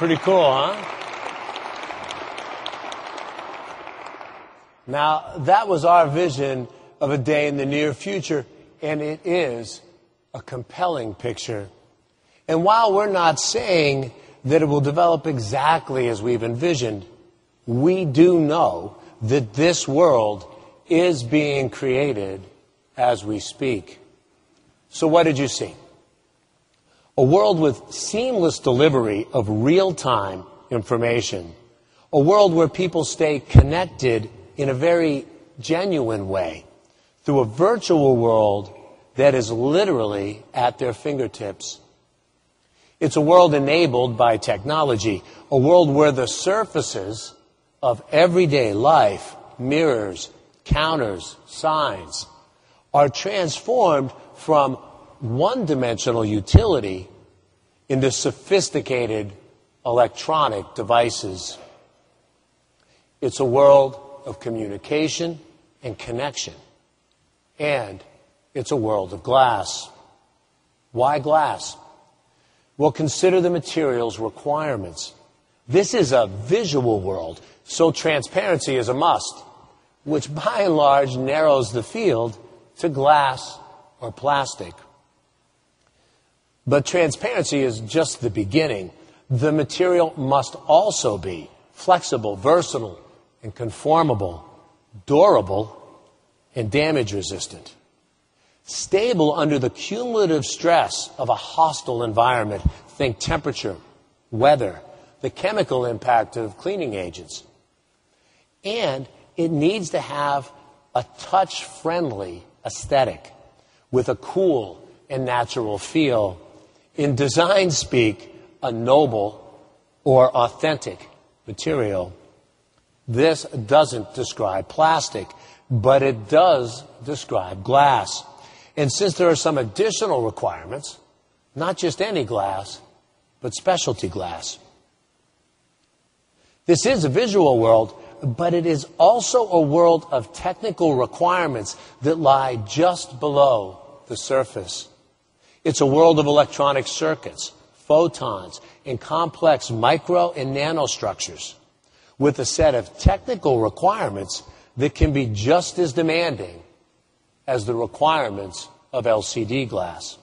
Pretty cool, Now, that was our vision of a day in the near future and it is a compelling picture. And while we're not saying that it will develop exactly as we've envisioned, we do know that this world is being created as we speak. So what did you see? A world with seamless delivery of real time information. A world where people stay connected in a very genuine way through a virtual world that is literally at their fingertips. It's a world enabled by technology, a world where the surfaces of everyday life mirrors, counters, signs are transformed from 1 dimensional utility in the sophisticated electronic devices. It's a world of communication and connection and it's a world of glass. Why glass? Well, consider the materials requirements. This is a visual world, so transparency is a must, which by and large narrows the field to glass or plastic. But transparency is just the beginning. The material must also be flexible, versatile and conformable, durable and damage resistant. Stable under the cumulative stress of a hostile environment, think temperature, weather, the chemical impact of cleaning agents. And it needs to have a touch friendly aesthetic with a cool and natural feel. In design speak, a noble or authentic material. This doesn't describe plastic, but it does describe glass. And since there are some additional requirements, not just any glass, but specialty glass. This is a visual world, but it is also a world of technical requirements that lie just below the surface. It's a world of electronic circuits, photons and complex micro and nano structures with a set of technical requirements that can be just as demanding as the requirements of LCD glass.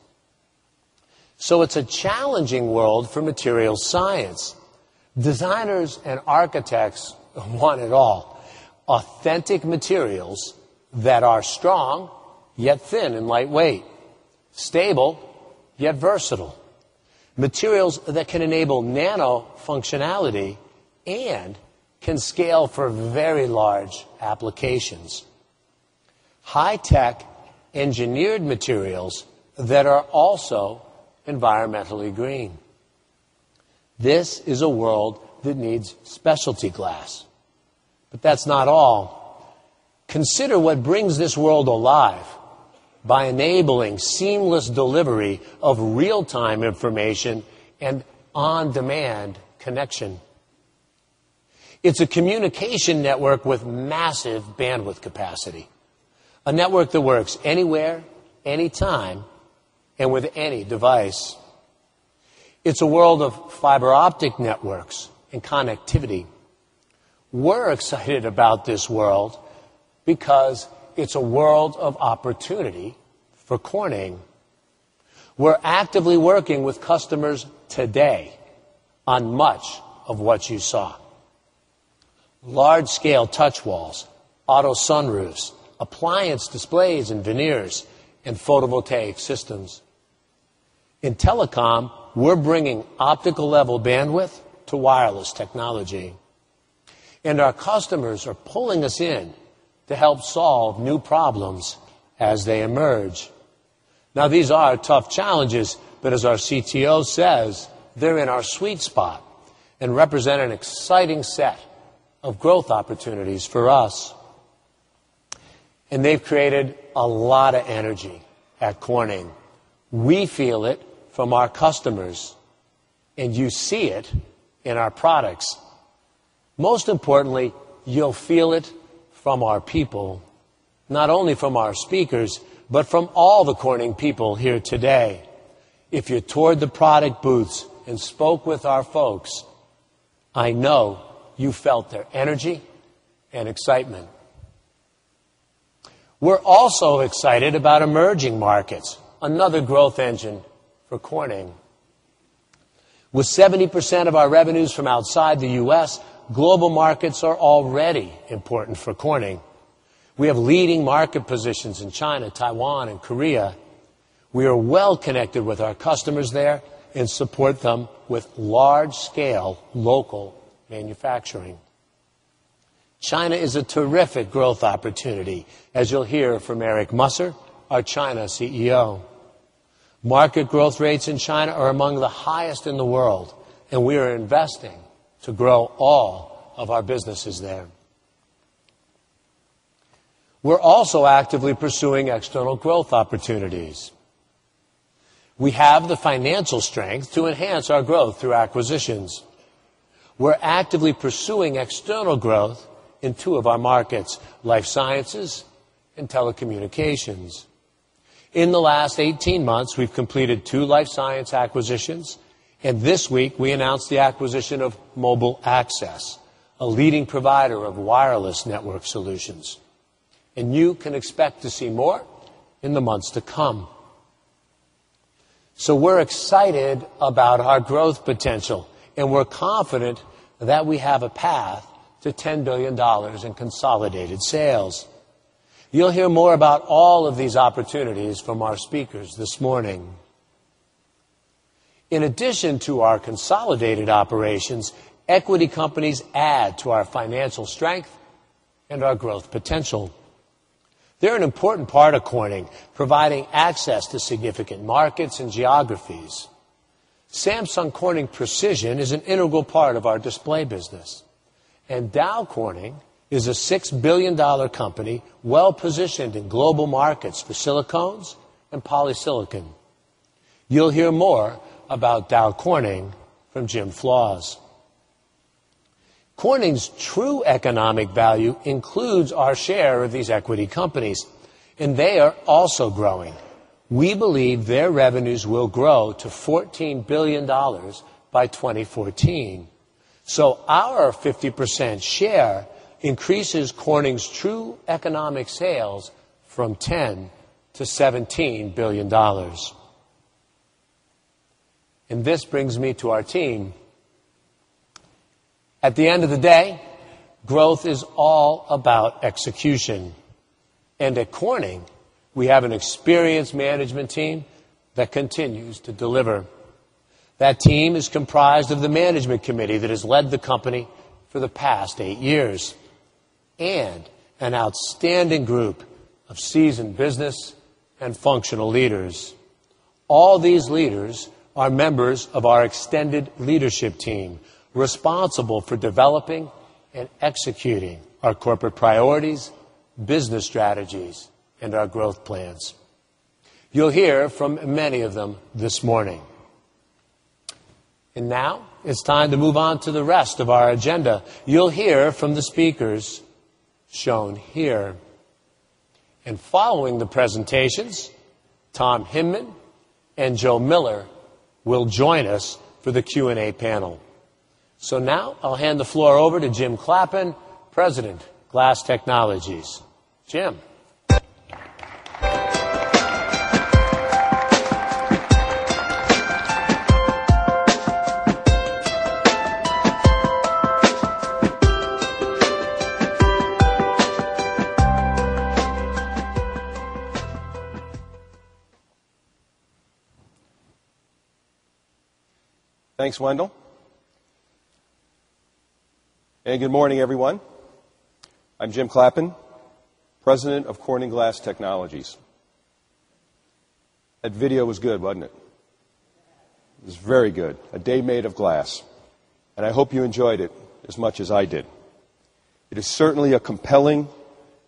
So it's a challenging world for materials science. Designers and architects want it all. Authentic materials that are strong, yet thin and lightweight. Stable yet versatile, materials that can enable nano functionality and can scale for very large applications. High-tech engineered materials that are also environmentally green. This is a world that needs specialty glass, But that's not all. Consider what brings this world alive by enabling seamless delivery of real time information and on demand connection. It's a communication network with massive bandwidth capacity. A network that works anywhere, anytime and with any device. It's a world of fiber optic networks and connectivity. We're excited about this world because it's a world of opportunity for Corning. We're actively working with customers today on much of what you saw. Large scale touch walls, auto sunroofs, appliance displays and veneers and photovoltaic systems. In telecom, we're bringing optical level bandwidth to wireless technology. And our customers are pulling us in to help solve new problems as they emerge. Now these are tough challenges, but as our CTO says, they're in our sweet spot and represent an exciting set of growth opportunities for us. And they've created a lot of energy at Corning. We feel it from our customers and you see it in our products. Most importantly, you'll feel it from our people, not only from our speakers, but from all the Corning people here today. If you toured the product booths and spoke with our folks, I know you felt their energy and excitement. We're also excited about emerging markets, another growth engine for Corning. With 70% of our revenues from outside the U. S, global markets are already important for Corning. We have leading market positions in China, Taiwan and Korea. We are well connected with our customers there and support them with large scale local manufacturing. China is a terrific growth opportunity as you'll hear from Eric Musser, our China CEO. Market growth rates in China are among the highest in the world and we are investing to grow all of our businesses there. We're also actively pursuing external growth opportunities. We have the financial strength to enhance our growth through acquisitions. We're actively pursuing external growth in 2 of our markets, Life Sciences and Telecommunications. In the last 18 months, we've completed 2 Life Science acquisitions and this week we announced the acquisition of Mobile Access, a leading provider of wireless network solutions. And you can expect to see more in the months to come. So we're excited about our growth potential and we're confident that we have a path to $10,000,000,000 in consolidated sales. You'll hear more about all of these opportunities from our speakers this morning. In addition to our consolidated operations, equity companies add to our financial strength and our growth potential. They're an important part of Corning, providing access to significant markets and geographies. Samsung Corning Precision is an integral part of our display business. And Dow Corning is a $6,000,000,000 company well positioned in global markets for silicones and polysilicon. You'll hear more about Dow Corning from Jim Floss. Corning's true economic value includes our share of these equity companies and they are also growing. We believe their revenues will grow to $14,000,000,000 by 2014. So our 50% share increases Corning's true economic sales from $10,000,000,000 to $17,000,000,000 And this brings me to our team. At the end of the day, growth is all about execution. And at Corning, we have an experienced management team that continues to deliver. That team is comprised of the management committee that has led the company for the past 8 years and an outstanding group of seasoned business and functional leaders. All these leaders are members of our extended leadership team responsible for developing and executing our corporate priorities, business strategies and our growth plans. You'll hear from many of them this morning. And now it's time to move on to the rest of our agenda. You'll hear from the speakers shown here. And following the presentations, Tom Hinman and Joe Miller will join us for the Q and A panel. So now, I'll hand the floor over to Jim Clappin, President, Glass Technologies. Jim? Thanks, Wendell, and good morning, everyone. I'm Jim Clappin, President of Corning Glass Technologies. That video was good, wasn't it? It was very good. A day made of glass. And I hope you enjoyed it as much as I did. It is certainly a compelling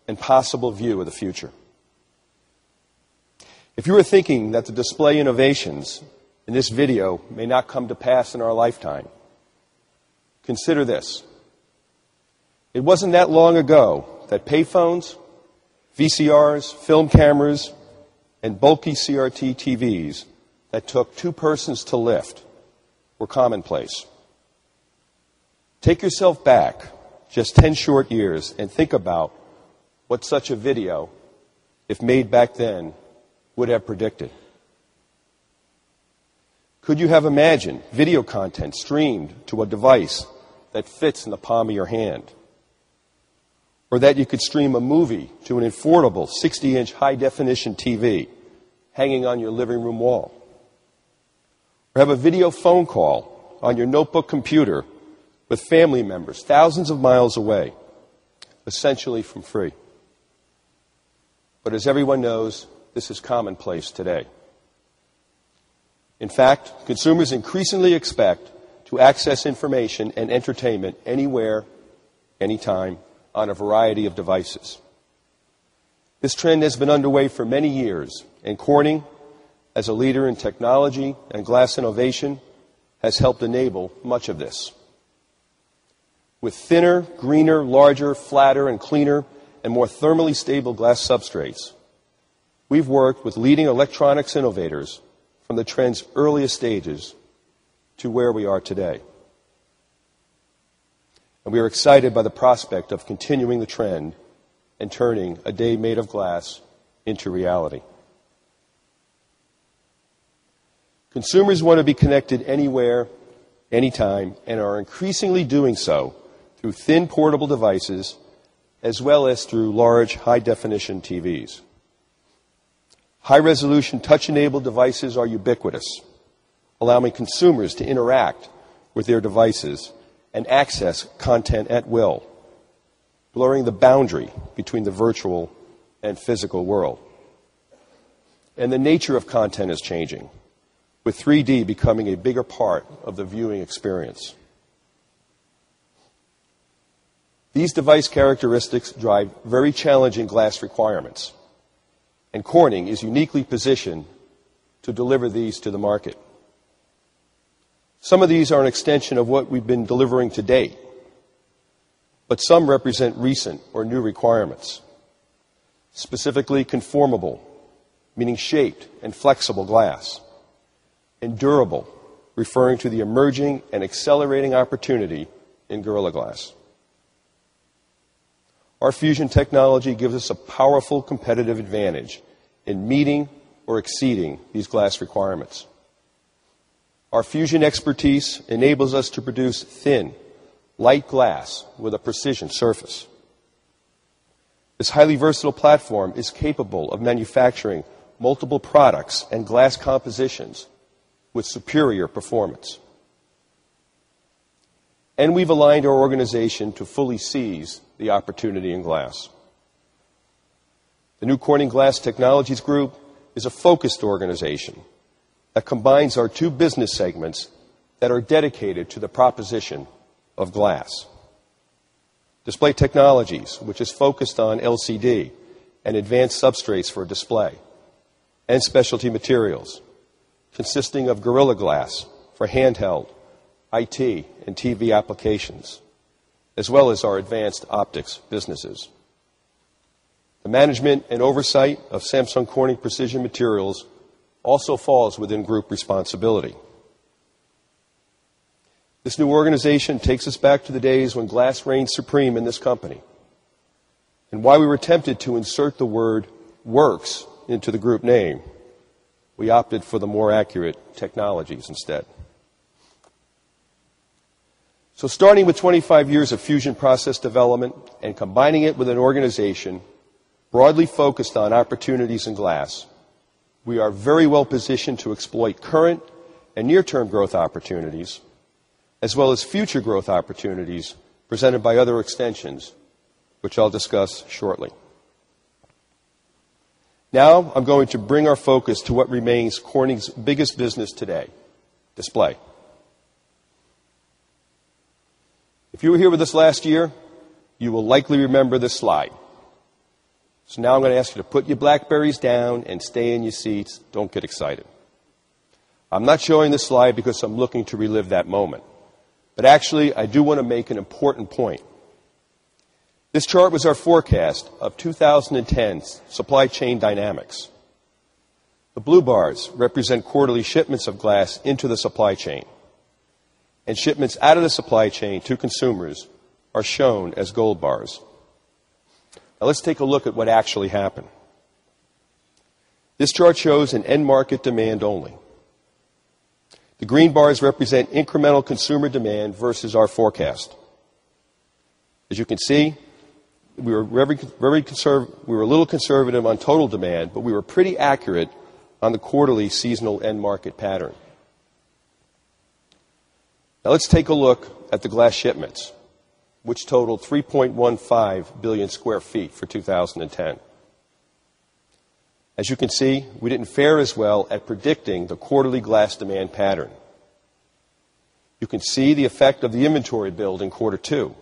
and possible view of the future. If you were thinking that the display innovations in this video may not come to pass in our lifetime, Consider this. It wasn't that long ago that pay phones, VCRs, film cameras and bulky CRT TVs that took 2 persons to lift were commonplace. Take yourself back just 10 short years and think about what such a video, if made back then, would have predicted. Could you have imagined video content streamed to a device that fits in the palm of your hand? Or that you could stream a movie to an affordable 60 inches high definition TV hanging on your living room wall. Have a video phone call on your notebook computer with family members 1000 of miles away, essentially from free. But as everyone knows, this is commonplace today. In fact, consumers increasingly expect to access information and entertainment anywhere, anytime on a variety of devices. This trend has been underway for many years and Corning as a leader in technology and glass innovation has helped enable much of this. With thinner, greener, larger, flatter and cleaner and more thermally stable glass substrates, we've worked with leading electronics innovators from the trend's earliest stages to where we are today. And we are excited by the prospect of continuing the trend and turning a day made of glass into reality. Consumers want to be connected anywhere, anytime and are increasingly doing so through thin portable devices as well as through large high definition TVs. High resolution touch enabled devices are ubiquitous, allowing consumers to interact with their devices and access content at will, blurring the boundary between the virtual and physical world. And the nature of content is changing with 3 d becoming a bigger part of the viewing experience. These device characteristics drive very challenging glass requirements and Corning is uniquely positioned to deliver these to the market. Some of these are an extension of what we've been delivering to date, but some represent recent or new requirements. Specifically, conformable, meaning shaped and flexible glass and durable, referring to the emerging and accelerating opportunity in Gorilla Glass. Our Fusion technology gives us a powerful competitive advantage in meeting or exceeding these glass requirements. Our Fusion expertise enables us to produce thin, light glass with a precision surface. This highly versatile platform is capable of manufacturing multiple products and glass compositions with superior performance. And we've aligned our organization to fully seize the opportunity in glass. The new Corning Glass Technologies Group is a focused organization that combines our 2 business segments that are dedicated to the proposition of glass. Display Technologies, which is focused on LCD and advanced substrates for display and specialty materials consisting of Gorilla Glass for handheld, IT and TV applications as well as our advanced optics businesses. The management and oversight of Samsung Corning Precision Materials also falls within group responsibility. This new organization takes us back to the days when glass reigned supreme in this company And why we were tempted to insert the word works into the group name, we opted for the more accurate technologies instead. So starting with 25 years of fusion process development and combining it with an organization broadly focused on opportunities in glass, we are very well positioned to exploit current and near term growth opportunities as well as future growth opportunities presented by other extensions, which I'll discuss shortly. Now, I'm going to bring our focus to what remains Corning's biggest business today, display. If you were here with us last year, you will likely remember this slide. So now I'm going to ask you to put your BlackBerrys down and stay in your seats. Don't get excited. I'm not showing this slide because I'm looking to relive that moment. But actually, I do want to make an important point. This chart was our forecast of 20 ten's supply chain dynamics. The blue bars represent quarterly shipments of glass into the supply chain. And shipments out of the supply chain to consumers are shown as gold bars. Now let's take a look at what actually happened. This chart shows an end market demand only. The green bars represent incremental consumer demand versus our forecast. As you can see, we were very we were a little conservative on total demand, but we were pretty accurate on the quarterly seasonal end market pattern. Now let's take a look at the glass shipments, which totaled 3,150,000,000 square feet for 2010. As you can see, we didn't fare as well at predicting the quarterly glass demand pattern. You can see the effect of the inventory build in quarter 2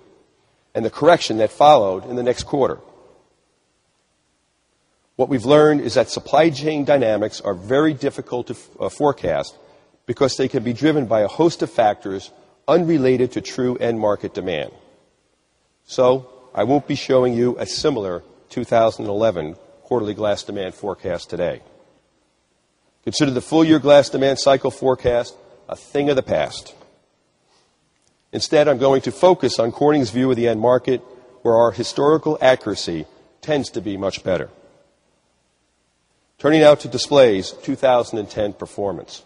and the correction that followed in the next quarter. What we've learned is that supply chain dynamics are very difficult to forecast because they can be driven by a host of factors unrelated to true end market demand. So I won't be showing you a similar 2011 quarterly glass demand forecast today. Consider the full year glass demand cycle forecast a thing of the past. Instead, I'm going to focus on Corning's view of the end market where our historical accuracy tends to be much better. Turning now to Display's 2010 performance.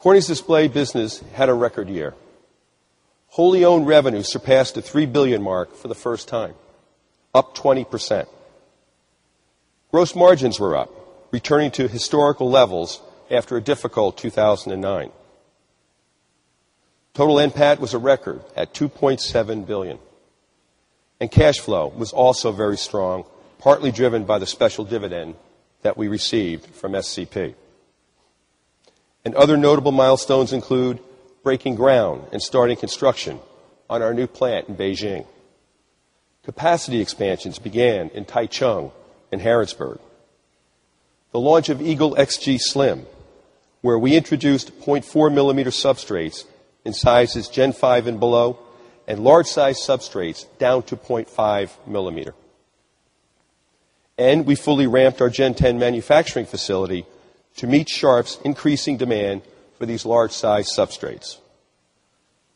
Corning's Display business had a record year. Wholly owned revenue surpassed the $3,000,000,000 mark for the first time, up 20%. Gross margins were up, returning to historical levels after a difficult 2,009. Total NPAT was a record at 2,700,000,000 dollars And cash flow was also very strong, partly driven by the special dividend that we received from SCP. And other notable milestones include breaking ground and starting construction on our new plant in Beijing. Capacity expansions began in Taichung and Harrodsburg. The launch of Eagle XG Slim, where we introduced 0.4 millimeter substrates in sizes Gen 5 and below and large size substrates down to 0.5 millimeter. And we fully ramped our Gen 10 manufacturing facility to meet Sharp's increasing demand for these large sized substrates.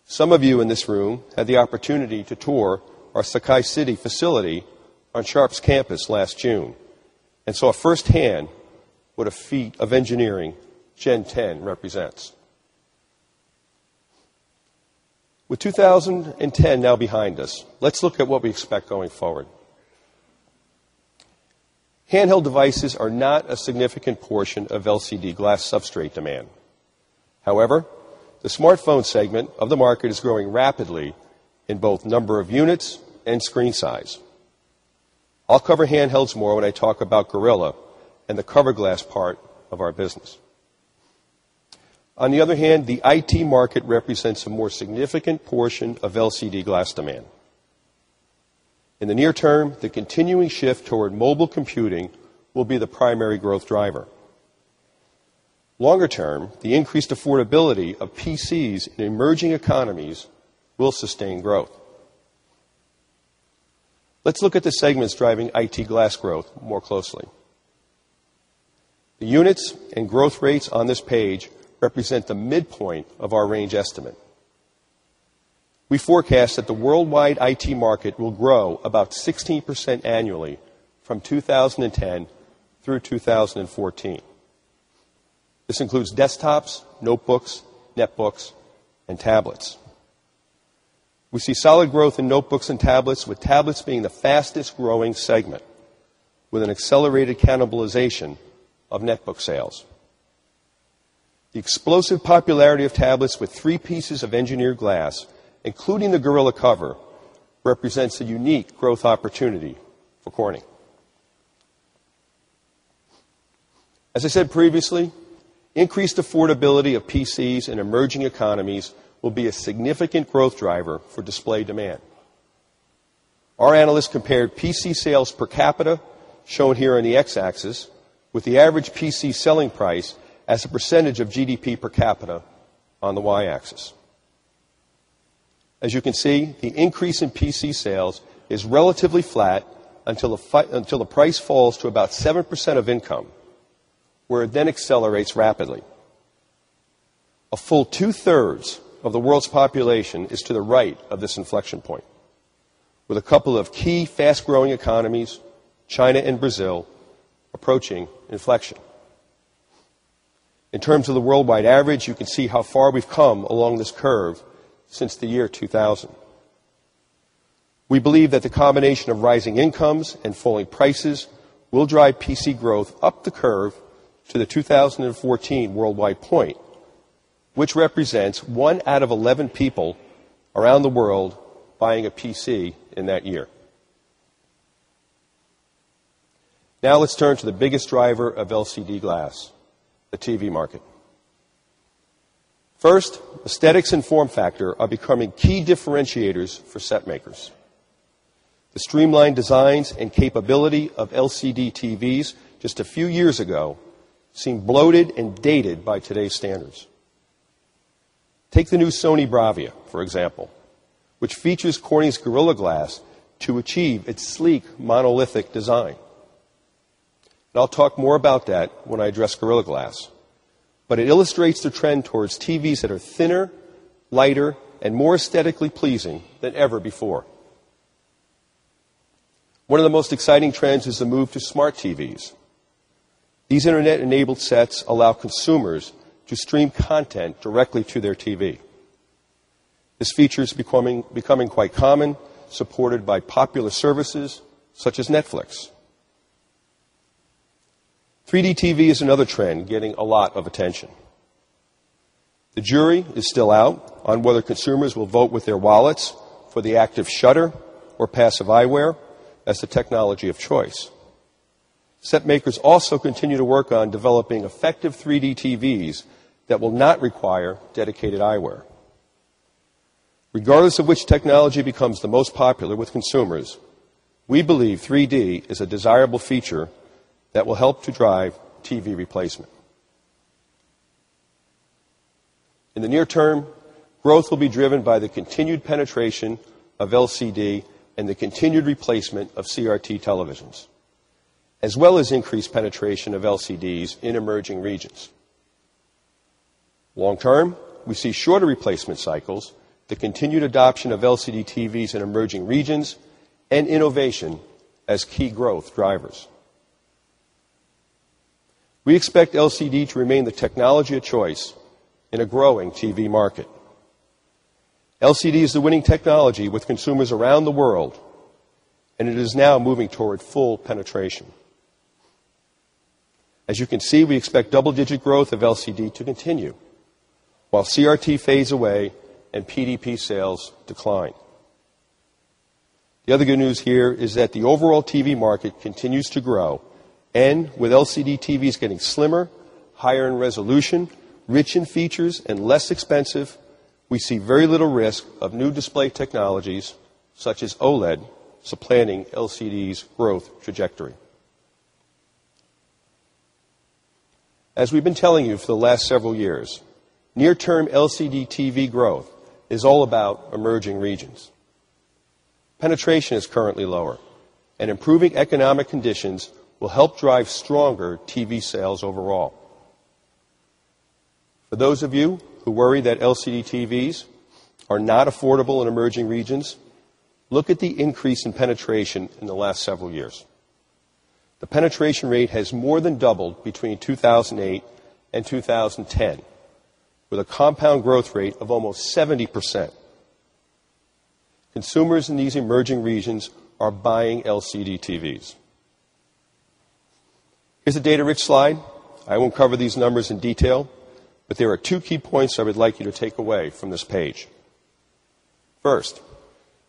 Some of you in this room had the opportunity to tour our Sakai City facility on Sharp's campus last June and saw firsthand what a feat of engineering Gen10 represents. With 2010 now behind us, let's look at what we expect going forward. Handheld devices are not a significant portion of LCD glass substrate demand. However, the smartphone segment of the market is growing rapidly in both number of units and screen size. I'll cover handhelds more when I talk about Gorilla and the cover glass part of our business. On the other hand, the IT market represents a more significant portion of LCD glass demand. In the near term, the continuing shift toward mobile computing will be the primary growth driver. Longer term, the increased affordability PCs in emerging economies will sustain growth. Let's look at the segments driving IT Glass growth more closely. The units and growth rates on this page represent the midpoint of our range estimate. We forecast that the worldwide IT market will grow about 16% annually from 2010 through 2014. This includes desktops, notebooks, netbooks and tablets. We see solid growth in notebooks and tablets with tablets being the fastest growing segment with an accelerated cannibalization of netbook sales. The explosive popularity of tablets with 3 pieces of engineered glass, including the Gorilla cover, represents a unique growth opportunity for Corning. As I said previously, increased affordability of PCs in emerging economies will be a significant growth driver for display demand. Our analysts compared PC sales per capita, shown here on the X axis, with the average PC selling price as a percentage of GDP per capita on the Y axis. As you can see, the increase in PC sales is relatively flat until the price falls to about 7% of income, where it then accelerates rapidly. A full 2 thirds of the world's population is to the right of this inflection point with a couple of key fast growing economies, China and Brazil, approaching inflection. In terms of the worldwide average, you can see how far we've come along this curve since the year 2000. We believe that the combination of rising incomes and falling prices will drive PC growth up the curve to the 2014 worldwide point, which represents 1 out of 11 people around the world buying a PC in that year. Now let's turn to the biggest driver of LCD glass, the TV market. First, aesthetics and form factor are becoming key differentiators for set makers. The streamlined designs and capability of LCD TVs just a few years ago seem bloated and dated by today's standards. Take the new Sony Bravia, for example, which features Corning's Gorilla Glass to achieve its sleek monolithic design. And I'll talk more about that when I address Gorilla Glass. But it illustrates the trend towards TVs that are thinner, lighter and more aesthetically pleasing than ever before. One of the most exciting trends is the move to smart TVs. These Internet enabled sets allow consumers to stream content directly to their TV. This feature is becoming quite common, supported by popular services such as Netflix. 3 d TV is another trend getting a lot of attention. The jury is still out on whether consumers will vote with their wallets for the active shutter or passive eyewear as the technology of choice. Set makers also continue to work on developing effective 3 d TVs that will not require dedicated eyewear. Regardless of which technology becomes the most popular with consumers, we believe 3 d is a desirable feature that will help to drive TV replacement. In the near term, growth will be driven by the continued penetration of LCD and the continued replacement of CRT televisions, as well as increased penetration of LCDs in emerging regions. Long term, we see shorter replacement cycles, the continued adoption of LCD TVs in emerging regions and innovation as key growth drivers. We expect LCD to remain the technology of choice in a growing TV market. LCD is the winning technology with consumers around the world and it is now moving toward full penetration. As you can see, we expect double digit growth of LCD to continue, while CRT phase away and PDP sales decline. The other good news here is that the overall TV market continues to grow and with LCD TVs getting slimmer, higher in resolution, rich in features and less expensive, we see very little risk of new display technologies such as OLED supplanting LCD's growth trajectory. As we've been telling you for the last several years, near term LCD TV growth is all about emerging regions. Penetration is currently lower and improving economic conditions will help drive stronger TV sales overall. For those of you who worry that LCD TVs are not affordable in emerging regions, look at the increase in penetration in the last several years. The penetration rate has more than doubled between 2,008 2010 with a compound growth rate of almost 70%. Consumers in these emerging regions are buying LCD TVs. Here's a data rich slide. I won't cover these numbers in detail, but there are 2 key points I would like you to take away from this page. First,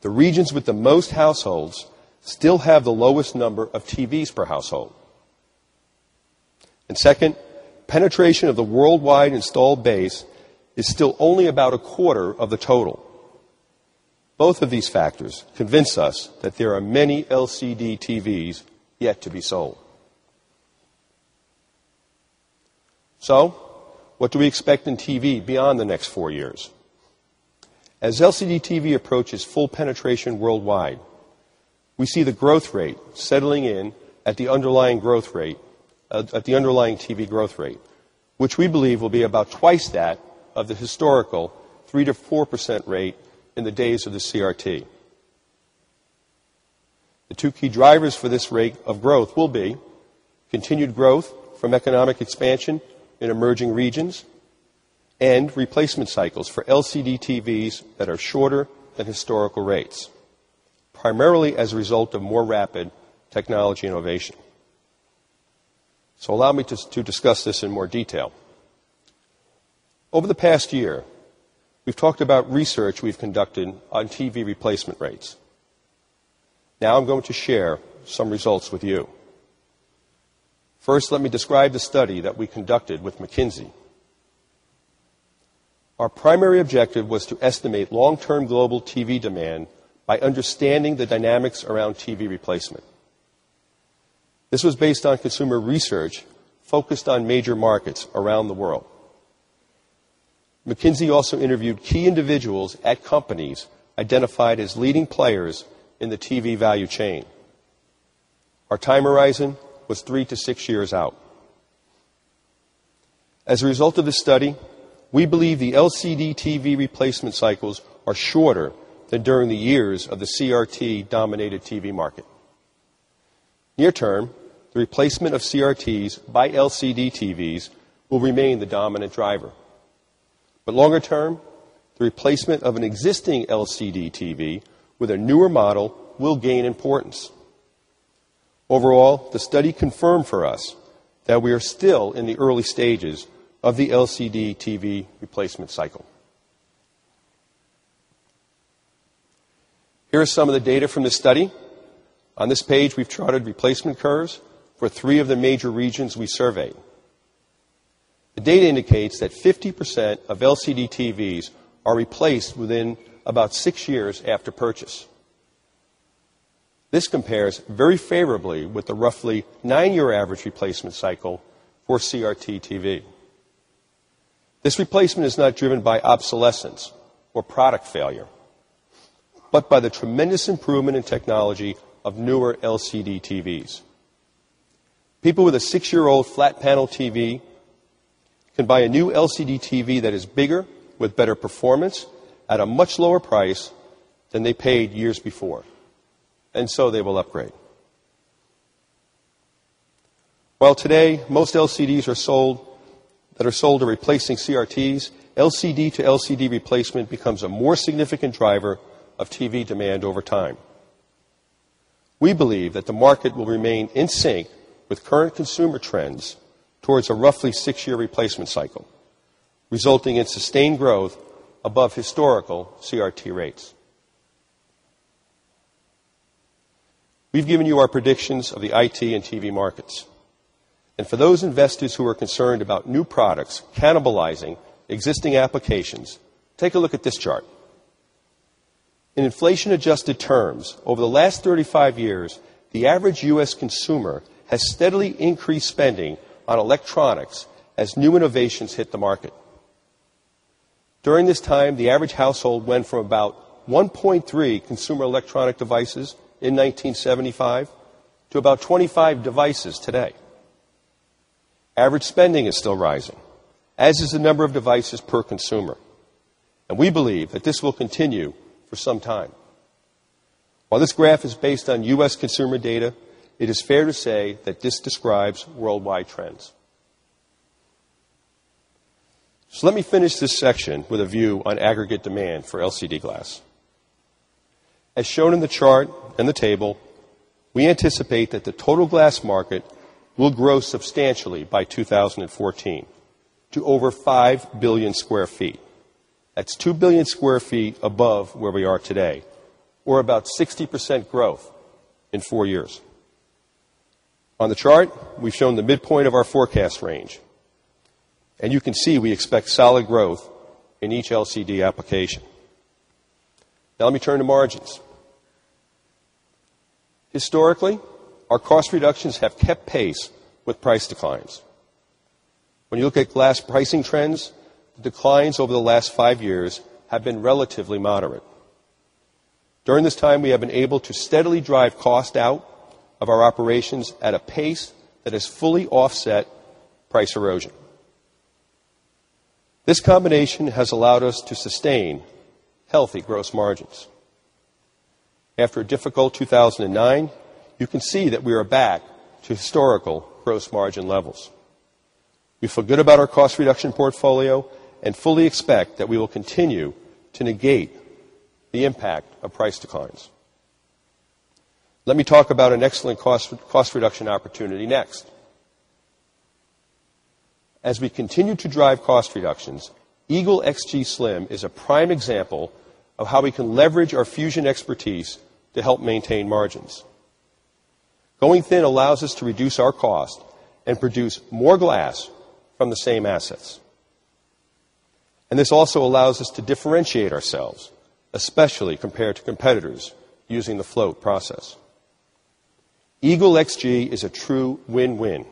the regions with the most households still have the lowest number of TVs per household. And second, penetration of the worldwide installed base is still only about a quarter of the total. Both of these factors convince us that there are many LCD TVs yet to be sold. So, what do we expect in TV beyond the next 4 years? As LCD TV approaches full penetration worldwide, we see the growth rate settling in at the underlying growth rate at the underlying TV growth rate, which we believe will be about twice that of the historical 3% to 4% rate in the days of the CRT. The 2 key drivers for this rate of growth will be continued growth from economic expansion in emerging regions and replacement cycles for LCD TVs that are shorter than historical rates, primarily as a result of more rapid technology innovation. So allow me to discuss this in more detail. With you. First, let me describe the study that we conducted with McKinsey. Our primary objective was to estimate long term global TV demand by understanding the dynamics around TV replacement. This was based on consumer research focused on major markets around the world. McKinsey also interviewed key individuals at companies identified as leading players in the TV value chain. Our time horizon was 3 to 6 years out. As a result of this study, we believe the LCD TV replacement cycles are shorter than during the years of the CRT dominated TV market. Near term, the replacement of CRTs by LCD TVs will remain the dominant driver. But longer term, the replacement of an existing LCD TV with a newer model will gain importance. Overall, the study confirmed for us that we are still in the early stages of the LCD TV replacement cycle. Here are some of the data from this study. On this page, we've charted replacement curves for 3 of the major regions we surveyed. The data indicates that 50% of LCD TVs are replaced within about 6 years after purchase. This compares very favorably with the roughly 9 year average replacement cycle for CRT TV. This replacement is not driven by obsolescence or product failure, but by the tremendous improvement in technology of newer LCD TVs. People with a 6 year old flat panel TV can buy a new LCD TV that is bigger with better performance at a much lower price than they paid years before. And so they will upgrade. While today most LCDs are sold that are sold to replacing CRTs, LCD to LCD replacement becomes a more significant driver of TV demand over time. We believe that the market will remain in sync with current consumer trends towards a roughly 6 year replacement cycle, resulting in sustained growth above historical CRT rates. We've given you our predictions of the IT and TV markets. And for those investors who are concerned about new products cannibalizing existing applications, take a look at this chart. In inflation adjusted terms, over the last 35 years, the average U. S. Consumer has steadily increased spending on electronics as new innovations hit the market. During this time, the average household went from about 1.3 consumer electronic devices in 1975 to about 25 devices today. Average spending is still rising as is the number of devices per consumer. And we believe that this will continue for some time. While this graph is based on U. S. Consumer data, it is fair to say that this describes worldwide trends. So let me finish this section with a view on aggregate demand for LCD glass. As shown in the chart and the table, we anticipate that the total glass market will grow substantially by 2014 to over 5,000,000,000 square feet. That's 2,000,000,000 square feet above where we are today or about 60% growth in 4 years. On the chart, we've shown the midpoint of our forecast range. And you can see we expect solid growth in each LCD application. Now let me turn to margins. Historically, our cost reductions have kept pace with price declines. When you look at glass pricing trends, declines over the last 5 years have been relatively moderate. During this time, we have been able to steadily drive cost out of our operations at a pace that has fully offset price erosion. This combination has allowed us to sustain healthy gross margins. After a difficult 2,009, you can see that we are back to historical gross margin levels. We feel good about our cost reduction portfolio and fully expect that we will continue to negate the impact of price declines. Let me talk about an excellent cost reduction opportunity next. As we continue to drive cost reductions, Eagle XGSlim is a prime example of how we can leverage our Fusion expertise to help maintain margins. Going thin allows us to reduce our cost and produce more glass from the same assets. And this also allows us to differentiate ourselves, especially compared to competitors using the float process. Eagle XG is a true win win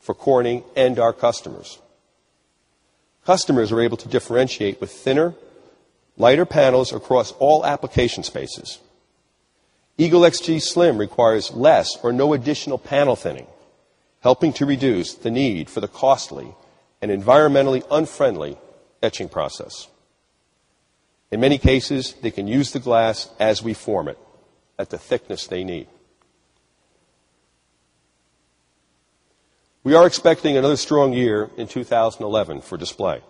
for Corning and our customers. Customers are able to differentiate with thinner, lighter panels across all application spaces. Eagle XG Slim requires less or no additional panel thinning, helping to reduce the need for the costly and environmentally unfriendly etching process. In many cases, they can use the glass as we form it at the thickness they need. We are expecting another strong year in 2011 for display. We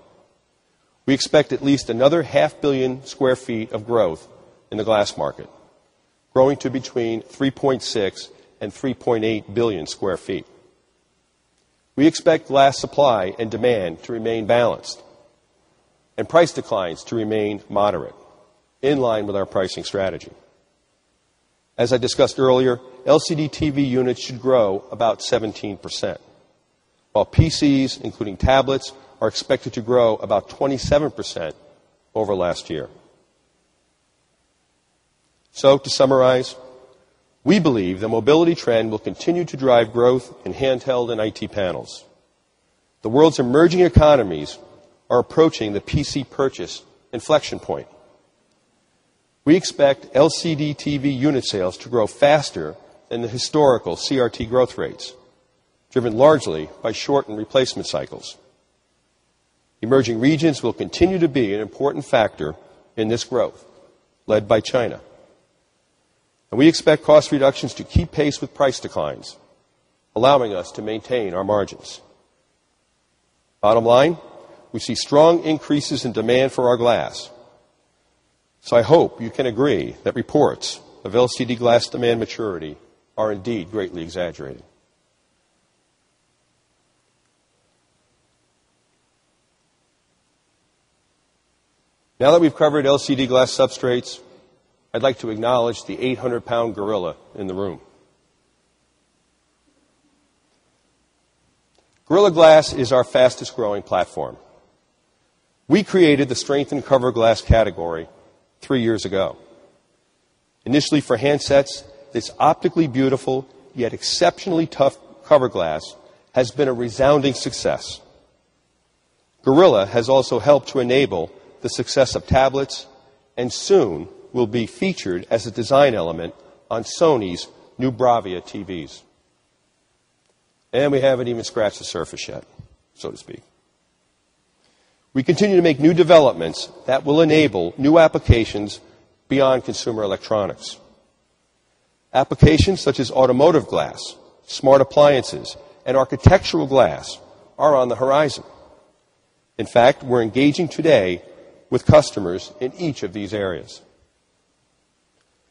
expect at least another 500,000,000 square feet of growth in the glass market, growing to between 3,600,000,000 and 3,800,000,000 square feet. We expect glass supply and demand to remain balanced and price declines to remain moderate, in line with our pricing strategy. As I discussed earlier, LCD TV units should grow about 17%, while PCs, including tablets, are expected to grow about 27% over last year. So to summarize, we believe the mobility trend will continue to drive growth in handheld and IT panels. The world's emerging economies are approaching the PC purchase inflection point. We expect LCD TV unit sales to grow faster than the historical CRT growth rates, driven largely by shortened replacement cycles. Emerging regions will continue to be an important factor in this growth, led by China. And we expect cost reductions to keep pace with price declines, allowing us to maintain our margins. Bottom line, we see strong increases in demand for our glass. So I hope you can agree that reports of LCD glass demand maturity are indeed greatly exaggerated. Now that we've covered LCD glass substrates, I'd like to acknowledge the 800 pound gorilla in the room. Gorilla Glass is our fastest growing platform. We created the strength in cover glass category 3 years ago. Initially for handsets, this optically beautiful yet exceptionally tough cover glass has been a resounding success. Gorilla has also helped to enable the success of tablets and soon will be featured as a design element on Sony's new Bravia TVs. And we haven't even scratched the surface yet, so to speak. We continue to make new developments that will enable new applications beyond consumer electronics. Applications such as automotive glass, smart appliances and architectural glass are on the horizon. In fact, we're engaging today with customers in each of these areas.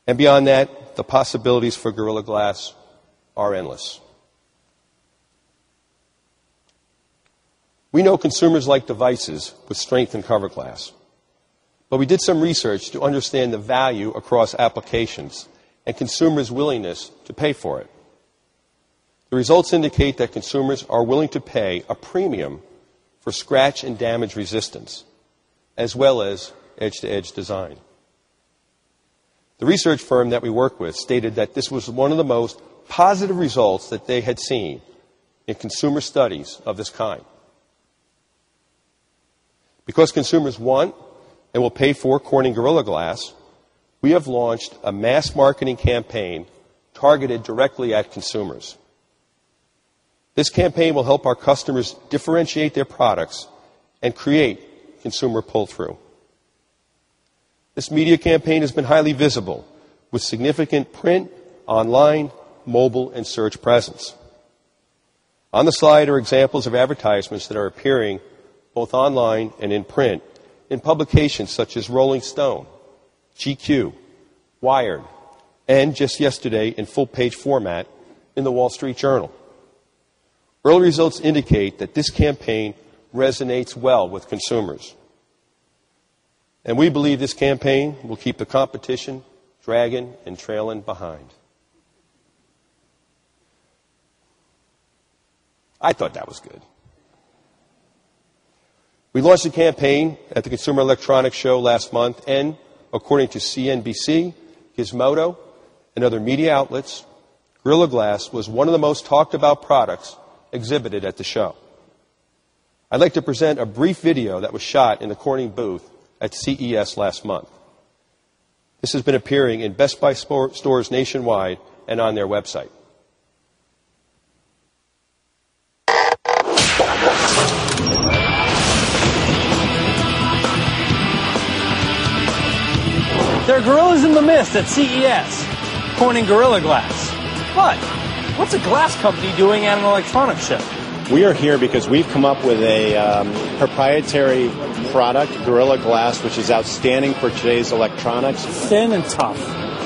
And beyond that, the possibilities for Gorilla Glass are endless. We know consumers like devices with strength in cover glass, but we did some research to understand the value across applications and consumers' willingness to pay for it. The results indicate that consumers are willing to pay a premium for scratch and damage resistance as well as edge to edge design. The research firm that we work with stated that this was one of the most positive results that they had seen in consumer studies of this kind. Because consumers want and will pay for Corning Gorilla Glass, we have launched a mass marketing campaign targeted directly at consumers. This campaign will help our customers differentiate their products and create consumer pull through. This media campaign has been highly visible with significant print, online, mobile and search presence. On the slide are examples of advertisements that are appearing both online and in print in publications such as Rolling Stone, GQ, Wired and just yesterday in full page format in The Wall Street Journal. Early results indicate that this campaign resonates well with consumers. And we believe this campaign will keep the competition dragging and trailing behind. I thought that was good. We launched a campaign at the Consumer Electronics Show last month. And according to CNBC, Gizmodo and other media outlets, Gorilla Glass was one of the most talked about products exhibited at the show. I'd like to present a brief video that was shot in the Corning booth at CES last month. This has been appearing in Best Buy Stores nationwide and on their website. There are gorillas in the mist at CES, pointing Gorilla Glass. But, what's a glass company doing on an electronics ship? We are here because we've come up with a proprietary product, Gorilla Glass, which is outstanding for today's electronics. Thin and tough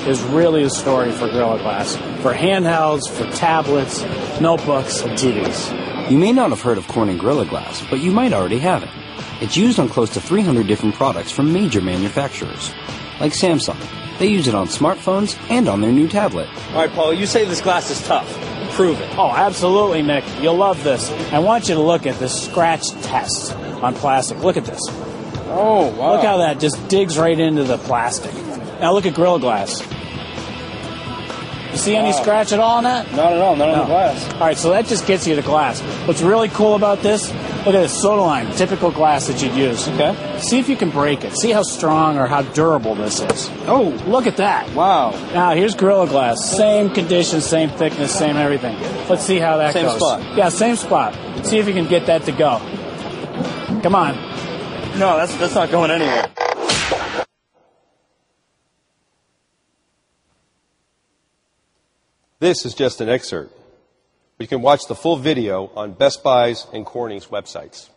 is really a story for Gorilla Glass, for handhelds, for tablets, notebooks, and TVs. You may not have heard of Corning Gorilla Glass, but you might already have it. It's used on close to 300 different products from major manufacturers, like Samsung. They use it on smartphones and on their new tablet. Alright, Paul. You say this glass is tough. Prove it. Oh, absolutely, Mick. You'll love this. I want you to look at the scratch test on plastic. Look at this. Oh, wow. Look how that just digs right into the plastic. Now look at grill glass. You see any scratch at all on that? Not at all. Not at all. Not at all. Alright. So that just gets you to glass. What's really cool about this, look at it, it's soda lime, typical glass that you use. Okay. See if you can break it. See how strong or how durable this is. Oh. Look at that. Wow. Now here's Gorilla Glass. Same condition, same thickness, same everything. Let's see how that goes. Same spot. Yeah, same spot. See if you can get that to go. Come on. No, that's not going anywhere. This is just an excerpt. You can watch the full video on Best Buy's and Corning's websites.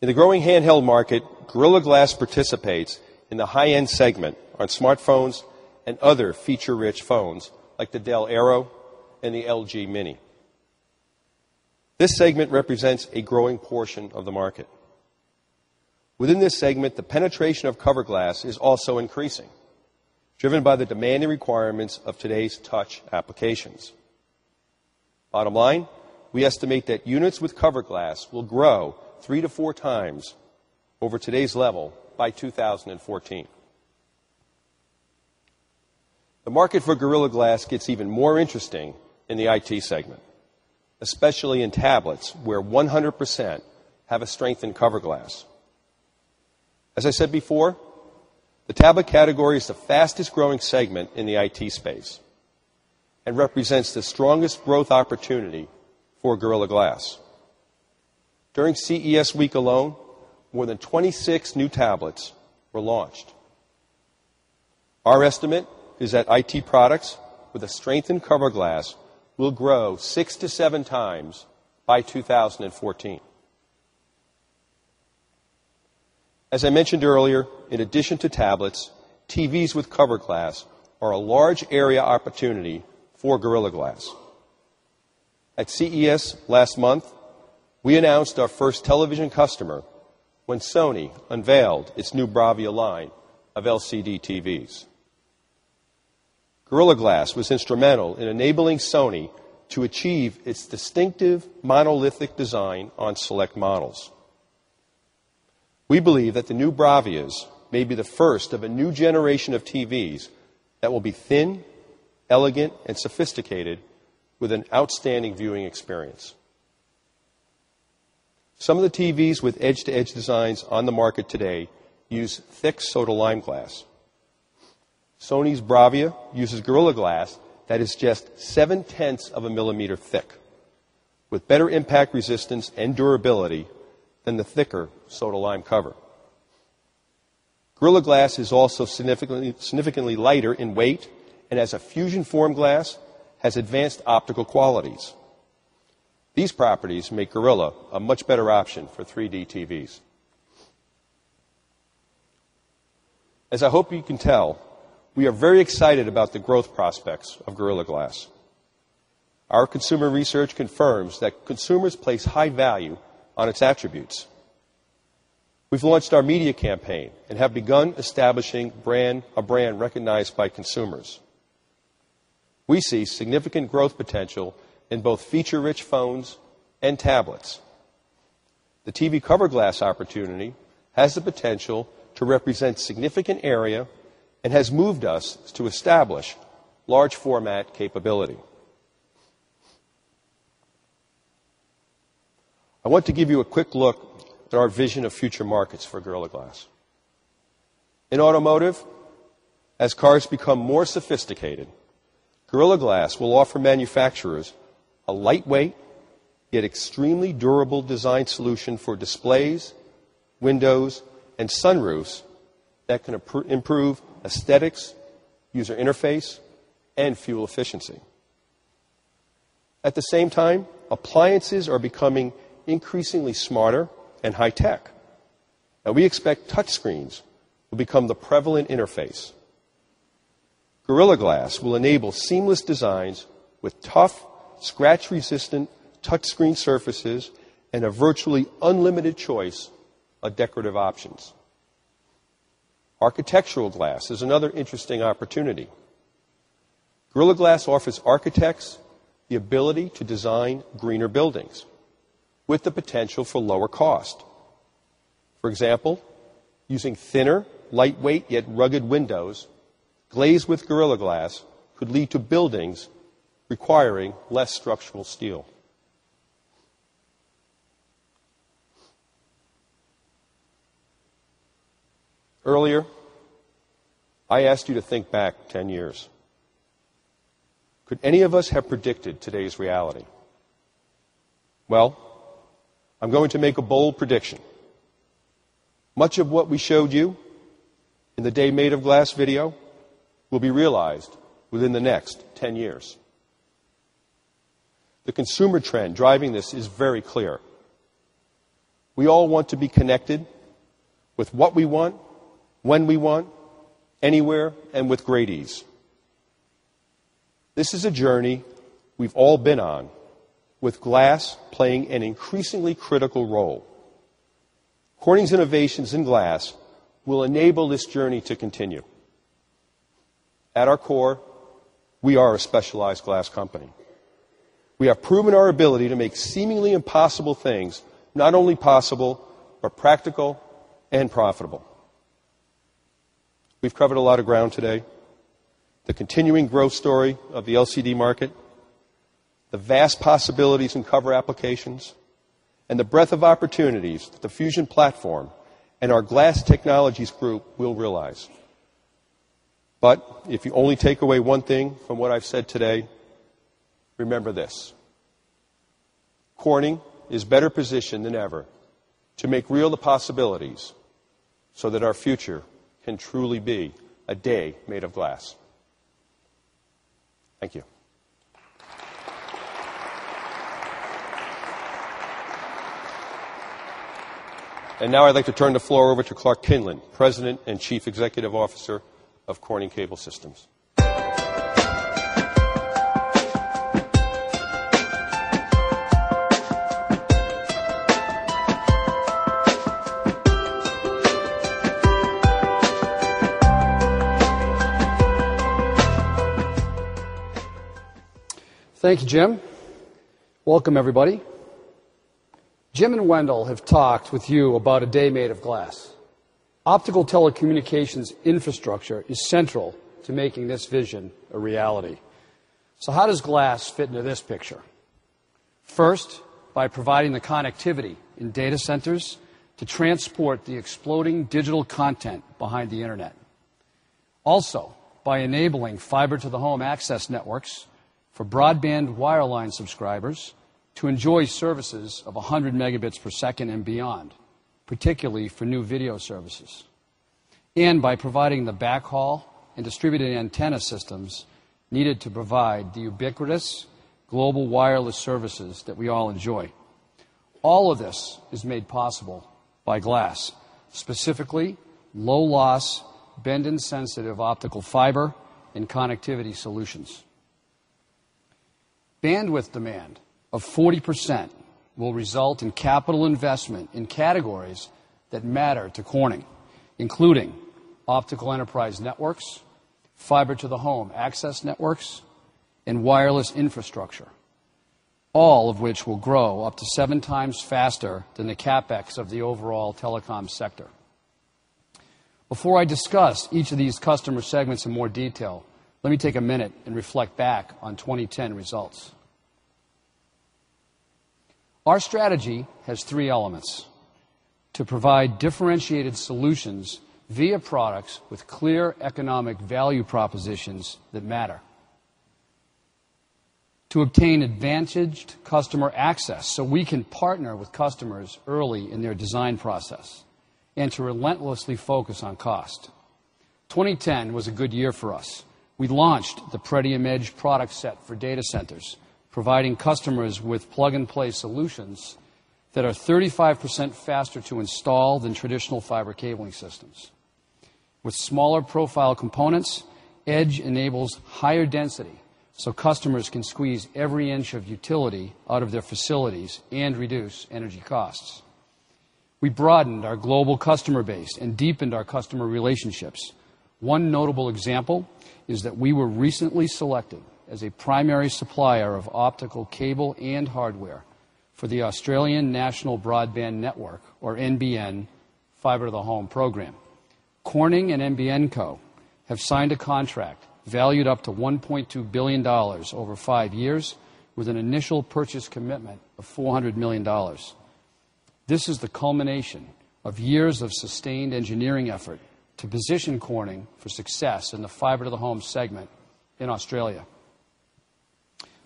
In the growing handheld market, Gorilla Glass participates in the high end segment on smartphones and other feature rich phones like the Dell Aero and the LG Mini. This segment represents a growing portion of the market. Within this segment, the penetration of cover glass is also increasing, driven by the demand and requirements of today's touch applications. Bottom line, we estimate that units with cover glass will grow 3 to 4 times over today's level by 2014. The market for Gorilla Glass gets even more interesting in the IT segment, especially in tablets where 100% have a strength in cover glass. As I said before, the tablet category is the fastest growing segment in the IT space and represents the strongest growth opportunity for Gorilla Glass. During CES week alone, more than 26 new tablets were launched. Our estimate is that IT products with a strength in cover glass will grow 6 to 7 times by 2014. As I mentioned earlier, in addition to tablets, TVs with cover glass are a large area opportunity for Gorilla Glass. At CES last month, we announced our first television customer when Sony unveiled its new Bravia line of LCD TVs. Gorilla Glass was instrumental in enabling Sony to achieve its distinctive monolithic design on select models. We believe that the new Bravias may be the first of a new generation of TVs that will be thin, elegant and sophisticated with an outstanding viewing experience. Some of the TVs with edge to edge designs on the market today use thick soda lime glass. Sony's Bravia uses Gorilla Glass that is just 710ths of a millimeter thick, with better impact resistance and durability than the thicker soda lime cover. Gorilla Glass is also significantly lighter in weight and has a fusion form glass, has advanced optical qualities. These properties make Gorilla a much better option for 3 d TVs. As I hope you can tell, we are very excited about the growth prospects of Gorilla Glass. Our consumer research confirms that consumers place high value on its attributes. We've launched our media campaign and have begun establishing brand a brand recognized by consumers. We see significant growth potential in both feature rich phones and tablets. The TV cover glass opportunity has the potential to represent significant area and has moved us to establish large format capability. I want to give you a quick look at our vision of future markets for Gorilla Glass. In automotive, as cars become more sophisticated, Gorilla Glass will offer manufacturers a lightweight, yet extremely durable design solution for displays, windows and sunroofs that can improve aesthetics, user interface and fuel efficiency. At the same time, appliances are becoming increasingly smarter and high-tech. And we expect touchscreens will become the prevalent interface. Gorilla Glass will enable seamless designs with tough, scratch resistant, touchscreen surfaces and a virtually unlimited choice of decorative options. Architectural Glass is another interesting opportunity. Gorilla Glass offers architects the ability to design greener buildings with the potential for lower cost. For example, using thinner, lightweight yet rugged windows, glazed with Gorilla Glass could lead to buildings requiring less structural steel. Earlier, I asked you to think back 10 years. Could any of us have predicted today's reality? Well, I'm going to make a bold prediction. Much of what we showed you in the day made of glass video will be realized within the next 10 years. The consumer trend driving this is very clear. We all want to be connected with what we want, when we want, anywhere and with great ease. This is a journey we've all been on with glass playing an increasingly critical role. Corning's innovations in Glass will enable this journey to continue. At our core, we are a specialized glass company. We have proven our ability to make seemingly impossible things, not only possible, but practical and profitable. We've covered a lot of ground today. The continuing growth story of the LCD market, the vast possibilities in cover applications and the breadth of opportunities the Fusion platform and our Glass Technologies Group will realize. But if you only take away one thing from what I've said today, remember this, Corning is better positioned than ever to make real the possibilities so that our future can truly be a day made of glass. Thank you. And now I'd like to turn the floor over to Clark Kinlin, President and Chief Executive Officer of Corning Cable Systems. Thank you, Jim. Welcome everybody. Jim and Wendell have talked with you about a day made of glass. Optical telecommunications infrastructure is central to making this vision a reality. So how does glass fit into this picture? 1st, by providing the connectivity in data centers to transport the exploding digital content behind the Internet. Also, by enabling fiber to the home access networks for broadband wireline subscribers to enjoy services of 100 megabits per second and beyond, particularly for new video services. And by providing the backhaul and distributed antenna systems needed to provide the ubiquitous global wireless services that we all enjoy. All of this is made possible by glass, specifically low loss, bend and sensitive optical fiber and connectivity solutions. Bandwidth demand of 40% will result in capital investment in categories that matter to Corning, including optical enterprise networks, fiber to the home access networks and wireless infrastructure, all of which will grow up to 7 times faster than the CapEx of the overall telecom sector. Before I discuss each of these customer segments in more detail, let me take a minute and reflect back on 2010 results. Our strategy has 3 elements: to provide differentiated solutions via products with clear economic value propositions that matter to obtain advantaged customer access, so we can partner with customers early in their design process, and to relentlessly focus on cost. 2010 was a good year for us. We launched the Predium Edge product set for data centers, providing customers with plug and play solutions that are 35% faster to install than traditional fiber cabling systems. With smaller profile components, Edge enables higher density, so customers can squeeze every inch of utility out of their facilities and reduce energy costs. We broadened our global customer base and deepened our customer relationships. One notable example is that we were recently selected as a primary supplier of optical cable and hardware for the Australian National Broadband Network or NBN Fiber to the Home program. Corning and NBN Co. Have signed a contract valued up to $1,200,000,000 over 5 years with an initial purchase commitment of $400,000,000 This is the culmination of years of sustained engineering effort to position Corning for success in the Fiber to the Home segment in Australia.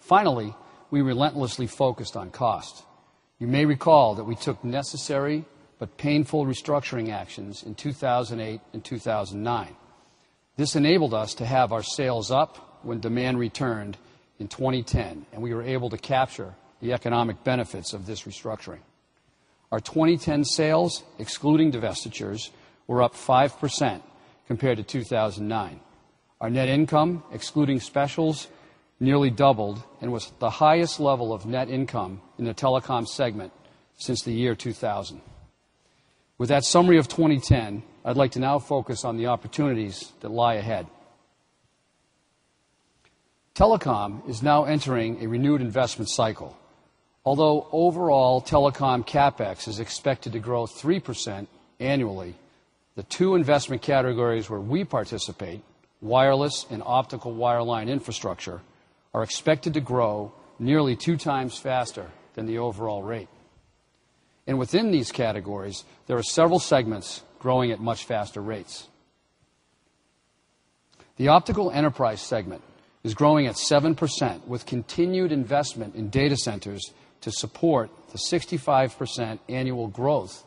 Finally, we relentlessly focused on cost. You may recall that we took necessary but painful restructuring actions in 2,008 and 2,009. This enabled us to have our sales up when demand returned in 2010, and we were able to capture the economic benefits of this restructuring. Our 2010 sales, excluding divestitures, were up 5% compared to 2,009. Our net income, excluding Specials, nearly doubled and was the highest level of net income in the Telecom segment since the year 2000. With that summary of 2010, I'd like to now focus on the opportunities that lie ahead. Telecom is now entering a renewed investment cycle. Although overall Telecom CapEx is expected to grow 3% annually, the 2 investment categories where we participate, wireless and optical wireline infrastructure, are expected to grow nearly 2x faster than the overall rate. And within these categories, there are several segments growing at much faster rates. The Optical Enterprise segment is growing at 7% with continued investment in data centers to support the 65% annual growth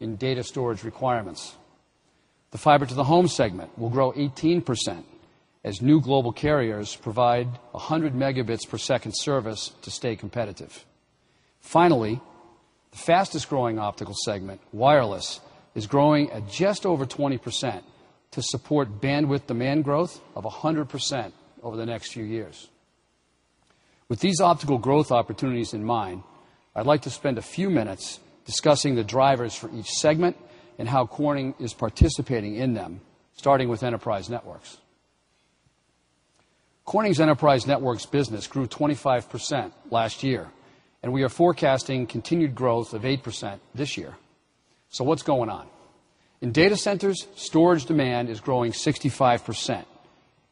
in data storage requirements. The Fiber to the Home segment will grow 18% as new global carriers provide 100 megabits per second service to stay competitive. Finally, the fastest growing optical segment, wireless, is growing at just over 20% to support bandwidth demand growth of 100% over the next few years. With these optical growth opportunities in mind, I'd like to spend a few minutes discussing the drivers for each segment and how Corning is participating in them, starting with Enterprise Networks. Corning's Enterprise Networks business grew 25% last year, and we are forecasting continued growth of 8% this year. So what's going on? In data centers, storage demand is growing 65%,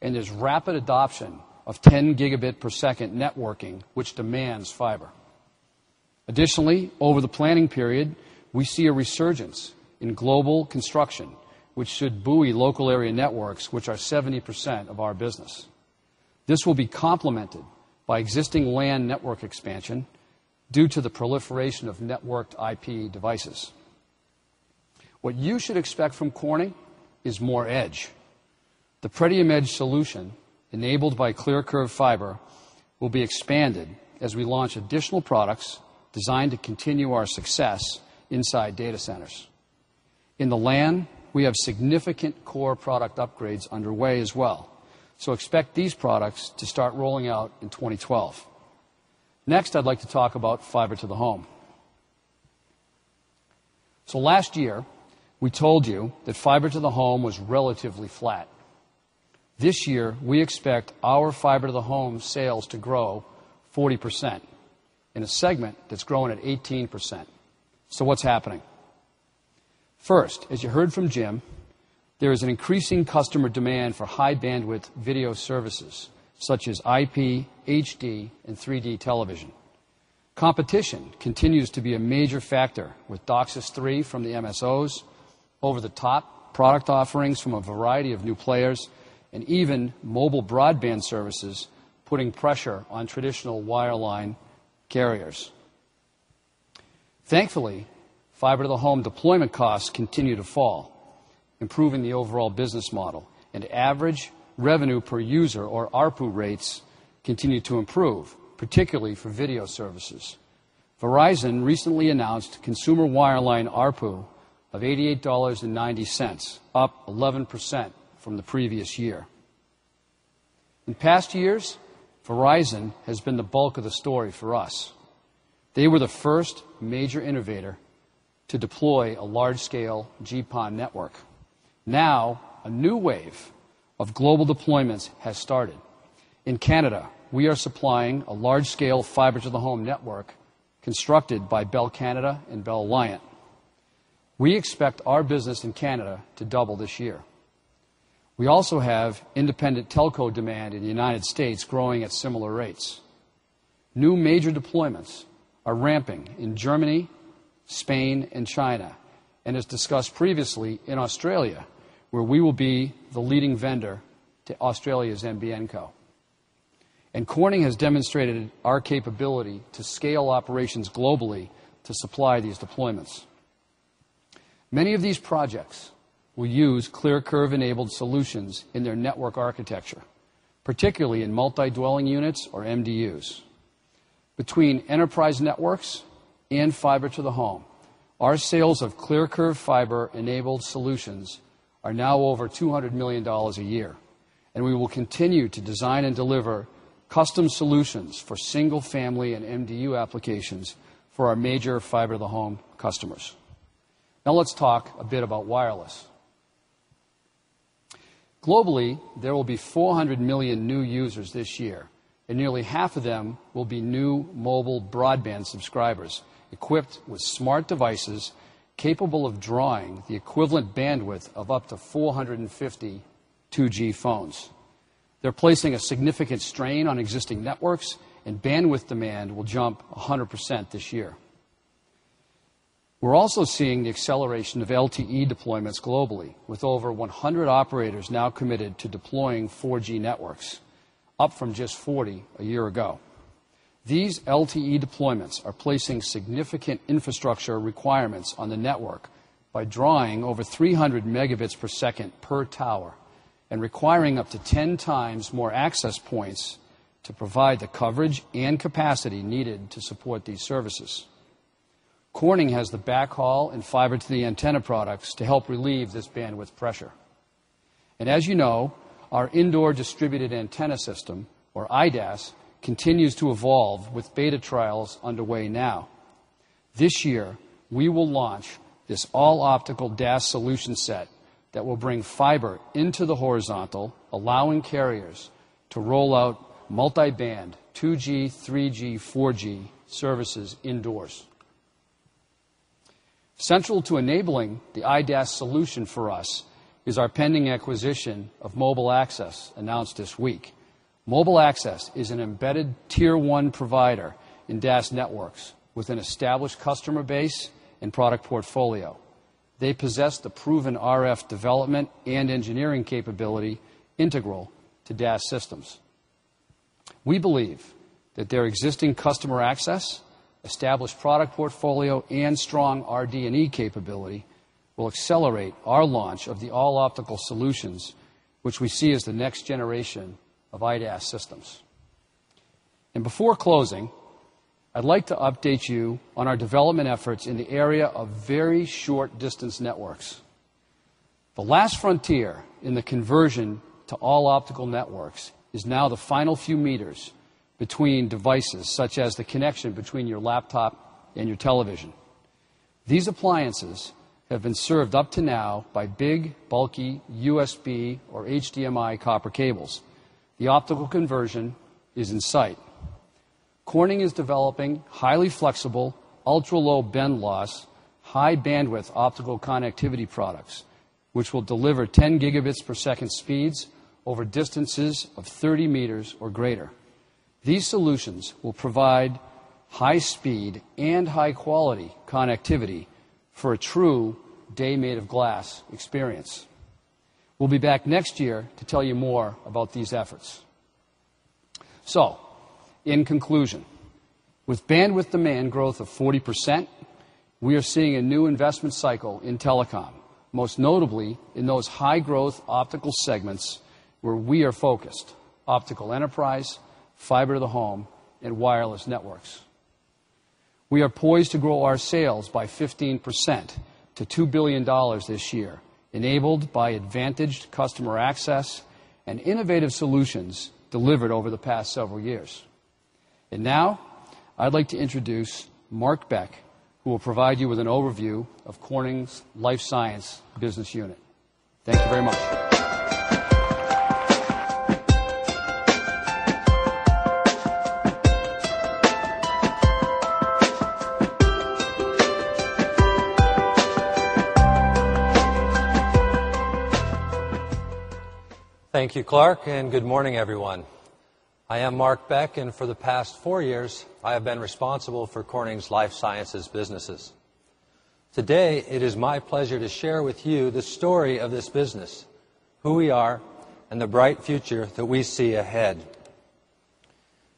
and there's rapid adoption of 10 gigabit per second networking, which demands fiber. Additionally, over the planning period, we see a resurgence in global construction, which should buoy local area networks, which are 70% of our business. This will be complemented by existing LAN network expansion due to the proliferation of networked IP devices. What you should expect from Corning is more edge. The Pretium Edge solution enabled by ClearCurve Fiber will be expanded as we launch additional products designed to continue our success inside data centers. In the LAN, we have significant core product upgrades underway as well, so expect these products to start rolling out in 2012. Next, I'd like to talk about fiber to the home. So last year, we told you that fiber to the home was relatively flat. This year, we expect our fiber to the home sales to grow 40% in a segment that's growing at 18%. So what's happening? First, as you heard from Jim, there is an increasing customer demand for high bandwidth video services, such as IP, HD and 3 d television. Competition continues to be a major factor with DOCSIS 3 from the MSOs, over the top product offerings from a variety of new players and even mobile broadband services putting pressure on traditional wireline carriers. Thankfully, fiber to the home deployment costs continue to fall, improving the overall business model, and average revenue per user or ARPU rates continue to improve, particularly for video services. Verizon recently announced consumer wireline ARPU of $88.90 up 11% from the previous year. In past years, Verizon has been the bulk of the story for us. They were the 1st major innovator to deploy a large scale GPON network. Now, a new wave of global deployments has started. In Canada, we are supplying a large scale fiber to the home network constructed by Bell Canada and Bell Lion. We expect our business in Canada to double this year. We also have independent telco demand in the United States growing at similar rates. New major deployments are ramping in Germany, Spain and China, and as discussed previously, in Australia, where we will be the leading vendor to Australia's NBN Co. And Corning has demonstrated our capability to scale operations globally to supply these deployments. Many of these projects will use ClearCurve enabled solutions in their network architecture, particularly in multi dwelling units or MDUs. Between enterprise networks and fiber to the home, Our sales of ClearCurve fiber enabled solutions are now over $200,000,000 a year, and we will continue to design and deliver custom solutions for single family and MDU applications for our major fiber to the home customers. Now let's talk a bit about wireless. Globally, there will be 400,000,000 new users this year, and nearly half of them will be new mobile broadband subscribers equipped with smart devices capable of drawing the equivalent bandwidth of up to 4.52 gs phones. They're placing a significant strain on existing networks and bandwidth demand will jump 100% this year. We're also seeing the acceleration of LTE deployments globally with over 100 operators now committed to deploying 4 gs networks, up from just 40 a year ago. These LTE deployments are placing significant infrastructure requirements on the network by drawing over 300 megabits per second per tower and requiring up to 10 times more access points to provide the coverage and capacity needed to support these services. Corning has the backhaul and fiber to the antenna products to help relieve this bandwidth pressure. And as you know, our indoor distributed antenna system or IDaaS continues to evolve with beta trials underway now. This year, we will launch this all optical DAS solution set that will bring fiber into the horizontal, allowing carriers to roll out multi band 2 gs, 3 gs, 4 gs services indoors. Central to enabling the IDaaS solution for us is our pending acquisition of Mobile Access announced this week. Mobile Access is an embedded Tier 1 provider in DAS networks with an established customer base and product portfolio. They possess the proven RF development and engineering capability integral to DAS systems. We believe that their existing customer access, established product portfolio and strong RD and E capability will accelerate our launch of the all optical solutions, which we see as the next generation of IDaaS systems. And before closing, I'd like to update you on our development efforts in the area of very short distance networks. The last frontier in the conversion to all optical networks is now the final few meters between devices such as the connection between your laptop and your television. These appliances have been served up to now by big bulky USB or HDMI copper cables. The optical conversion is in sight. Corning is developing highly flexible, ultra low bend loss, high bandwidth optical connectivity products, which will deliver 10 gigabits per second speeds over distances of 30 meters or greater. These solutions will provide high speed and high quality connectivity for a true day made of glass experience. We'll be back next year to tell you more about these efforts. So in conclusion, with bandwidth demand growth of 40%, we are seeing a new investment cycle in telecom, most notably in those high growth optical segments where we are focused, optical enterprise, fiber to the home and wireless networks. We are poised to grow our sales by 15% to $2,000,000,000 this year, enabled by advantaged customer access and innovative solutions delivered over the past several years. And now, I'd like to introduce Mark Beck, who will provide you with an overview of Corning's Life Science Business Unit. Thank you very much. Thank you, Clark, and good morning, everyone. I am Mark Beck, and for the past 4 years, I have been responsible for Corning's Life Sciences Businesses. Today, it is my pleasure to share with you the story of this business, who we are, and the bright future that we see ahead.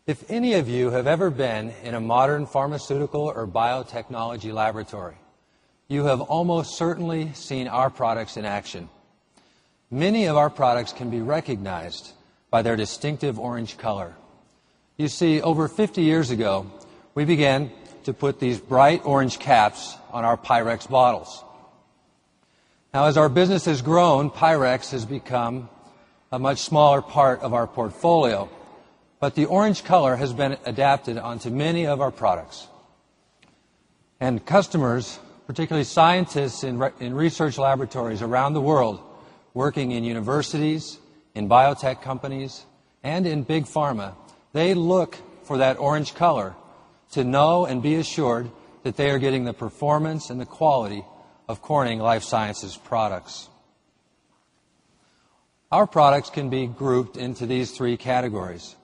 If any of you have ever been in a modern pharmaceutical or biotechnology laboratory, you have almost certainly seen our products in action. Many of our products can be recognized by their distinctive orange color. You see, over 50 years ago, we began to put these bright orange caps on our Pyrex bottles. Now as our business has grown, Pyrex has become a much smaller part of our portfolio, but the orange color has been adapted onto many of our products. And customers, particularly scientists in research laboratories around the world, working in universities, in biotech companies and in big pharma, they look for that orange color to know and be assured that they are getting the performance and the quality of Corning Life Sciences products. Our products can be grouped into these 3 categories.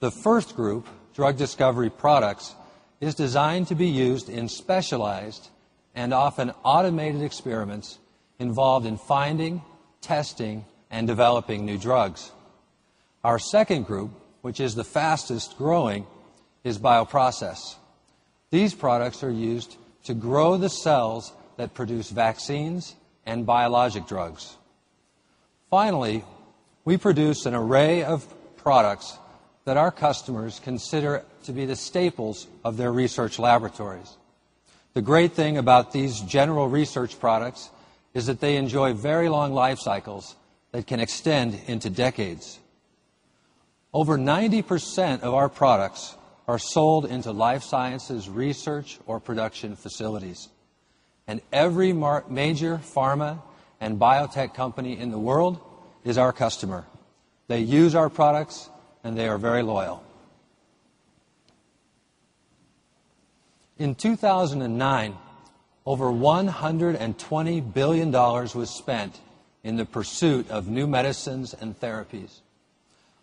The first group, Drug Discovery Products, is designed to be used in specialized and often automated experiments involved in finding, testing and developing new drugs. Our second group, which is the fastest growing is bioprocess. These products are used to grow the cells that produce vaccines and biologic drugs. Finally, we produce an array of products that our customers consider to be the staples of their research laboratories. The great thing about these general research products is that they enjoy very long life cycles that can extend into decades. Over 90% of our products are sold into Life Sciences Research or production facilities. And every major pharma and biotech company in the world is our customer. They use our products and they are very loyal. In 2,009, over $120,000,000,000 was spent in the pursuit of new medicines and therapies.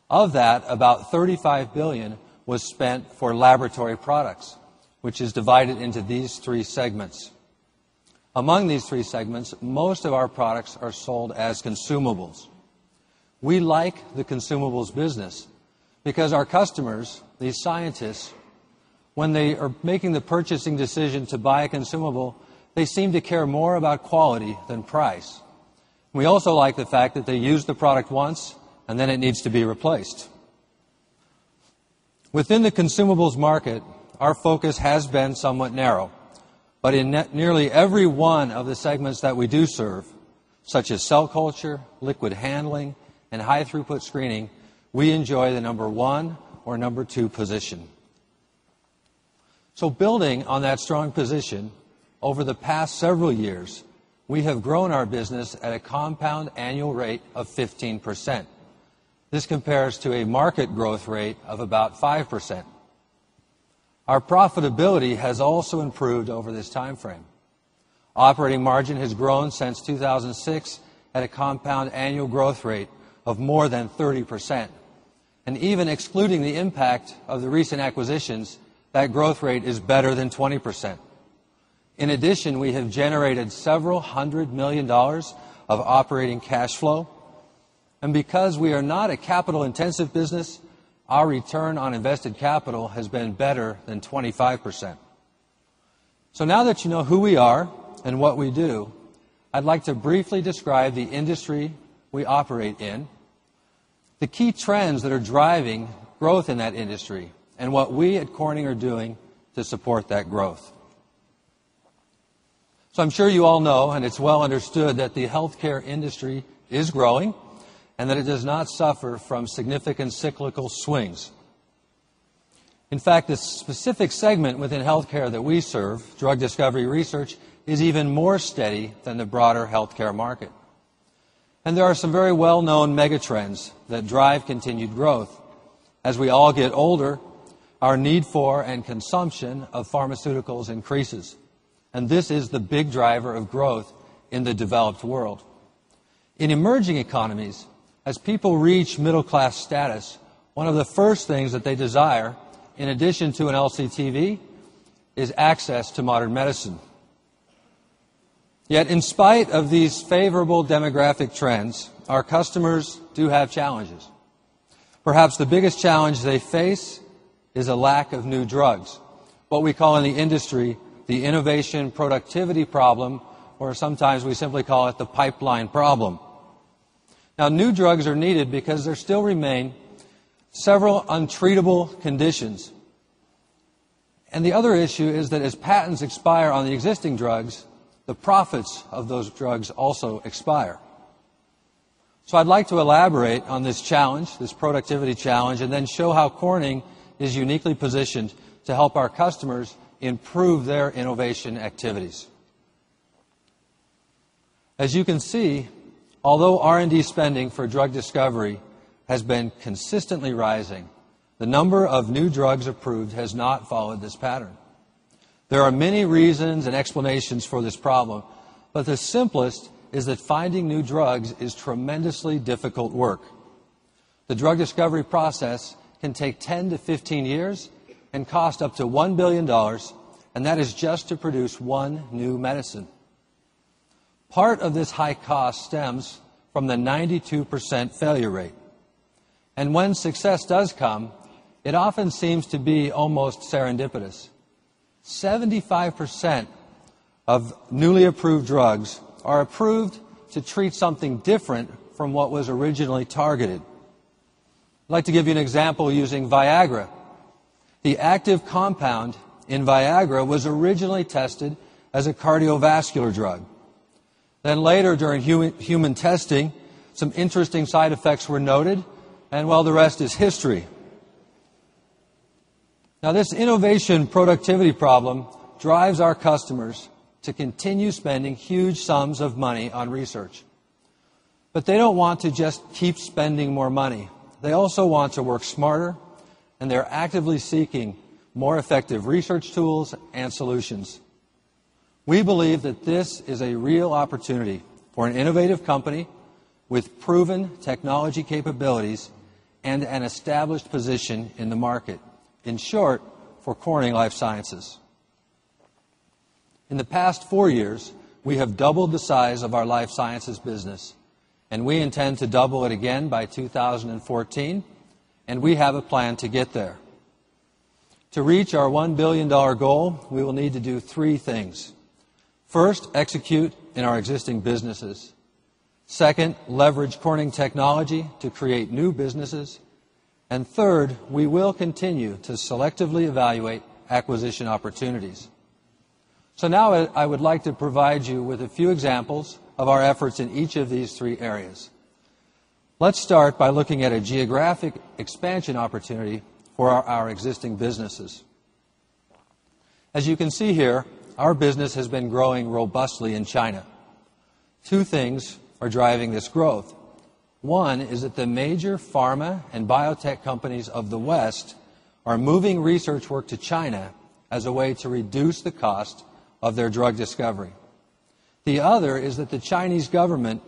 Of that, about $35,000,000,000 was spent for laboratory products, which is divided into these three segments. Among these three segments, most of our products are sold as consumables. We like the consumables business because our customers, these scientists, when they are making the purchasing decision to buy a consumable, they seem to care more about quality than price. We also like the fact that they use the product once and then it needs to be replaced. Within the consumables market, our focus has been somewhat narrow, but in nearly every one of the segments that we do serve such as cell culture, liquid handling and high throughput screening, we enjoy the number 1 or number 2 position. So building on that strong position, over the past several years, we have grown our business at a compound annual rate of 15%. This compares to a market growth rate of about 5%. Our profitability has also improved over this timeframe. Operating margin has grown since 2006 at a compound annual growth rate of more than 30%. And even excluding the impact of the recent acquisitions, that growth rate is better than 20%. In addition, we have generated several $100,000,000 of operating cash flow and because we are not a capital intensive business, our return on invested capital has been better than 25%. So now that you know who we are and what we do, I'd like to briefly describe the industry we operate in, the key trends that are driving growth in that industry and what we at Corning are doing to support that growth. So I'm sure you all know and it's well understood that the healthcare industry is growing and that it does not suffer from significant cyclical swings. In fact, this specific segment within healthcare that we serve, Drug Discovery Research is even more steady than the broader healthcare market. And there are some very well known megatrends that drive continued growth. As we all get older, our need for and consumption of pharmaceuticals increases, and this is the big driver of growth in the developed world. In emerging economies, as people reach middle class status, one of the first things that they desire in addition to an LCTV is access to modern medicine. Yet in spite of these favorable demographic trends, our customers do have challenges. Perhaps the biggest challenge they face is a lack of new drugs, What we call in the industry, the innovation productivity problem or sometimes we simply call it the pipeline problem. Now new drugs are needed because there still remain several untreatable conditions. And the other issue is that as patents expire on the existing drugs, the profits of those drugs also expire. So I'd like to elaborate on this challenge, this productivity challenge and then show how Corning is uniquely positioned to help our customers improve their innovation activities. As you can see, although R and D spending for drug discovery has been consistently rising, the number of new drugs approved has not followed this pattern. There are many reasons and explanations for this problem, but the simplest is that finding new drugs is tremendously difficult work. The drug discovery process can take 10 to 15 years and cost up to $1,000,000,000 and that is just to produce one new medicine. Part of this high cost stems from the 92% failure rate. And when success does come, it often seems to be almost serendipitous. 75% of newly approved drugs are approved to treat something different from what was originally targeted. I'd like to give you an example using Viagra. The active compound in Viagra was originally tested as a cardiovascular drug. Then later during human testing, some interesting side effects were noted and while the rest is history. Now this innovation productivity problem drives our customers to continue spending huge sums of money on research. But they don't want to just keep spending more money. They also want to work smarter and they're actively seeking more effective research tools and solutions. We believe that this is a real opportunity for an innovative company with proven technology capabilities and an established position in the market, in short, for Corning Life Sciences. In the past 4 years, we have doubled the size of our Life Sciences business, and we intend to double it again by 2014, and we have a plan to get there. To reach our $1,000,000,000 goal, we will need to do 3 things. 1st, execute in our existing businesses. 2nd, leverage Corning Technology to create new businesses. And third, we will continue to selectively evaluate acquisition opportunities. So now I would like to provide you with a few examples of our efforts in each of these three areas. Let's start by looking at a geographic expansion opportunity for our existing businesses. As you can see here, our business has been growing robustly in China. 2 things are driving this growth. One is that the major pharma and biotech companies of the West are moving research work to China as a way to reduce the cost of their drug discovery. The other is that the Chinese government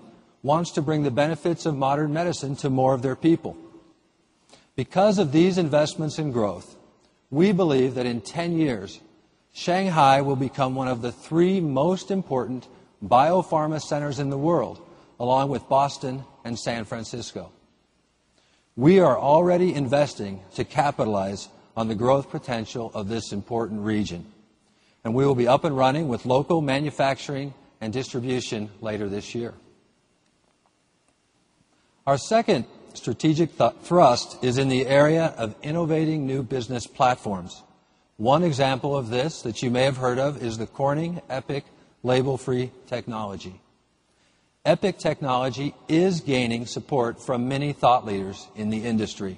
wants to bring the benefits of modern medicine to more of their people. Because of these investments in growth, we believe that in 10 years Shanghai will become one of the 3 most important biopharma centers in the world along with Boston and San Francisco. We are already investing to capitalize on the growth potential of this important region, and we will be up and running with local manufacturing and distribution later this year. Our second strategic thrust is in the area of innovating new business platforms. One example of this that you may have heard of is the Corning EPIC label free technology. EPIC technology is gaining support from many thought leaders in the industry.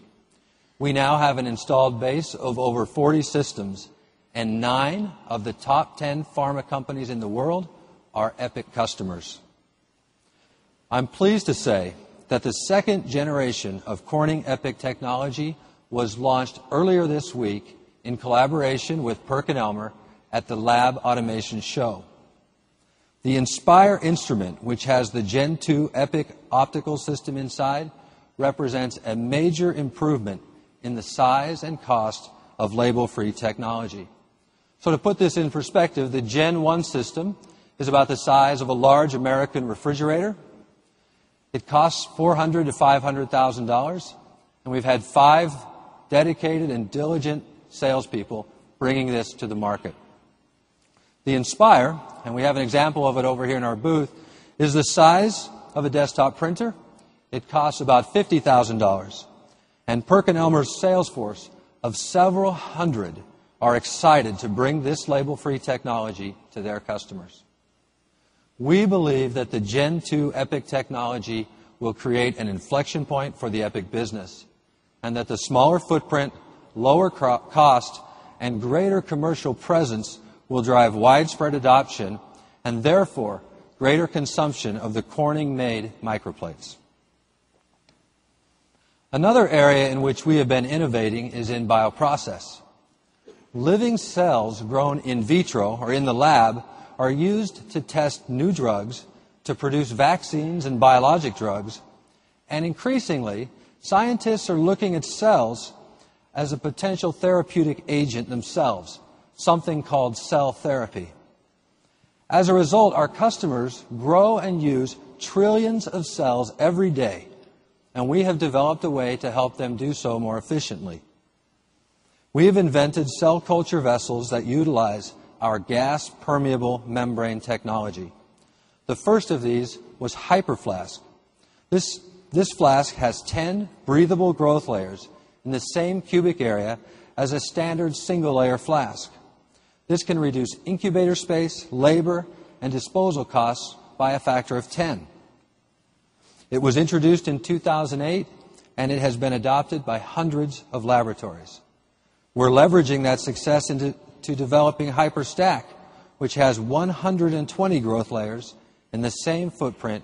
We now have an installed base of over 40 systems and 9 of the top 10 pharma companies in the world are EPIC customers. I'm pleased to say that the 2nd generation of Corning EPIC technology was launched earlier this week in collaboration with PerkinElmer at the Lab Automation Show. The Inspire instrument which has the Gen 2 EPIC optical system inside represents a major improvement in the size and cost of label free technology. So to put this in perspective, the Gen 1 system is about the size of a large American refrigerator. It costs $400,000 to $500,000 and we've had 5 dedicated and diligent sales people bringing this to the market. The Inspire and we have an example of it over here in our booth is the size of a desktop printer. It costs about $50,000 and PerkinElmer's sales force of several 100 are excited to bring this label free technology to their Epic business and that the smaller footprint, lower cost and greater commercial presence will drive widespread adoption and therefore greater consumption of the Corning made microplates. Another area in which we have been innovating is in bioprocess. Living cells grown in vitro or in the lab are used to test new drugs to produce vaccines and biologic drugs, and increasingly scientists are looking at cells as a potential therapeutic agent themselves, something called cell therapy. As a result, our customers grow and use trillions of cells every day, and we have developed a way to help them do so more efficiently. We have invented cell culture vessels that utilize our gas permeable membrane technology. The first of these was Hyper Flask. This flask has 10 breathable growth layers in the same cubic area as a standard single layer flask. This can reduce incubator space, labor and disposal costs by a factor of 10. It was introduced in 2,008 and it has been adopted by hundreds of laboratories. We're leveraging that success into developing Hyperstack, which has 120 growth layers in the same footprint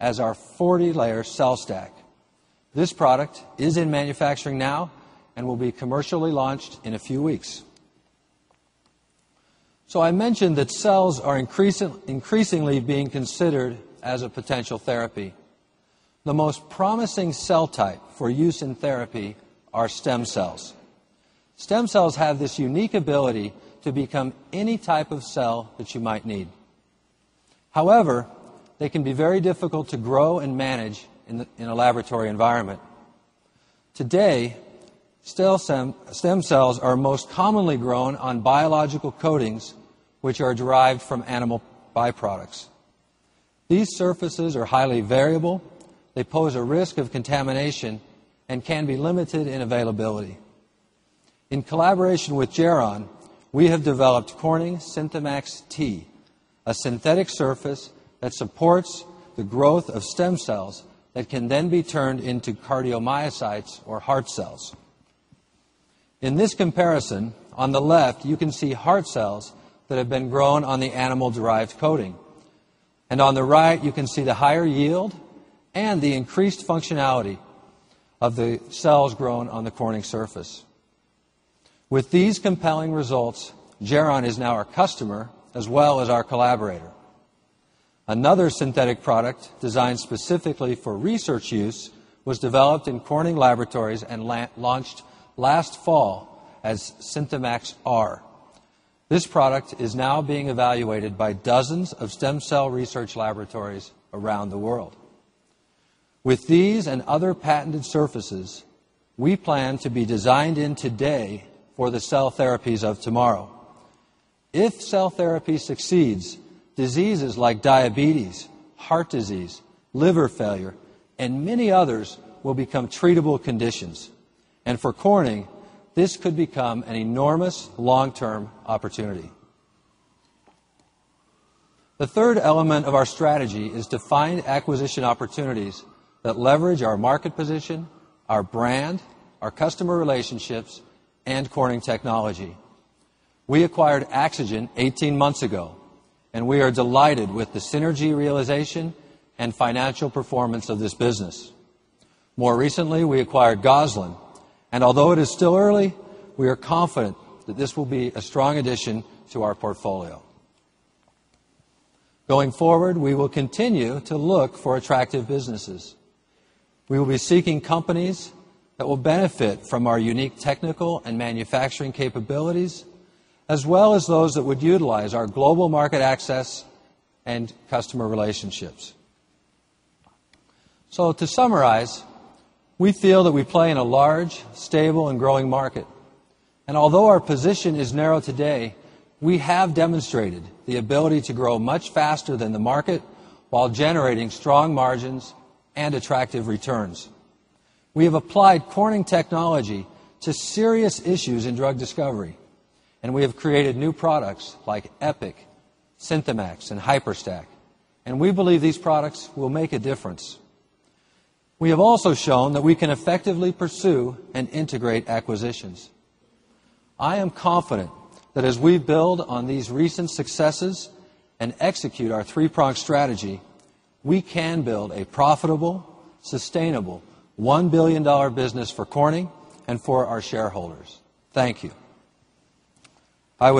as our 40 layer cell stack. This product is in manufacturing now and will be commercially launched in a few weeks. So I mentioned that cells are increasingly being considered as a potential therapy. The most promising cell type for use in therapy are stem cells. Stem cells have this unique ability to become any type of cell that you might need. However, they can be very difficult to grow and manage in a laboratory environment. Today, stem cells are most commonly grown on biological coatings which are derived from animal byproducts. These surfaces are highly variable, they pose a risk of contamination and can be limited in availability. In collaboration with Geron, we have developed Corning SynthemaX T, a synthetic surface that supports the growth of stem cells that can then be turned into cardiomyocytes or heart cells. In this comparison, on the left, you can see heart cells that have been grown on the animal derived coating. And on the right, you can see the higher yield and the increased functionality of the cells grown on the Corning surface. With these compelling results, Geron is now our customer as well as our collaborator. Another synthetic product designed specifically for research use was developed in Corning Laboratories and launched last fall as Syntomax R. This product is now being evaluated by dozens of stem cell research laboratories around the world. With these and other patented surfaces, we plan to be designed in today for the cell therapies of tomorrow. If cell therapy succeeds, diseases like diabetes, heart disease, liver failure and many others will become treatable conditions. And for Corning, this could become an enormous long term opportunity. The third element of our strategy is to find acquisition opportunities that leverage our market position, our brand, our customer relationships and Corning Technology. We acquired AxoGen 18 months ago and we are delighted with the synergy realization and financial performance of this business. More recently, we acquired Gosselin and although it is still early, we are confident that this will be a strong addition to our portfolio. Going forward, we will continue to look for attractive businesses. We will be seeking companies that will benefit from our unique technical and manufacturing capabilities, as well as those that would utilize our global market access and customer relationships. So to summarize, we feel that we play in a large, stable and growing market And although our position is narrow today, we have demonstrated the ability to grow much faster than the market while generating strong margins and attractive returns. We have applied Corning technology to serious issues in drug discovery, And we have created new products like Epic, SynthemaX and Hyperstack, and we believe these products will make a difference. We have also shown that we can effectively pursue and integrate acquisitions. I am confident that as we build on these recent successes and execute our 3 pronged strategy, we can build a profitable, sustainable $1,000,000,000 business for Corning and for our shareholders. Thank you. I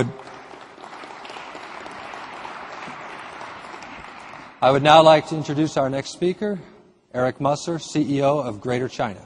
would now like to introduce our next speaker, Eric Musser, CEO of Greater China.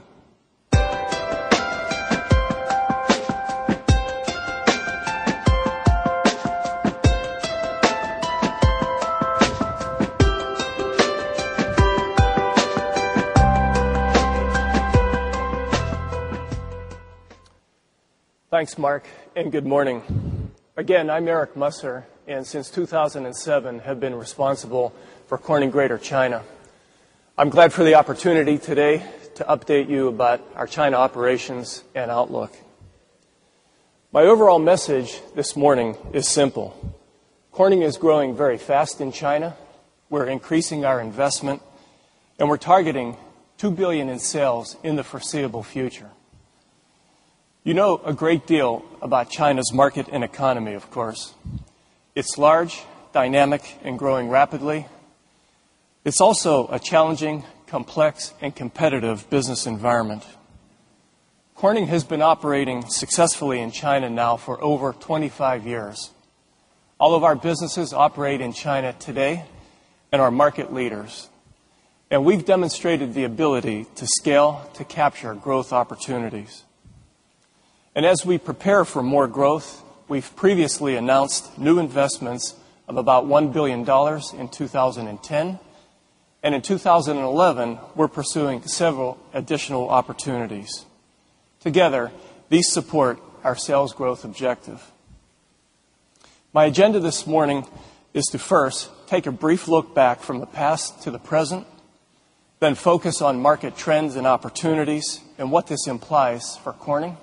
Thanks Mark and good morning. Again I'm Eric Musser and since 2007 have been responsible for Corning Greater China. I'm glad for the opportunity today to update you about our China operations and outlook. My overall message this morning is simple. Corning is growing very fast in China, We're increasing our investment and we're targeting $2,000,000,000 in sales in the foreseeable future. You know a great deal about China's market and economy, of course. It's large, dynamic and growing rapidly. It's also a challenging, complex and competitive business environment. Corning has been operating successfully in China now for over 25 years. All of our businesses operate in China today and are market leaders And we've demonstrated the ability to scale to capture growth opportunities. And as we prepare for more growth, we've previously announced new investments of about $1,000,000,000 in 20.10 and in 2011 we're pursuing several additional opportunities. Together these support our sales growth objective. My agenda this morning is to 1st take a brief look back from the past to the present, then focus on market trends and opportunities and what this implies for Corning,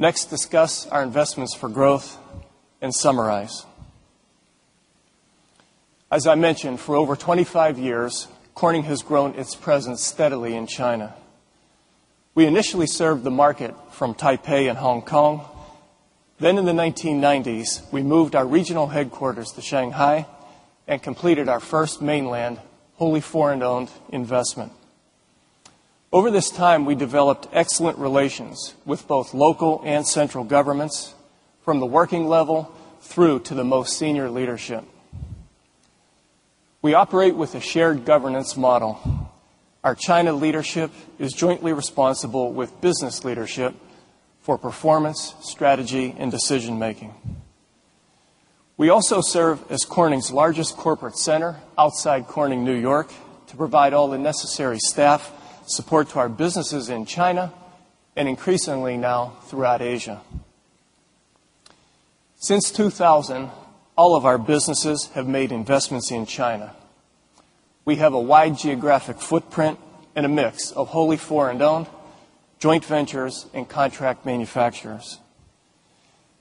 next discuss our investments for growth and summarize. As I mentioned, for over 25 years, Corning has grown its presence steadily in China. We initially served the market from Taipei and Hong Kong. Then in the 1990s, we moved our regional headquarters to Shanghai and completed our 1st Mainland wholly foreign owned investment. Over this time, we developed excellent relations with both local and central governments from the working level through to the most senior leadership. We operate with a shared governance model. Our China leadership is jointly responsible with business leadership for performance, strategy and decision making. We also serve as Corning's largest corporate center outside Corning, New York to provide all the necessary staff support to our businesses in China and increasingly now throughout Asia. Since 2000, all of our businesses have made investments in China. We have a wide geographic footprint and a mix of wholly foreign owned joint ventures and contract manufacturers.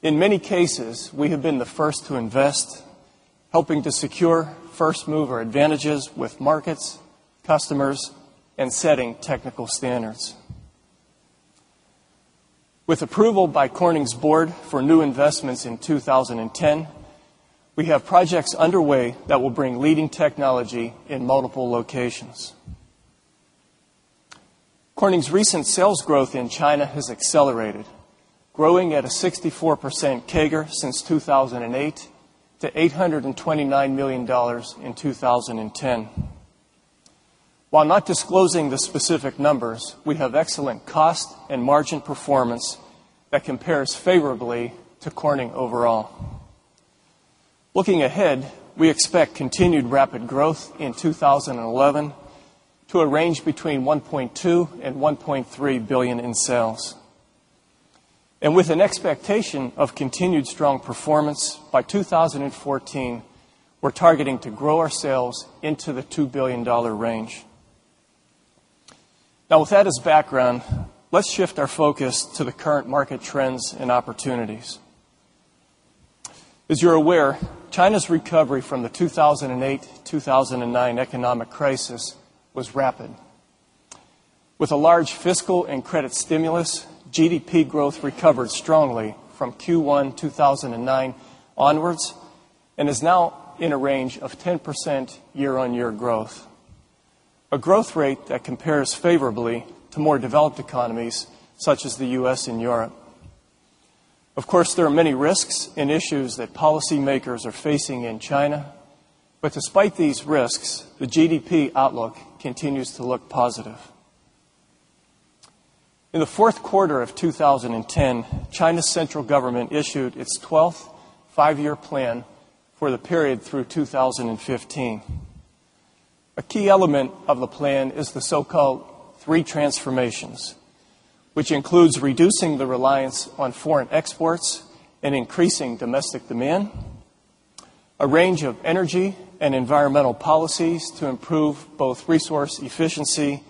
In many cases, we have been the 1st to invest, helping to secure 1st mover advantages with markets, customers and setting technical standards. With approval by Corning's Board for new investments in 2010, we have projects underway that will bring leading technology in multiple locations. Corning's recent sales growth in China has accelerated growing at a 64% CAGR since 2,008 to $829,000,000 in 2010. While not disclosing the specific numbers, we have excellent cost and margin performance that compares favorably to Corning overall. Looking ahead, we expect continued rapid growth in 2011 to a range between $1,200,000,000 $1,300,000,000 in sales. And with an expectation of continued strong performance, by 2014, we're targeting to grow our sales into the $2,000,000,000 range. Now with that as background, let's shift our focus to the current market trends and opportunities. As you're aware, China's recovery from the 2,008, 2009 economic crisis was rapid. With a large fiscal and credit stimulus, GDP growth recovered strongly from Q1, 2009 onwards and is now in a range of 10% year on year growth, a growth rate that compares favorably to more developed economies such as the U. S. And Europe. Of course, there are many risks and issues that policymakers are facing in China, but despite these risks, the GDP outlook continues to look positive. In the Q4 of 2010, China's Central Government issued its 12th 5 year plan for the period through 2015. A key element of the plan is the so called 3 transformations, which includes reducing the reliance on foreign exports and increasing domestic demand, a range of energy and environmental policies to improve both resource efficiency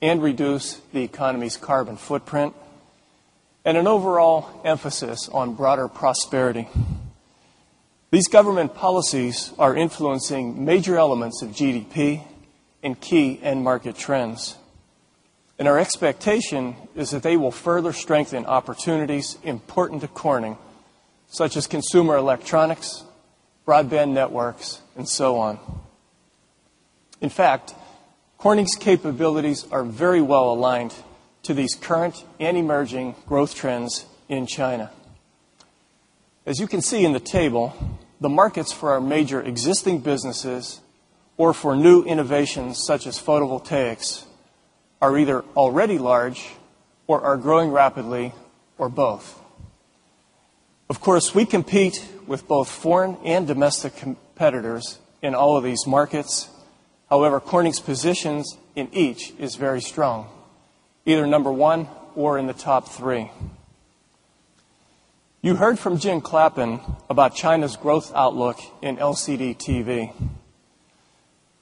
and reduce the economy's carbon footprint, and an overall emphasis on broader prosperity. These government policies are influencing major elements of GDP and key end market trends. And our expectation is that they will further strengthen opportunities important to Corning such as consumer electronics, broadband networks and so on. In fact, Corning's capabilities are very well aligned to these current and emerging growth trends in China. As you can see in the table, the markets for our major existing businesses or for new innovations such as photovoltaics are either already large or are growing rapidly or both. Of course, we compete with both foreign and domestic competitors in all of these markets. However, Corning's positions in each is very strong, either number 1 or in the top 3. You heard from Jim Clappin about China's growth outlook in LCD TV.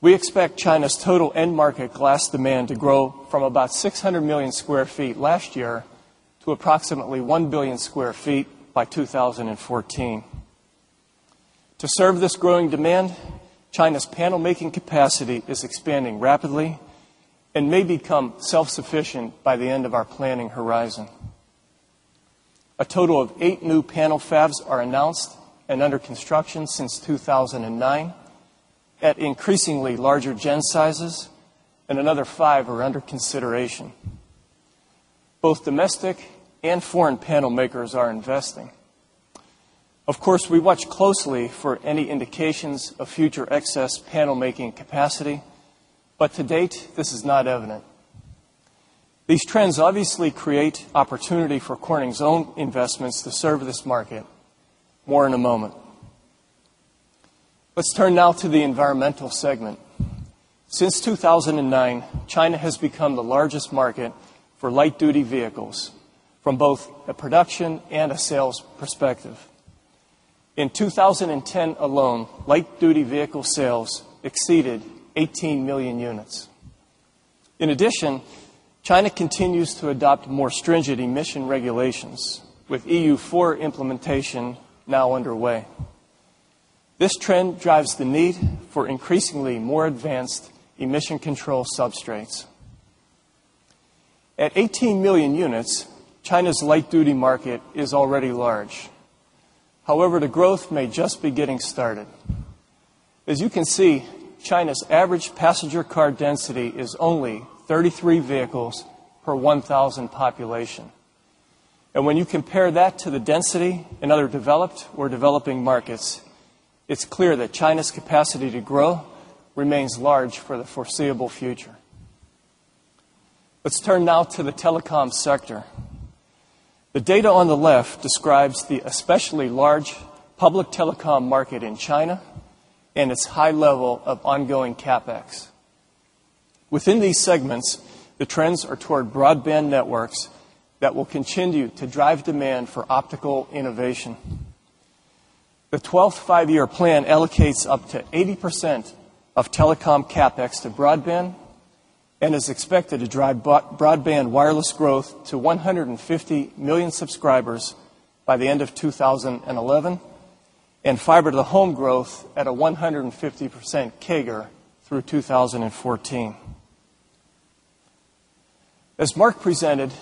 We expect China's total end market glass demand to grow from about 600,000,000 square feet last year to approximately 1,000,000,000 square feet by 2014. To serve this growing demand, China's panel making capacity is expanding rapidly and may become self sufficient by the end of our planning horizon. A total of 8 new panel fabs are announced and under construction since 2,009 at increasingly larger gen sizes and another 5 are under consideration. Both domestic and foreign panel makers are investing. Of course, we watch closely for any indications of future excess panel making capacity, but to date this is not evident. These trends obviously create opportunity for Corning's own investments to serve this market, more in a moment. Let's turn now to the environmental segment. Since 2009, China has become the largest market for light duty vehicles from both a production and a sales perspective. In 2010 alone, light duty vehicle sales with EU4 implementation now underway. This trend drives the need for increasingly more advanced emission control substrates. At 18,000,000 units, China's light duty market is already large. However, the growth may just be getting started. As you can see, China's average passenger car density is only 33 vehicles per 1,000 population. And when you compare that to the density in other developed or developing markets, it's clear that China's capacity to grow remains large for the foreseeable future. Let's turn now to the telecom sector. The data on the left describes the especially large public telecom market in China and its high level of ongoing CapEx. Within these segments, the trends are toward broadband networks that will continue to drive demand for optical innovation. The 12th 5 year plan allocates up to 80% of telecom CapEx to broadband and is expected to drive broadband wireless growth to 150,000,000 subscribers by the end of 2011 and fiber to the home growth at a 150% CAGR through 2014. As Mark presented,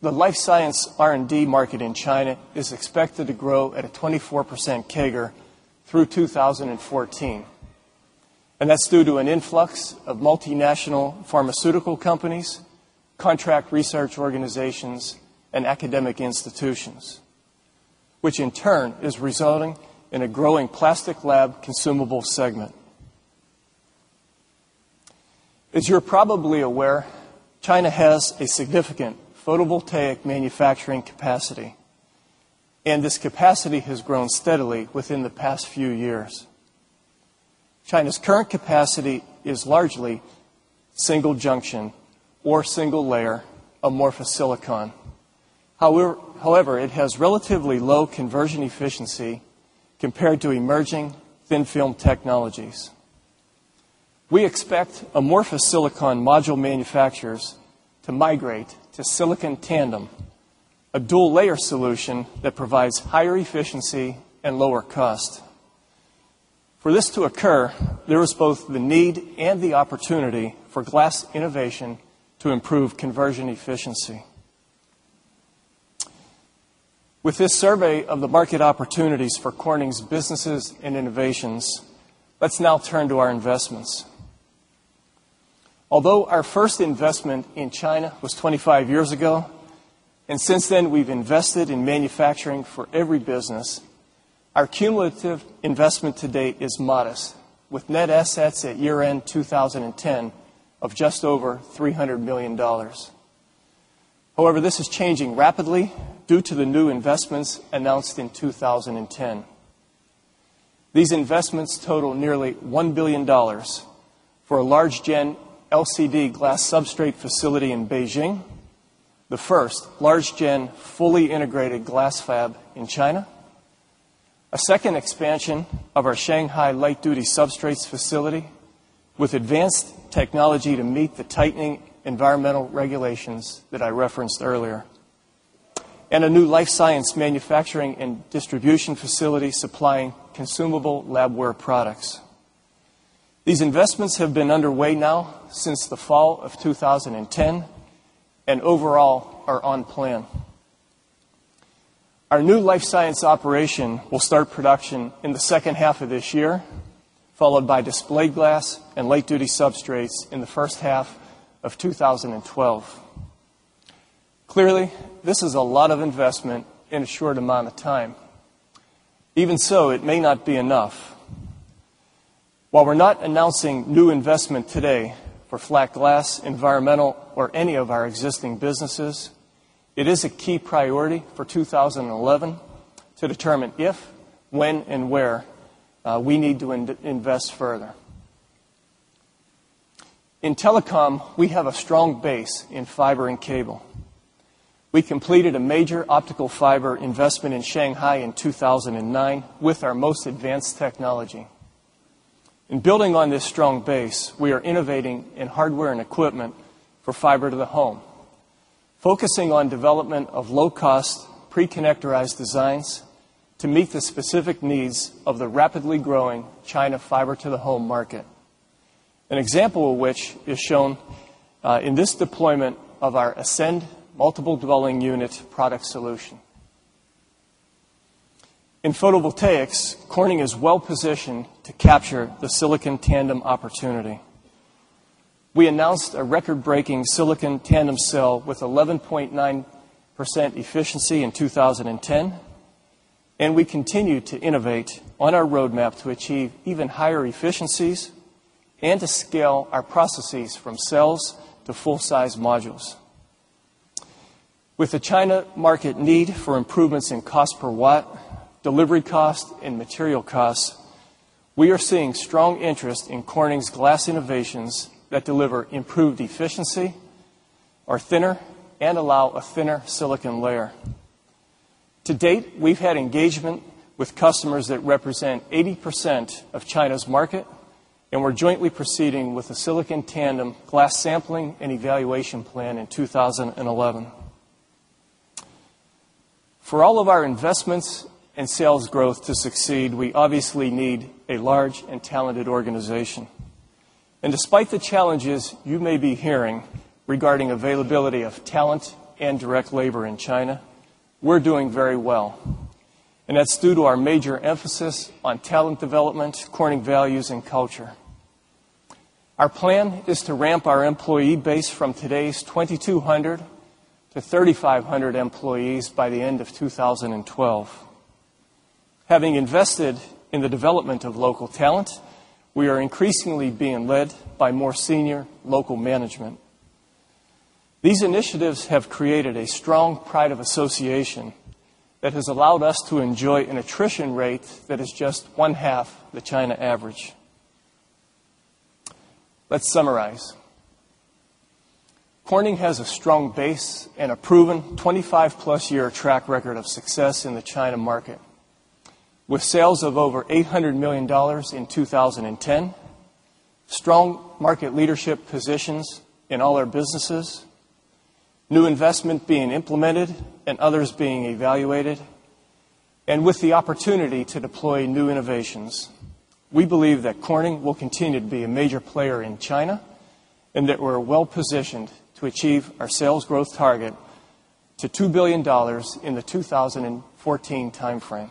the life science R and D market in China is expected to grow at a 24% CAGR through 2014. And that's due to an influx of multinational pharmaceutical companies, contract research organizations and academic institutions, which in turn is resulting in a growing plastic lab consumable segment. As you're probably aware, China has a significant photovoltaic manufacturing capacity and this capacity has grown steadily within the past few years. China's current capacity is largely single junction or single layer amorphous silicon. However, it has relatively low conversion efficiency compared to emerging thin film technologies. We expect amorphous silicon module manufacturers to migrate to silicon tandem, a dual layer solution that provides higher efficiency and lower cost. For this to occur, there is both the need and the opportunity for glass innovation to improve conversion efficiency. With this survey of the market opportunities for Corning's businesses and innovations, let's now turn to our investments. Although our first investment in China was 25 years ago, and since then we've invested in manufacturing for every business, Our cumulative investment to date is modest with net assets at year end 2010 of just over $300,000,000 However, this is changing rapidly due to the new investments announced in 2010. These investments total nearly $1,000,000,000 for a large gen LCD glass substrate facility in Beijing, the 1st large gen fully integrated glass fab in China, a second expansion of our Shanghai light duty substrates facility with advanced technology to meet the tightening environmental regulations that I referenced earlier, and a new life science manufacturing and distribution facility supplying consumable lab wear products. These investments have been underway now since the fall of 2010 and overall are on plan. Our new Life Science operation will start production in the second half of this year followed by display glass and light duty substrates in the first half of twenty twelve. Clearly, this is a lot of investment in a short amount of time. Even so, it may not be enough. While we're not announcing new investment today for Flat Glass, environmental or any of our existing businesses, it is a key priority for 2011 to determine if, when and where we need to invest further. In telecom, we have a strong base in fiber and cable. We completed a major optical fiber investment in Shanghai in 2,009 with our most advanced technology. In building on this strong base, we are innovating in hardware and equipment for fiber to the home, focusing on development of low cost pre connectorized designs to meet the specific needs of the rapidly growing China fiber to the home market. An example of which is shown in this deployment of our Ascend multiple dwelling unit product solution. In photovoltaics, Corning is well positioned to capture the silicon tandem opportunity. We announced a record breaking silicon tandem cell with 11.9% efficiency in 2010, and we continue to innovate on our roadmap to achieve even higher efficiencies and to scale our processes from cells to full size modules. With the China market need for improvements in cost per watt, delivery cost and material costs, we are seeing strong interest in Corning's glass innovations that deliver improved efficiency, are thinner and allow a thinner silicon layer. To date, we've had engagement with customers that represent 80% of China's market and we're jointly proceeding with a silicon tandem glass sampling and evaluation plan in 2011. For all of our investments and sales growth to succeed, we obviously need a large and talented organization. And despite the challenges you may be hearing regarding availability of talent and direct labor in China, we're doing very well. And that's due to our major emphasis on talent development, Corning values and culture. Our plan is to ramp our employee base from today's 2,200 to 3,500 employees by the end of 2012. Having invested in the development of local talent, we are increasingly being led by more senior local management. These initiatives have created a strong pride of association that has allowed us to enjoy an attrition rate that is just 1 half the China average. Let's summarize. Corning has a strong base and a proven 25 plus year track record of success in the China market with sales of over $800,000,000 in 20 10, strong market leadership positions in all our businesses, new investment being implemented and others being evaluated, and with the opportunity to deploy new innovations, we believe that Corning will continue to be a major player in China and that we're well positioned to achieve our sales growth target to $2,000,000,000 in the 2014 timeframe.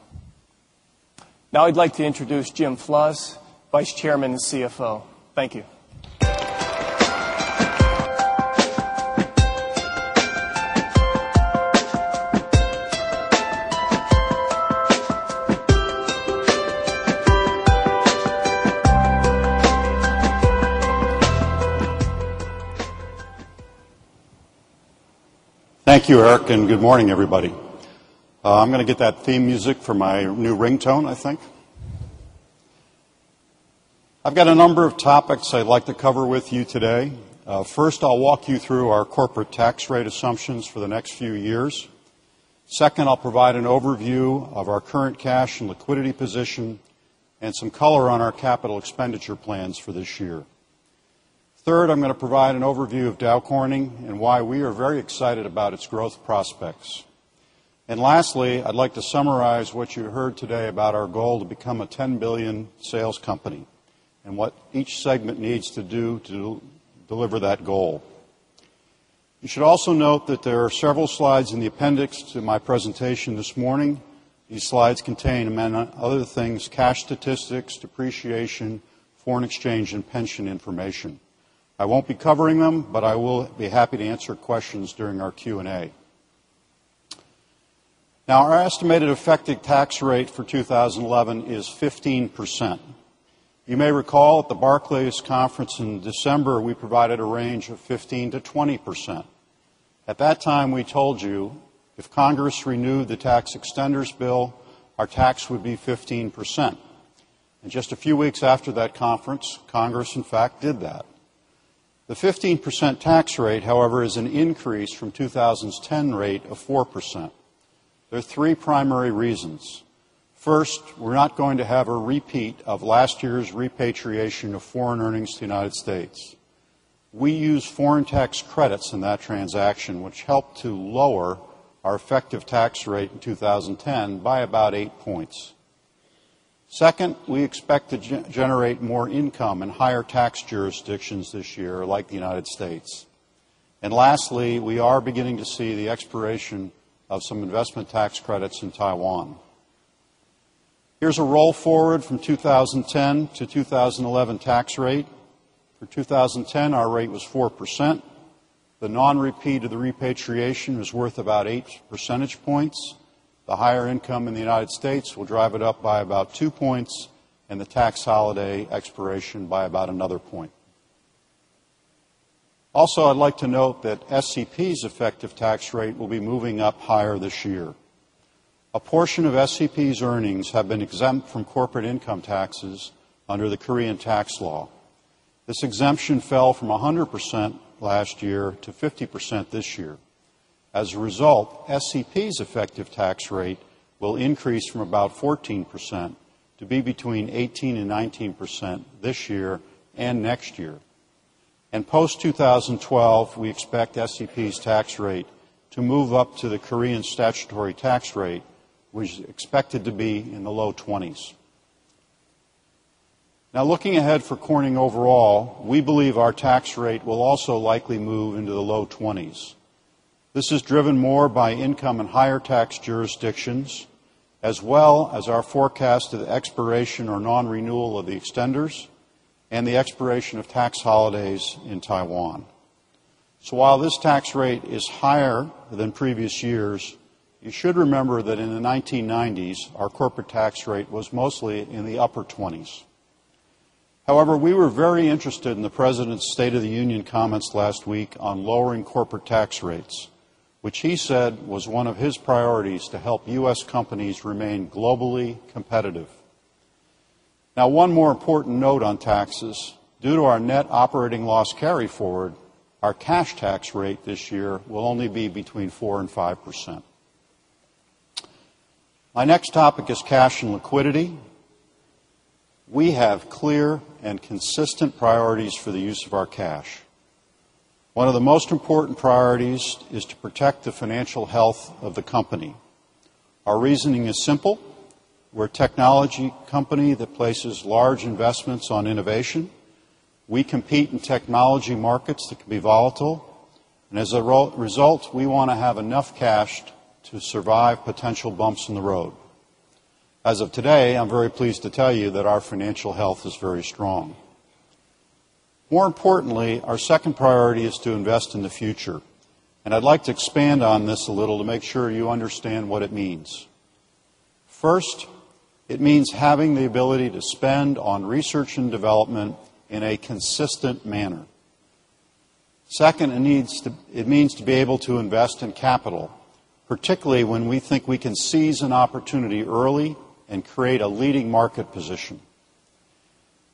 Now I'd like to introduce Jim Fluss, Vice Chairman and CFO. Thank you. Thank you, Eric, and good morning, everybody. I'm going to get that theme music for my new ringtone, I think. I've got a number of topics I'd like to cover with you today. First, I'll walk you through our corporate tax rate assumptions for the next few years. 2nd, I'll provide an overview of our current cash and liquidity position and some color on our capital expenditure plans for this year. 3rd, I'm going to provide an overview of Dow Corning and why we are very excited about its growth prospects. And lastly, I'd like to summarize what you heard today about our goal to become a $10,000,000,000 sales company and what each segment needs to do to deliver that goal. You should also note that there are several slides in the appendix to my presentation this morning. These slides contain, among other things, cash statistics, depreciation, foreign exchange and pension information. I won't be covering them, but I will be happy to answer questions during our Q and A. Now, our estimated effective tax rate for 2011 is 15%. You may recall at the Barclays Conference in December, we provided a range of 15% to 20%. At that time, we told you if Congress renewed the tax extenders bill, our tax would be 15%. And just a few weeks after that conference, Congress, in fact, did that. The 15% tax rate, however, is an increase from 20 10 rate of 4%. There are 3 primary reasons. First, we're not going to have a repeat of last year's repatriation of foreign earnings to United States. We use foreign tax credits in that transaction, which helped to lower our effective tax rate in 2010 by about 8 points. 2nd, we expect to generate more income in higher tax jurisdictions this year like the United States. And lastly, we are beginning to see the expiration of some investment tax credits in Taiwan. Here's a roll forward from 2010 to 2011 tax rate. For 2010, our rate was 4%. The non repeat of the repatriation is worth about 8 percentage points. The higher income in the United States will drive it up by about 2 points and the tax holiday expiration by about another point. Also, I'd like to note that SEP's effective tax rate will be moving up higher this year. A portion of SEP's earnings have been exempt from corporate income taxes under the Korean tax law. This exemption fell from 100% last year to 50% this year. As a result, SEP's effective tax rate will increase from about 14% to be between 18% 19% this year and next year. And post-twenty 12, we expect SEP's tax rate to move up to the Korean statutory tax rate, which is expected to be in the low 20s. Now looking ahead for Corning overall, we believe our tax rate will also likely move into the low 20s. This is driven more by income and higher tax jurisdictions as well as our forecasted expiration or non renewal of the extenders and the expiration of tax holidays in Taiwan. So while this tax rate is higher than previous years, you should remember that in the 1990s, our corporate tax rate was mostly in the upper 20s. However, we were very interested in the President's State of the Union comments last week on lowering corporate tax rates, which he said was one of his priorities to help U. S. Companies remain globally competitive. Now one more important note on taxes. Due to our net operating loss carry forward, our cash tax rate this year will only be between 4% 5%. Our next topic is cash and liquidity. We have clear and consistent priorities for the use of our cash. One of the most important priorities is to protect the financial health of the company. Our reasoning is simple. We're a technology company that places large investments on innovation. We compete in technology markets that can be volatile. And as a result, we want to have enough cash to survive potential bumps in the road. As of today, I'm very pleased to tell you that our financial health is very strong. More importantly, our second priority is to invest in the future. And I'd like to expand on this a little to make sure you understand what it means. 1st, it means having the ability to spend on research and development in a consistent manner. 2nd, it needs to it means to be able to invest in capital, particularly when we think we can seize an opportunity early and create a leading market position.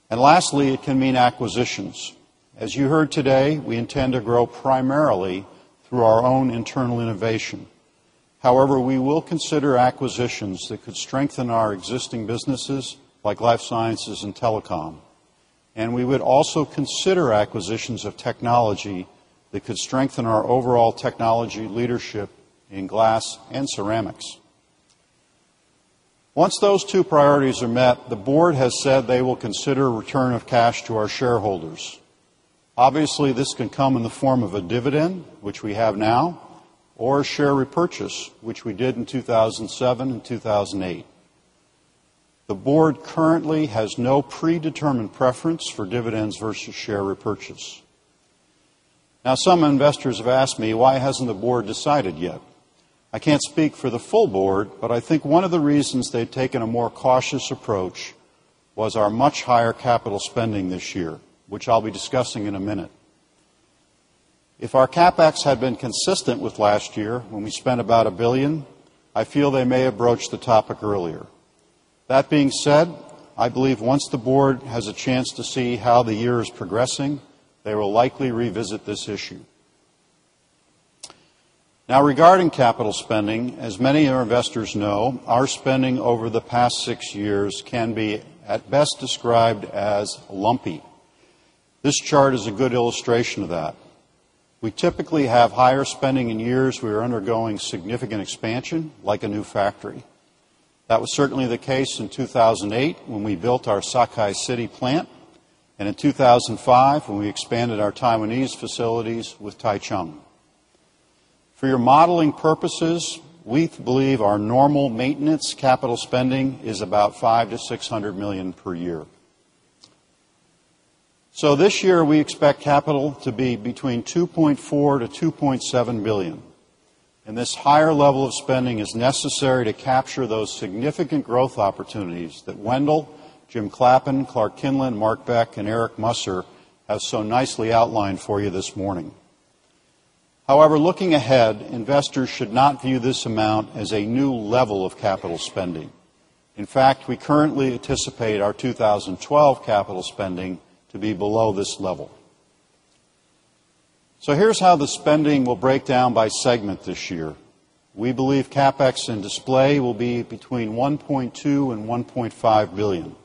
And lastly, it can mean acquisitions. As you heard today, we intend to grow primarily through our own internal innovation. However, we will consider acquisitions that could strengthen our existing businesses like Life Sciences and Telecom. And we would also consider acquisitions of technology that could strengthen our overall technology leadership in glass and ceramics. Once those two priorities are met, the Board has said they will consider return of cash to our shareholders. Obviously, this can come in the form of a dividend, which we have now, or share repurchase, which we did in 2,007 and 2,008. The Board currently has no predetermined preference for dividends versus share repurchase. Now some investors have asked me why hasn't the Board decided yet. I can't speak for the full Board, but I think one of the reasons they've taken a more cautious approach was our much higher capital spending this year, which I'll be discussing in a minute. If our CapEx had been consistent with last year when we spent about $1,000,000,000 I feel they may approach the topic earlier. That being said, I believe once the Board has a chance to see how the year is progressing, they will likely revisit this issue. Now regarding capital spending, as many of our investors know, our spending over the past 6 years can be at best described as lumpy. This chart is a good illustration of that. We typically have higher spending in years. We are undergoing significant expansion like a new factory. That was certainly the case in 2,008 when we built our Sakai City plant, and in 2,005 when we expanded our Taiwanese facilities with Taichung. For your modeling purposes, we believe our normal maintenance capital spending is about $500,000,000 to $600,000,000 per year. So this year, we expect capital to be between 2 point $4,000,000,000 to $2,700,000,000 And this higher level of spending is necessary to capture those significant growth opportunities that Wendell, Jim Clappen, Clark Kinlan, Mark Beck and Eric Musser have so nicely outlined for you this morning. However, looking ahead, investors should not view this amount as a new level of capital spending. In fact, we currently anticipate our 20 12 12 capital spending to be below this level. So here's how the spending will break down by segment this year. We believe CapEx and Display will be between $1,200,000,000 $1,500,000,000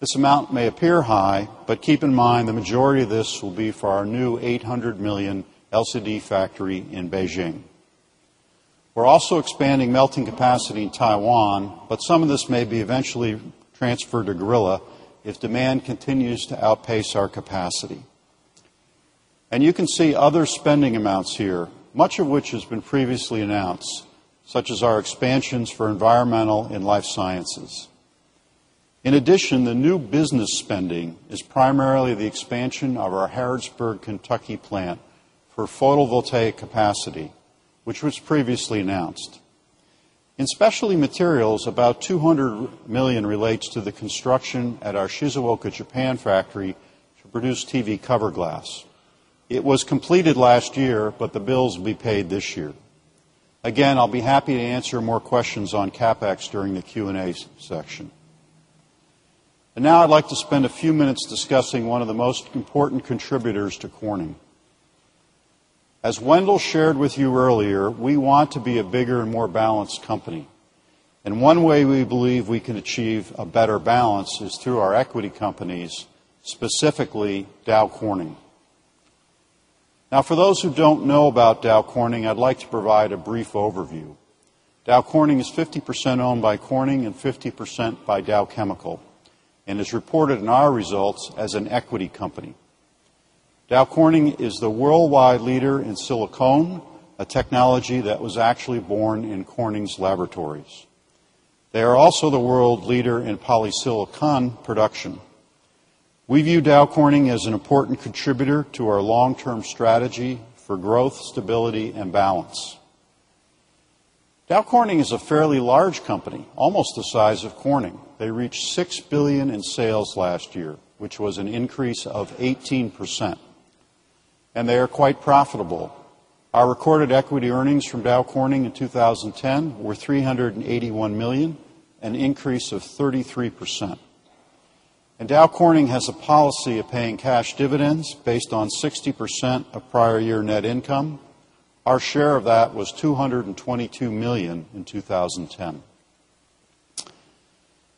This amount may appear high, but keep in mind the majority of this will be for our new $800,000,000 LCD factory in Beijing. We're also expanding melting capacity in Taiwan, but some of this may be eventually transferred to Guerrilla if demand continues to outpace our capacity. And you can see other spending amounts here, much of which has been previously announced, such as our expansions for environmental and life sciences. In addition, the new business spending is primarily the expansion of our Harrodsburg, Kentucky plant for photovoltaic capacity, which was previously announced. In Specialty Materials, about $200,000,000 relates to the construction at our Shizuoka, Japan factory to produce TV cover glass. It was completed last year, but the bills will be paid this year. Again, I'll be happy to answer more questions on CapEx during the Q and A section. And now I'd like to spend a few minutes discussing one of the most important contributors to Corning. As Wendell shared with you earlier, we want to be a bigger and more balanced company. And one way we believe we can achieve a better balance is through our equity companies, specifically Dow Corning. Now for those who don't know about Dow Corning, I'd like to provide a brief overview. Dow Corning is 50% owned by Corning and 50% by Dow Chemical and is reported in our results as an equity company. Dow Corning is the worldwide leader in silicone, a technology that was actually born in Corning's laboratories. They are also the world leader in polysilicon production. We view Dow Corning as an important contributor to our long term strategy for growth, stability and balance. Dow Corning is a fairly large company, almost the size of Corning. They reached $6,000,000,000 in sales last year, which was an increase of 18%. And they are quite profitable. Our recorded equity earnings from Dow Corning in 2010 were $381,000,000 an increase of 33%. And Dow Corning has a policy of paying cash dividends based on 60% of prior year net income. Our share of that was $222,000,000 in 20.10.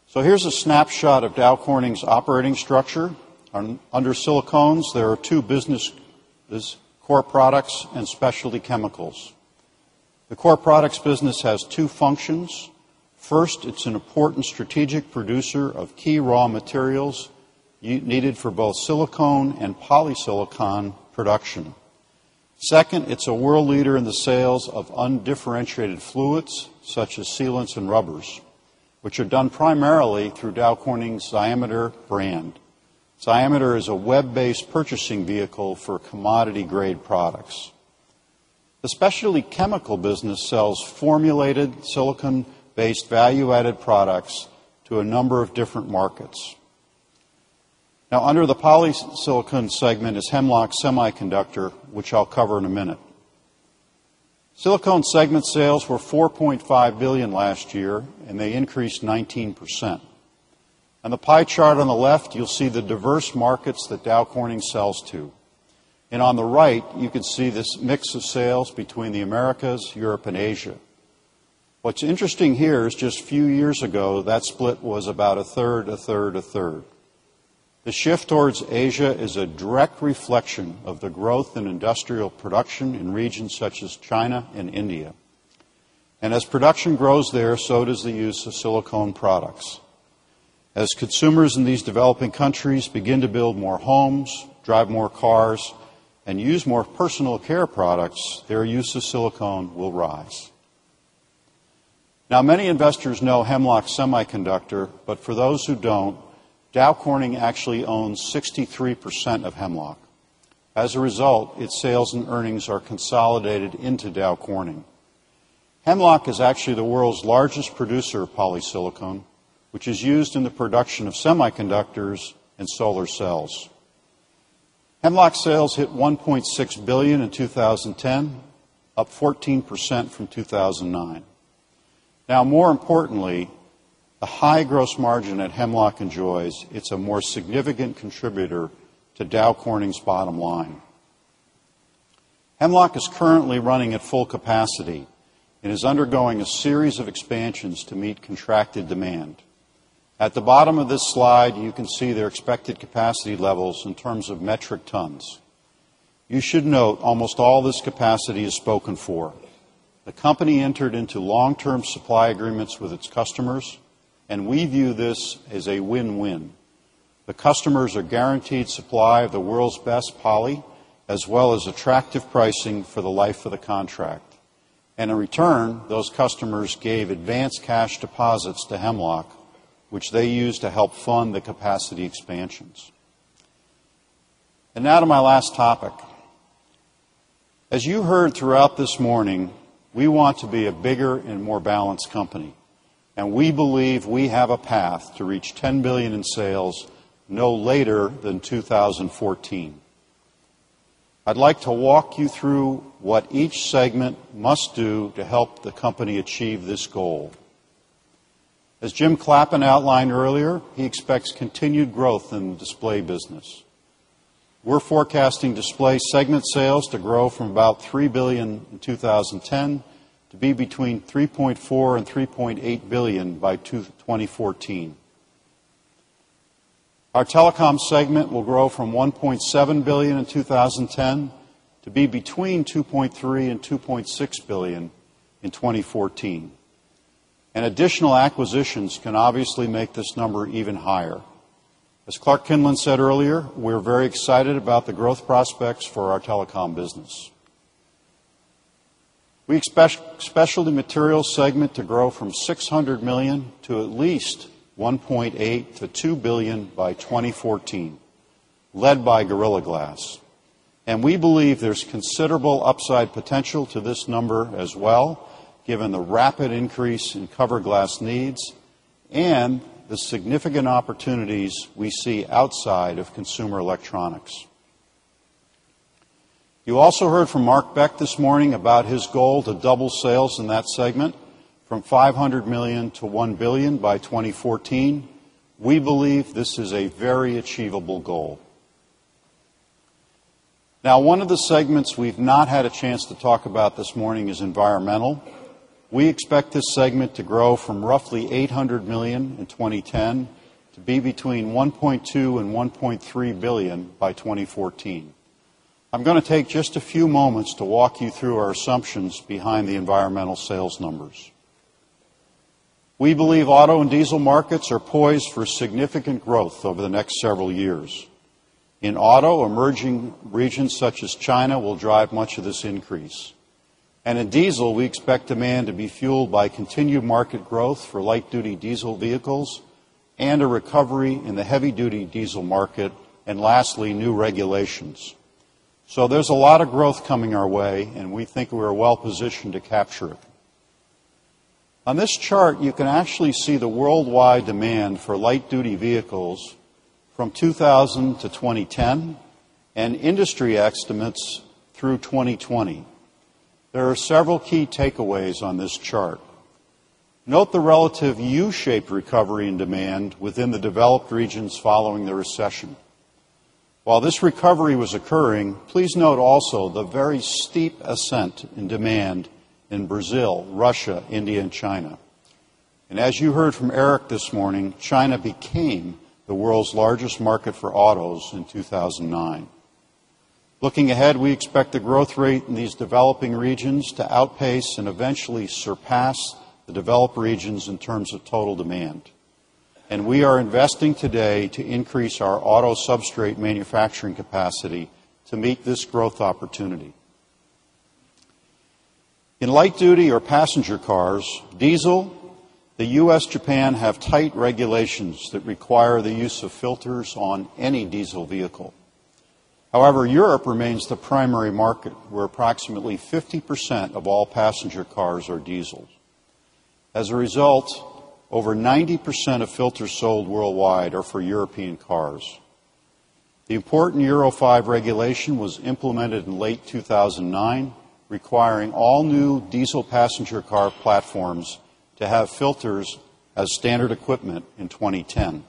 So here's a snapshot of Dow Corning's operating structure. Under silicones, there are 2 business core products and specialty chemicals. The core products business has 2 functions. First, it's an important strategic producer of key raw materials needed for both silicone and polysilicon production. 2nd, it's a world leader in the sales of undifferentiated fluids such as sealants and rubbers, which are done primarily through Dow Corning's diameter brand. Ziameter is a web based purchasing vehicle for commodity grade products. The Specialty Chemical business sells formulated silicon based value added products to a number of different markets. Now under the Poly Silicone segment is Hemlock Semiconductor, which I'll cover in a minute. Silicone segment sales were $4,500,000,000 last year and they increased 19%. On the pie chart on the left, you'll see the diverse markets that Dow Corning sells to. And on the right, you can see this mix of sales between the Americas, Europe and Asia. What's interesting here is just few years ago that split was about a third, a third, a third. The shift towards Asia is a direct reflection of the growth in industrial production in regions such as China and India. And as production grows there, so does the use of silicone products. As consumers in these developing countries begin to build more homes, drive more cars and use more personal care products, their use of silicone will rise. Now many investors know Hemlock Semiconductor, but for those who don't, Dow Corning actually owns 63% of Hemlock. As a result, its sales and earnings are consolidated into Dow Corning. Hemlock is actually the world's largest producer of polysilicon, which is used in the production of semiconductors and solar cells. Hemlock sales hit $1,600,000,000 in 2010, up 14% from 2,009. Now more importantly, the high gross margin that Hemlock enjoys, it's a more significant contributor to Dow Corning's bottom line. Hemlock is currently running at full capacity and is undergoing a series of expansions to meet contracted demand. At the bottom of this slide, you can see their expected capacity levels in terms of metric tons. You should note almost all this capacity is spoken for. The company entered into long term supply agreements with its customers and we view this as a win win. The customers are guaranteed supply of the world's best poly as well as attractive pricing for the life of the contract. And in return, those customers gave advanced cash deposits to Hemlock, which they use to help fund the capacity expansions. And now to my last topic. As you heard throughout this morning, we want to be a bigger and more balanced company, And we believe we have a path to reach $10,000,000,000 in sales no later than 2014. I'd like to walk you through what each segment must do to help the company achieve this goal. As Jim Clappin outlined earlier, he expects continued growth in the display business. We're forecasting display segment sales to grow from about $3,000,000,000 in 20.10 to be between $3,400,000,000 $3,800,000,000 by 2014. Our Telecom segment will grow from $1,700,000,000 in 20.10 to be between $2,300,000,000 $2,600,000,000 in 2014. And additional acquisitions can obviously make this number even higher. As Clark Kinlan said earlier, we are very excited about the growth prospects for our Telecom business. We expect Specialty Materials segment to grow from $600,000,000 to at least $1,800,000,000 to $2,000,000,000 by 2014, led by Gorilla Glass. And we believe there's considerable upside potential to this number as well, given the rapid increase in cover glass needs and the significant opportunities we see outside of consumer electronics. You also heard from Mark Beck this morning about his goal to double sales in that segment from $500,000,000 to $1,000,000,000 by 2014. We believe this is a very achievable goal. Now one of the segments we've not had a chance to talk about morning is environmental. We expect this segment to grow from roughly $800,000,000 in 2010 to be between $1,200,000,000 and 1 point $3,000,000,000 by 2014. I'm going to take just a few moments to walk you through our assumptions behind the environmental sales numbers. We believe auto and diesel markets are poised for significant growth over the next several years. In auto, emerging regions such as China will drive much of this increase. And in diesel, we expect demand to be fueled by continued market growth for light duty diesel vehicles and a recovery in the heavy duty diesel market and lastly, new regulations. So there's a lot of growth coming our way and we think we're well positioned to capture it. On this chart, you can actually see the worldwide demand for light duty vehicles from 2000 to 2010 and industry estimates through 2020. There are several key takeaways on this chart. Note the relative U shaped recovery in demand within the developed regions following the recession. While this recovery was occurring, please note also the very steep ascent in demand in Brazil, Russia, India and China. And as you heard from Eric this morning, China became the world's largest market for autos in 2,009. Looking ahead, we expect the growth rate in these developing regions to outpace and eventually surpass the developed regions in terms of total demand. And we are investing today to increase our auto substrate manufacturing capacity to meet this growth opportunity. In light duty or passenger cars, diesel, the U. S, Japan have tight regulations that require the use of filters on any diesel vehicle. However, Europe remains the primary market where approximately 50% of all passenger cars are diesels. As a result, over 90% of filters sold worldwide are for European cars. The important Euro 5 regulation was implemented in late 2009, requiring all new diesel passenger car platforms to have filters as standard equipment in 2010.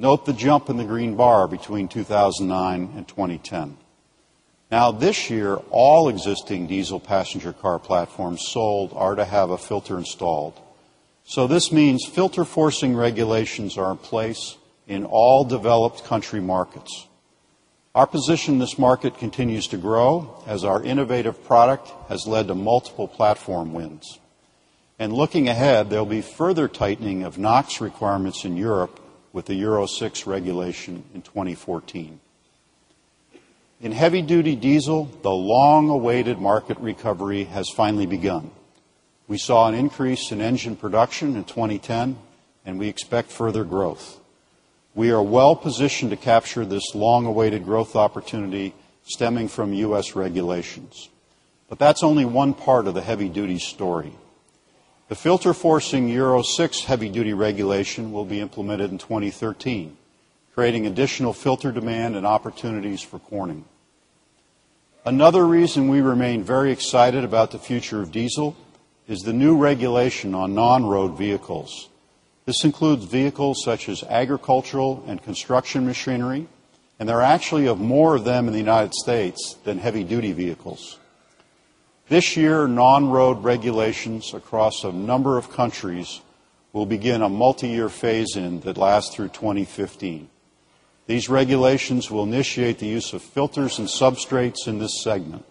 Note the jump in the green bar between 2,009 2010. Now this year, all existing diesel passenger car platforms sold are to have a filter installed. So this means filter forcing regulations are in place in all developed country markets. Our position in this market continues to grow as our innovative product has led to multiple platform wins. And looking ahead, there will be further tightening of NOx requirements in Europe with the Euro 6 regulation in 2014. In heavy duty diesel, the long awaited market recovery has finally begun. We saw an increase in engine production in 2010 and we expect further growth. We are well positioned to capture this long awaited growth opportunity stemming from U. S. Regulations. But that's only one part of the heavy duty story. The filter forcing Euro 6 heavy duty regulation will be implemented in 2013, creating additional filter demand and opportunities for Corning. Another reason we remain very excited about the future of diesel is the new regulation on non road vehicles. This includes vehicles such as agricultural and construction machinery, and there are actually more of them in the United States than heavy duty vehicles. This year, non road regulations across a number of countries will begin a multi year phase in that lasts through 2015. These regulations will initiate the use of filters and substrates in this segment.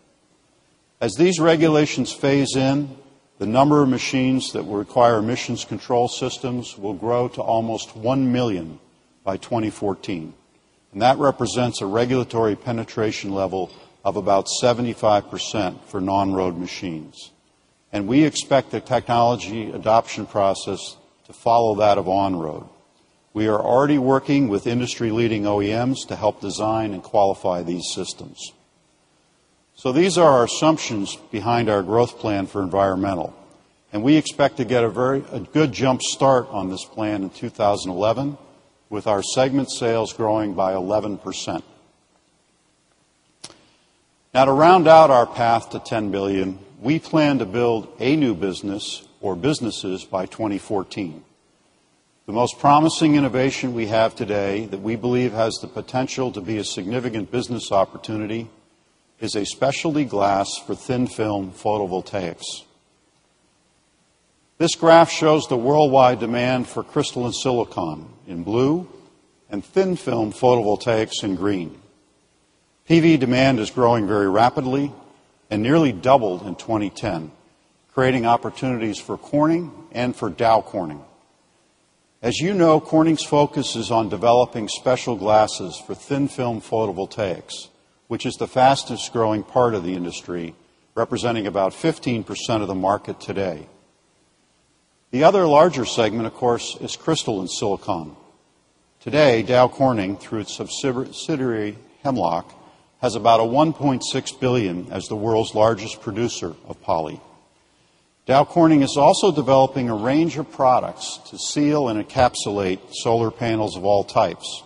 As these regulations phase in, the number of machines that will require emissions control systems will grow to almost 1,000,000 by 2014. And that represents a regulatory penetration level of about 75% for non road machines. And we expect the technology adoption process to follow that of on road. We are already working with industry leading OEMs to help design and environmental and we expect to get a very a good jump start on this plan in 2011 with our segment sales growing by 11%. Now to round out our path to 10,000,000,000 dollars we plan to build a new business or businesses by 2014. The most promising innovation we have today that we believe has the potential to be a significant business opportunity is a specialty glass for thin film photovoltaics. This graph shows the worldwide demand for crystalline silicon in blue and thin film photovoltaics in green. PV demand is growing very rapidly and nearly doubled in 2010, creating opportunities for Corning and for Dow Corning. As you know, Corning's focus is on developing special glasses for thin film photovoltaics, which is the fastest growing part of the industry, representing about 15% of the market today. The other larger segment, of course, is crystal and silicon. Today Dow Corning through its subsidiary Hemlock has about a $1,600,000,000 as the world's largest producer of poly. Dow Corning is also developing a range of products to seal and encapsulate solar panels of all types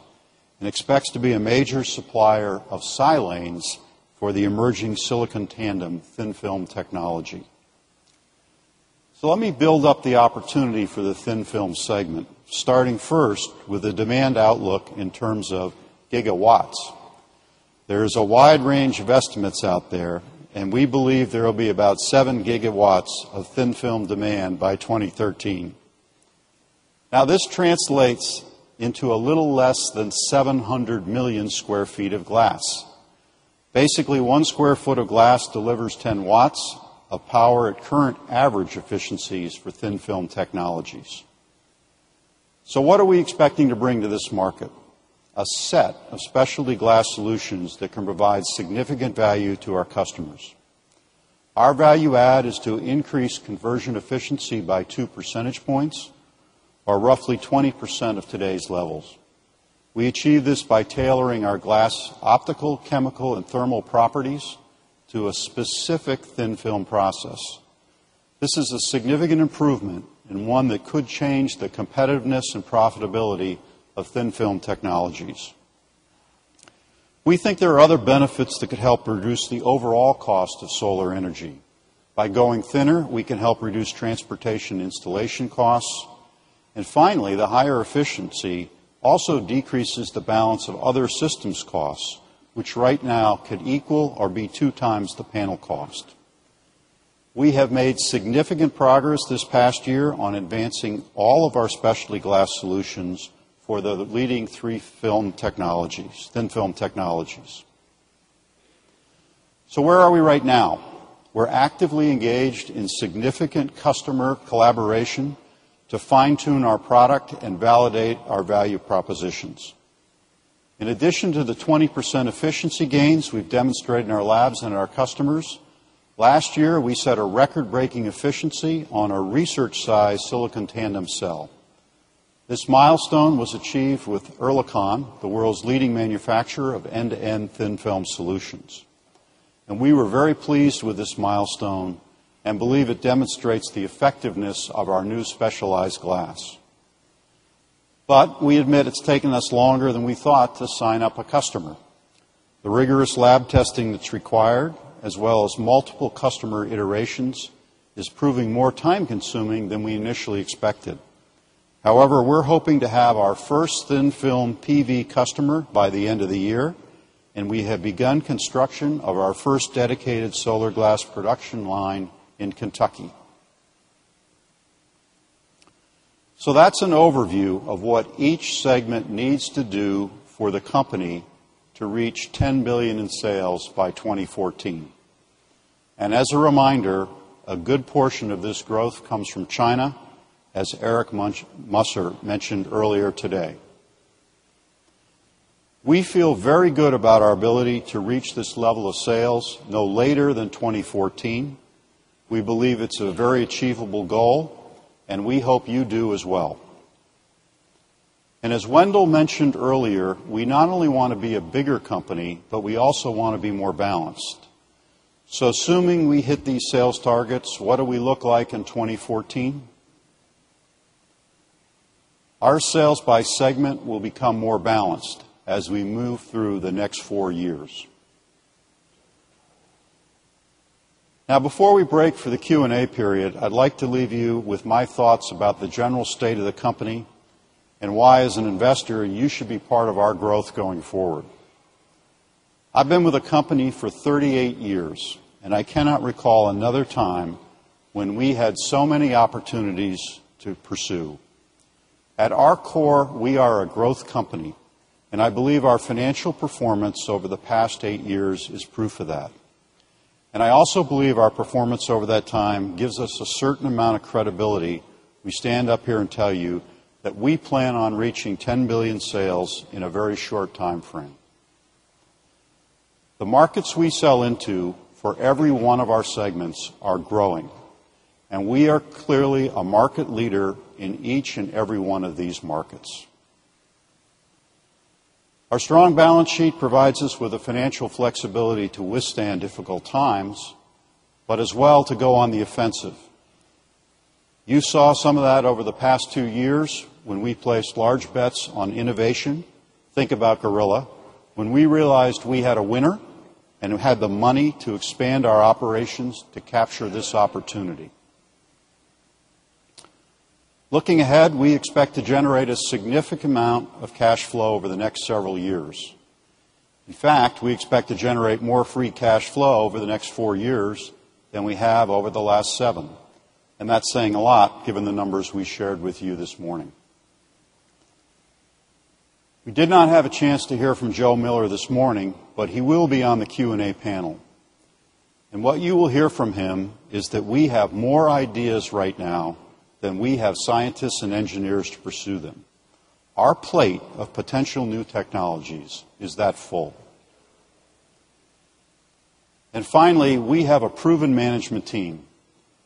and expects to be a major supplier of silanes for the emerging silicon tandem thin film technology. So let me build up the opportunity for the thin film segment, starting first with the demand outlook in terms of gigawatts. There is a wide range of estimates out there and we believe there will be about 7 gigawatts of thin film demand by 2013. Now this translates into a little less than 700,000,000 square feet of glass. Basically, 1 square foot of glass delivers 10 watts of power at current average efficiencies for thin film technologies. So what are we expecting to bring to this market? A set of specialty glass solutions that can provide significant value to our customers. Our value add is to increase conversion efficiency by 2 percentage points or roughly 20% of today's levels. We achieved this by tailoring our glass optical, chemical and thermal properties to a specific thin film process. This is a significant improvement and one that could change the competitiveness and profitability of thin film technologies. We think there are other benefits that could help reduce the overall cost of solar energy. By going thinner, we can help reduce transportation installation costs. And finally, the higher efficiency also decreases the balance of other systems costs, which right now could equal or be 2 times the panel cost. We have made significant progress this past year on advancing all of our specialty glass solutions for the leading 3 film technologies, thin film technologies. So where are we right now? We're actively engaged in significant customer collaboration to fine tune our product and validate our value propositions. In addition to the 20% efficiency gains we've demonstrated in our labs and our customers, Last year, we set a record breaking efficiency on our research size silicon tandem cell. This milestone was achieved with Ehrlichon, the world's leading manufacturer of end to end thin film solutions. And we were very pleased with this milestone and believe it demonstrates the effectiveness of our new specialized glass. But we admit it's taken us longer than we thought to sign up a customer. The rigorous lab testing that's required as well as multiple customer iterations is proving more time consuming than we initially expected. However, we're hoping to have our 1st thin film PV customer by the end of the year, and we have begun construction of our 1st dedicated solar glass production line in Kentucky. So that's an overview of what each segment needs to do for the company to reach $10,000,000,000 in sales by 2014. And as a reminder, a good portion of this growth comes from China, as Eric Muser mentioned earlier today. We feel very good about our ability to reach this level of sales no later than 2014. We believe it's a very achievable goal and we hope you do as well. And as Wendell mentioned earlier, we not only want to be a bigger company, but we also want to be more balanced. So assuming we hit these sales targets, what do we look like in 2014? Our sales by segment will become more balanced as we move through the next 4 years. Now before we break for the Q and A period, I'd like to leave you with my thoughts about the general state of the company and why as an investor you should be part of our growth going forward. I've been with the company for 38 years and I cannot recall another time when we had so many opportunities to pursue. At our core, we are a growth company And I believe our financial performance over the past 8 years is proof of that. And I also believe our performance over that time gives us a certain amount of credibility. We stand up here and tell you that we plan on reaching 10,000,000,000 sales in a very short timeframe. The markets we sell into for every one of our segments are growing, and we are clearly a market leader in each and every one of these markets. Our strong balance sheet provides us with the financial flexibility to withstand difficult times, but as well to go on the offensive. You saw some of that over the past 2 years when we placed large bets on innovation, think about Gorilla, when we realized we had a winner and who had the money to expand our operations to capture this opportunity. Looking ahead, we expect to generate a significant amount of cash flow over the next several years. In fact, we expect to generate more free cash flow over the next 4 years than we have over the last 7. And that's saying a lot given the numbers we shared with you this morning. We did not have a chance to hear from Joe Miller this morning, but he will be on the Q and A panel. And what you will hear from him is that we have more ideas right now than we have scientists and engineers to pursue them. Our plate of potential new technologies is that full. And finally, we have a proven management team.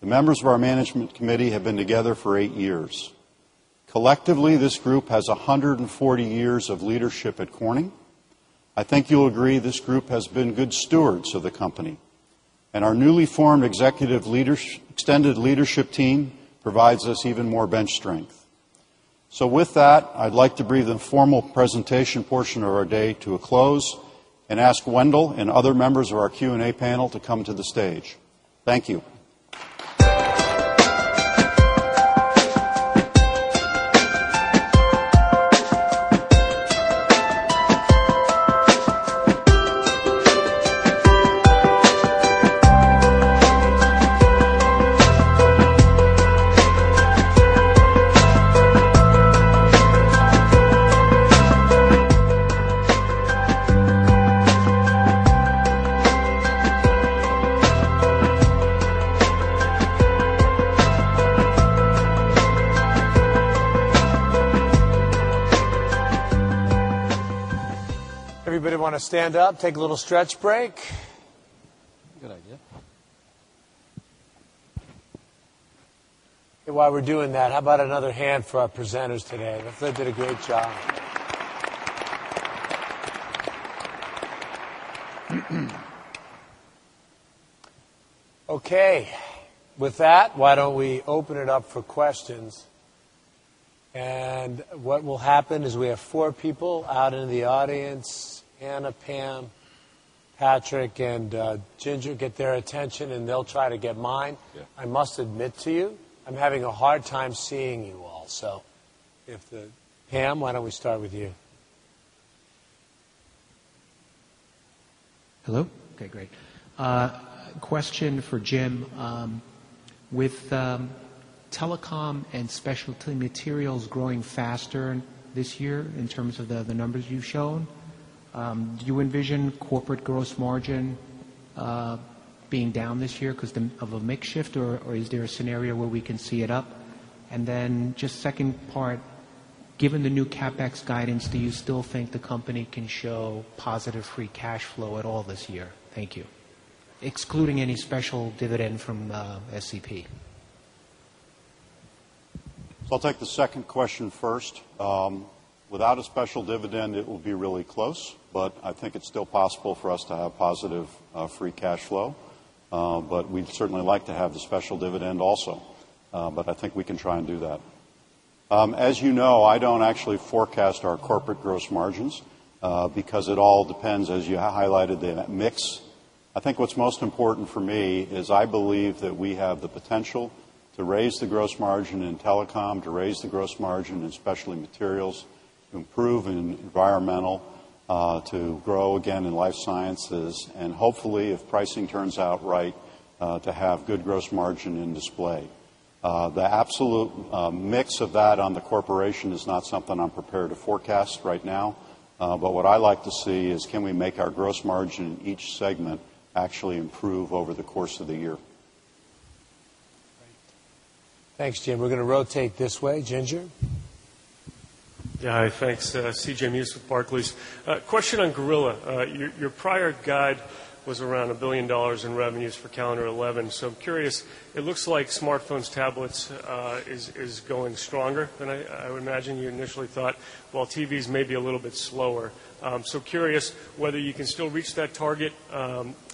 The members of our management committee have been together for 8 years. Collectively, this group has 140 years of leadership at Corning. I think you'll agree this group has been good stewards of the company. And our newly formed executive leaders extended leadership team provides us even more bench strength. So with that, I'd like to brief the formal presentation portion of our day to a close and ask Wendell and other members of our Q and A panel to come to the stage. Thank you. Everybody want to stand up, take a little stretch break? Good idea. And while we're doing that, how about another hand for our presenters today? The flip did a great job. Okay. With that, why don't we open it up for questions. And what will happen is we have 4 people out in the audience, Anna, Pam, Patrick and Ginger get their attention and they'll try to get mine. I must admit to you, I'm having a hard time seeing you all. So, Pam, why don't we start with you? Hello? Okay, great. Question for Jim. With Telecom and Specialty Materials growing faster this year in terms of the numbers you've shown, do you envision corporate gross margin being down this year because of a mix shift? Or is there a scenario where we can see it up? And then just second part, given the new CapEx guidance, do you still think the company can show positive free cash flow at all this year? Thank you. Excluding any special dividend from SEP. So I'll take the second question first. Without a special dividend, it will be really close, but I think it's still possible for us to have positive free cash flow. But we'd certainly like to have the special dividend also, but I think we can try and do that. As you know, I don't actually forecast our corporate gross margins because it all depends, as you highlighted, that mix. I think what's most important for me is I believe that we have the potential to raise the gross margin in telecom, to raise the gross margin in Specialty Materials, improve in environmental, to grow again in Life Sciences and hopefully if pricing turns out right to have good gross margin in display. The absolute mix of that on the corporation is not something I'm prepared to forecast right now. But what I like to see is, can we make our gross margin in each segment actually improve over the course of the year. Thanks, Jim. We're going to rotate this way. Ginger? Yes. Hi, thanks. C. J. Muse with Barclays. A question on Gorilla, your prior guide was around $1,000,000,000 in revenues for calendar 11. So I'm curious, it looks like smartphones, tablets is going stronger than I would imagine you initially thought, while TVs maybe a little bit slower. So curious whether you can still reach that target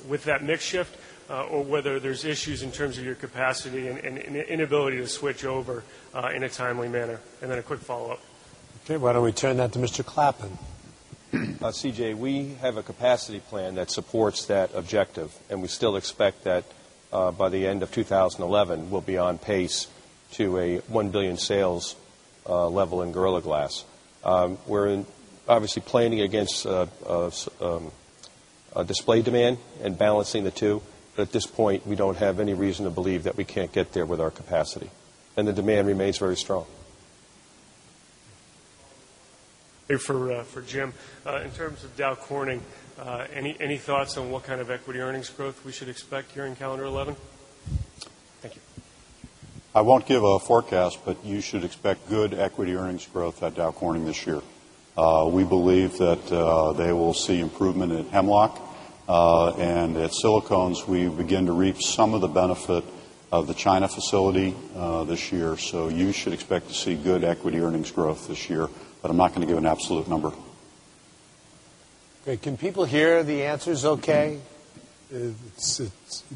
with that mix shift or whether there's issues in terms of your capacity and inability to switch over in a timely manner? And then a quick follow-up. Okay. Why don't we turn that to Mr. Clappin? CJ, we have a capacity plan that supports that objective We still expect that by the end of 2011, we'll be on pace to a $1,000,000,000 sales level in Gorilla Glass. We're obviously planning against display demand and balancing the 2. But at this point, we don't have any reason to believe that we can't get there with our capacity. And the demand remains very strong. For Jim, in terms of Dow Corning, any thoughts on what kind of equity earnings growth we should expect here in calendar 'eleven? Thank you. I won't give a forecast, but you should expect good equity earnings growth at Dow Corning this year. We believe that they will see improvement in Hemlock. And at silicones, we begin to reap some of the benefit of the China facility this year. So you should expect to see good equity earnings growth this year, but I am not going to give an absolute number. Can people hear the answers okay?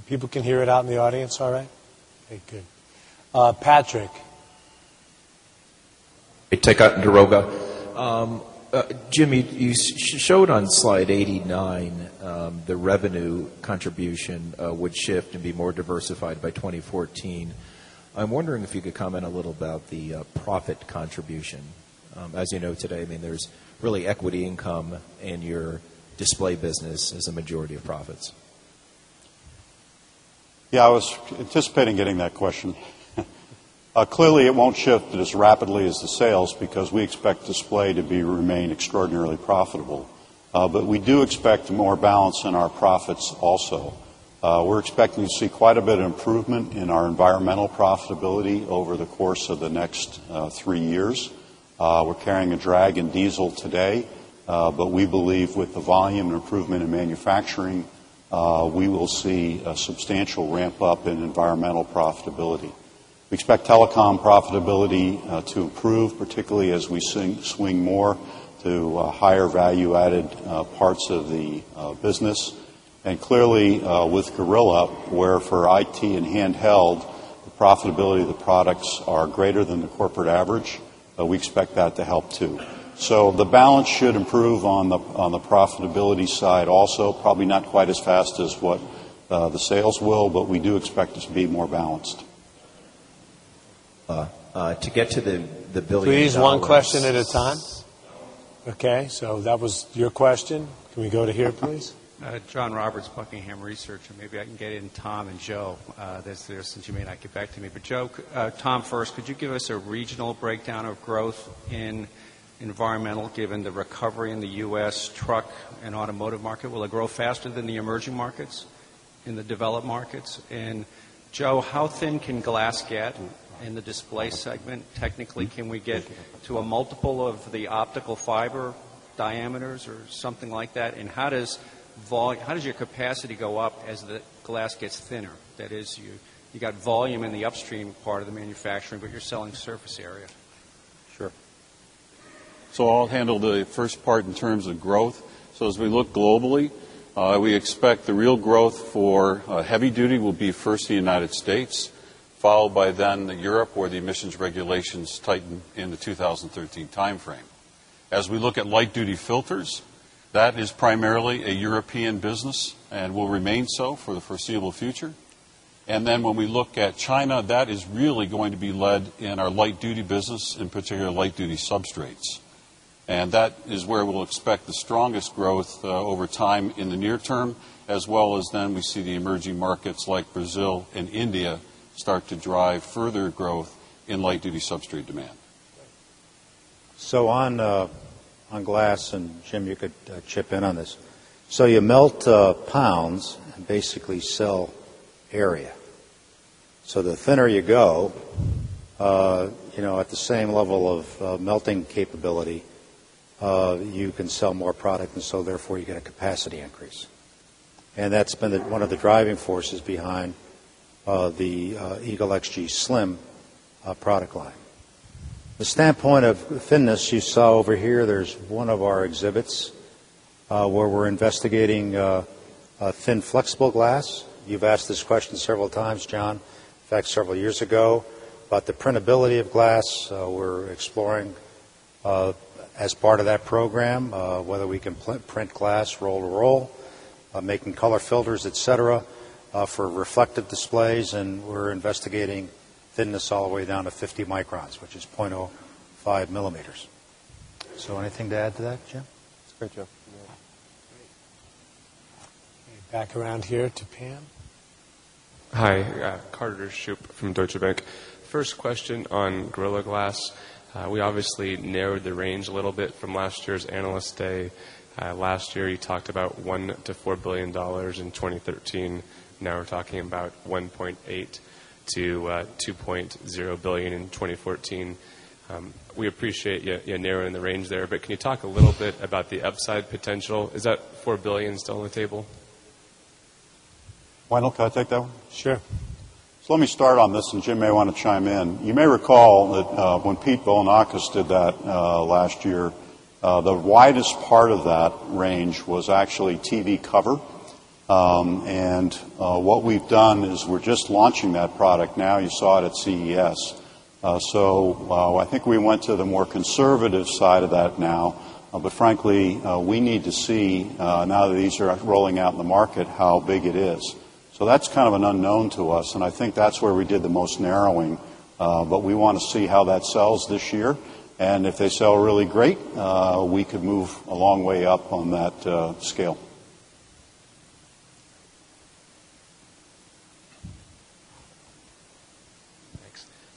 People can hear it out in the audience all right? Okay, good. Patrick? Hey, Teckhat and Daroga. Jimmy, you showed on Slide 89, the revenue contribution would shift and be more diversified by 2014. I'm wondering if you could comment a little about the profit contribution. As you know today, I mean there's really equity income and your display business as a majority of profits? Yes, I was anticipating getting that question. Clearly, it won't shift as rapidly as the sales because we expect display to be remain extraordinarily profitable. But we do expect more balance in our profits also. We are expecting to see quite a bit of improvement in our environmental profitability over the course of the next 3 years. We're carrying a drag in diesel today, but we believe with the volume improvement in manufacturing, we will see a substantial ramp up in environmental profitability. We expect telecom profitability to improve, particularly as we swing more to higher value added parts of the business. And clearly, with Gorilla, where for IT and handheld, the profitability of the products are greater than the corporate average, we expect that to help too. So, the balance should improve on To get to the billion Please one question, To get to the $1,000,000,000 Please one question at a time. Okay. So that was your question. Can we go to here, please? John Roberts, Buckingham Research. And maybe I can get in Tom and Joe that's there since you may not get back to me. But Joe, Tom, first, could you give us a regional breakdown of growth in environmental given the recovery in the U. S. Truck and automotive market? Will it grow faster than the emerging markets in the developed markets? And Joe, how thin can glass get in the display segment? Technically, can we get to a multiple of the optical fiber diameters or something like that? And how does your capacity go up as the glass gets thinner? That is got volume in the upstream part of the manufacturing, but you're selling surface area? Sure. So I'll handle the first part in terms of growth. So as we look globally, we expect the real growth for heavy duty will be first the United States, followed by then the Europe where the emissions regulations tightened in the 2013 timeframe. As we look at light duty filters, that is primarily a European business and will remain so for the foreseeable future. And then when we look at China, that is really going to be led in our light duty business, in particular light duty substrates. And that is where we'll expect the strongest growth over time in the near term, as well as then we see the emerging markets like Brazil and India start to drive further growth in light duty substrate demand. So on glass and Jim you could chip in on this. So you melt pounds and basically sell area. So the thinner you go, at the same level of melting capability, you can sell more product and so therefore you get a capacity increase. And that's been one of the driving forces behind the Eagle XG Slim product line. The standpoint of thinness you saw over here, there's one of our exhibits where we're investigating thin flexible glass. You've asked this question several times, John, in fact several years ago, about the printability of glass. We're exploring as part of that program, whether we can print glass, roll to roll, making color filters, etcetera, for reflective displays and we're investigating thinness all the way down to 50 microns, which is 0.05 millimeters. So anything to add to that, Jim? Back around here to Pam. Hi, Carter Shoup from Deutsche Bank. First question on Gorilla Glass. We obviously narrowed the range a little bit from last year's Analyst Day. Last year you talked about $1,000,000,000 to $4,000,000,000 in 2013. Now we're talking about $1,800,000,000 to $2,000,000,000 in 2014. We appreciate you're narrowing the range there, but can you talk a little bit about the upside potential, is that $4,000,000,000 still on the table? Wainel, can I take that one? Sure. So let me start on this and Jim may want to chime in. You may recall that when Pete Bell and Aukus did that last year, the widest part of that range was actually TV cover. And what we've done is we're just launching that product now. You saw it at CES. So I think we went to the more conservative side of that now. But frankly, we need to see now that these are rolling out in the market, how big it is. So that's kind of an unknown to us. And I think that's where we did the most narrowing. But we want to see how that sells this year. And if they sell really great, we could move a long way up on that scale.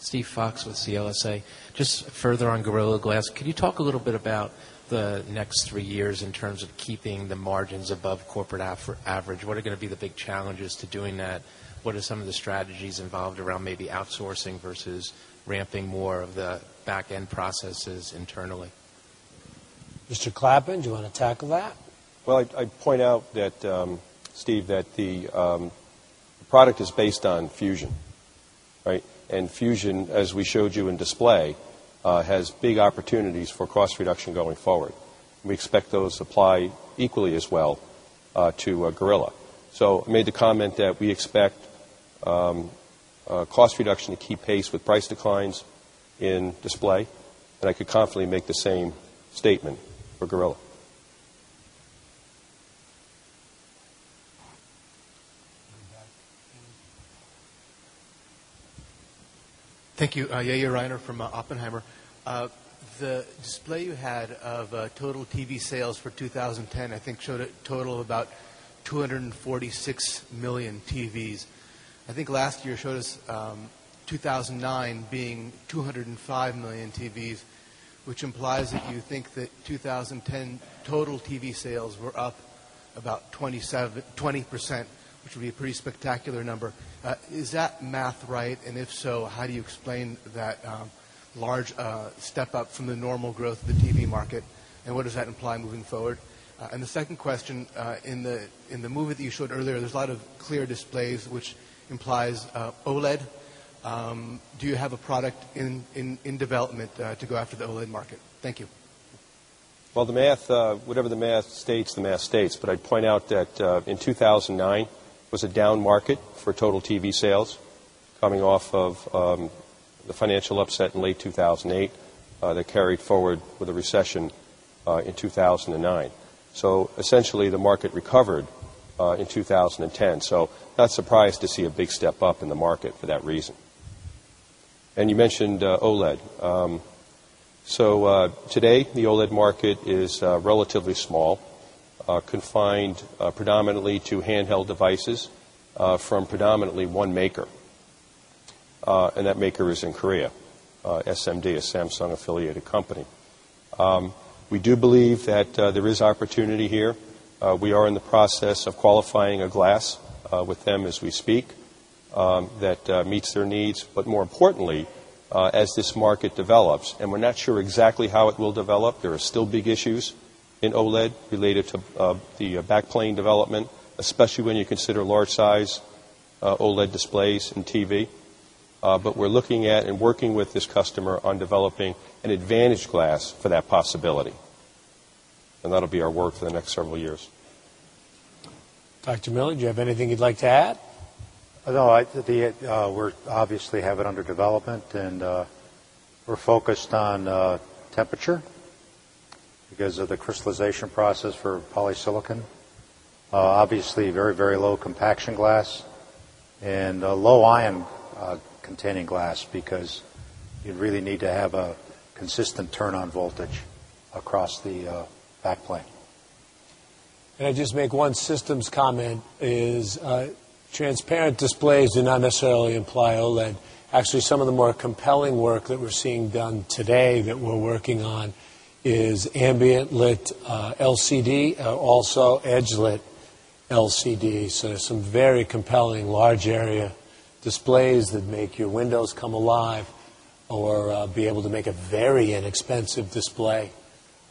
Steve Fox with CLSA. Just further on Gorilla Glass, could you talk a little bit about the next 3 years in terms of keeping the margins above corporate average? What are going to be the big challenges to doing that? What are some of the strategies involved around maybe outsourcing versus ramping more of the back end processes internally? Mr. Clappin, do you want to tackle that? Well, I'd point out that, Steve, that the product is based on Fusion, right? And fusion, as we showed you in display, has big opportunities for cost reduction going forward. We expect those supply equally as well to Gorilla. So I made the comment that we expect cost reduction to keep pace with price declines in display. And I could confidently make the same statement for Gorilla. Thank you. Yair Reiner from Oppenheimer. The display you had of total TV sales for 2010, I think, showed a total of about 246,000,000 TVs. I think last year you showed us 2,009 being 205,000,000 TVs, which implies that you think that 2010 total TV sales were up about 20% which will be a pretty spectacular number. Is that math right? And if so, how do you explain that large step up from the normal growth of the TV market? And what does that imply moving forward? And the second question, in the movie that you showed earlier, there's a lot of clear displays which implies OLED. Do you have a product in development to go after the OLED market? Thank you. Well, the math whatever the math states, the math states. But I'd point out that in 2,009 was a down market for total TV sales coming off of the financial upset in late 2008 that carried forward with the recession in 2,009. So essentially, the market recovered in 2010. So not surprised to see a big step up in the market for that reason. And you mentioned OLED. So today, the OLED market is relatively small, confined predominantly to handheld devices from predominantly one maker. And that maker is in Korea, SMD is Samsung affiliated company. We do believe that there is opportunity here. We are in the process of qualifying a glass with them as we speak that meets their needs. But more importantly, as this market develops, we're not sure exactly how it will develop. There are still big issues in OLED related to the backplane development, especially when you consider large size OLED displays and TV. But we're looking at and working with this customer on developing an advantage glass for that possibility. And that will be our work for the next several years. Doctor. Miller, do you have anything you'd like to add? No. We obviously have it under development and we're focused on temperature because of the crystallization process for polysilicon. Obviously, very, very low compaction glass and low ion containing glass because you really need to have a consistent turn on voltage across the backplane. And I'll just make one systems comment is transparent displays do not necessarily imply OLED, actually some of the more compelling work that we're seeing done today that we're working on is ambient lit LCD, also edge lit LCD. So, there's some very compelling large area displays that make your windows come alive or be able to make a very inexpensive display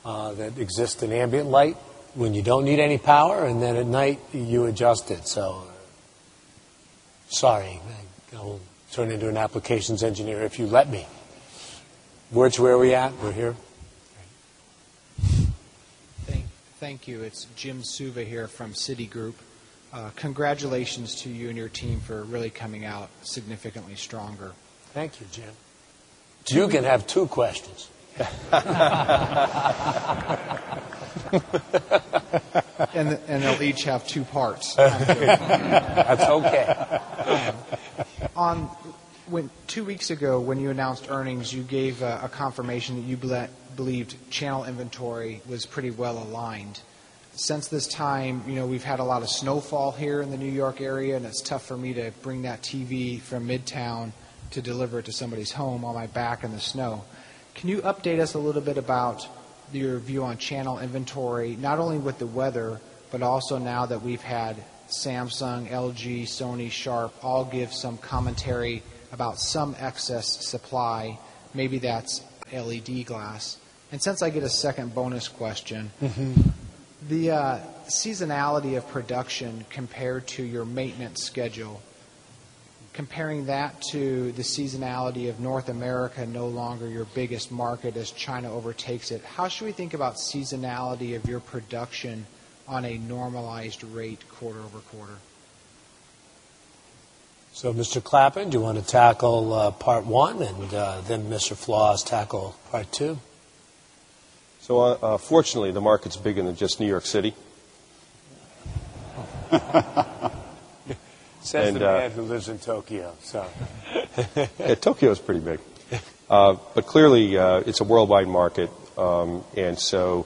that exists in ambient light when you don't need any power and then at night you adjust it. So, sorry, I will turn into an applications engineer if you let me. Words where we are at, we are here. Thank you. It's Jim Suva here from Citigroup. Congratulations to you and your team for really coming out significantly stronger. Thank you, Jim. You can have 2 questions. And the leads have 2 parts. That's okay. On 2 weeks ago, when you announced earnings, you gave a confirmation that you believed channel inventory was pretty well aligned. Since this time, we've had a lot of snowfall here in the New York area and it's tough for me to bring that TV from midtown to deliver it to somebody's home on my back in the snow. Can you update us a little bit about your view on channel inventory, not only with the weather, but also now that we've had Samsung, LG, Sony, Sharp, all give some commentary about some excess supply, maybe that's LED glass. And since I get a second bonus question, the seasonality of production compared to your maintenance schedule, comparing that to the seasonality of North America no longer your biggest market as China overtakes it, how should we think about seasonality of your production on a normalized rate quarter over quarter? Mr. Clappin, do you want to tackle part 1 and then Mr. Floss tackle part 2? So fortunately the market is bigger than just New York City. And a man who lives in Tokyo, so. Tokyo is pretty big. But clearly, it's a worldwide market. And so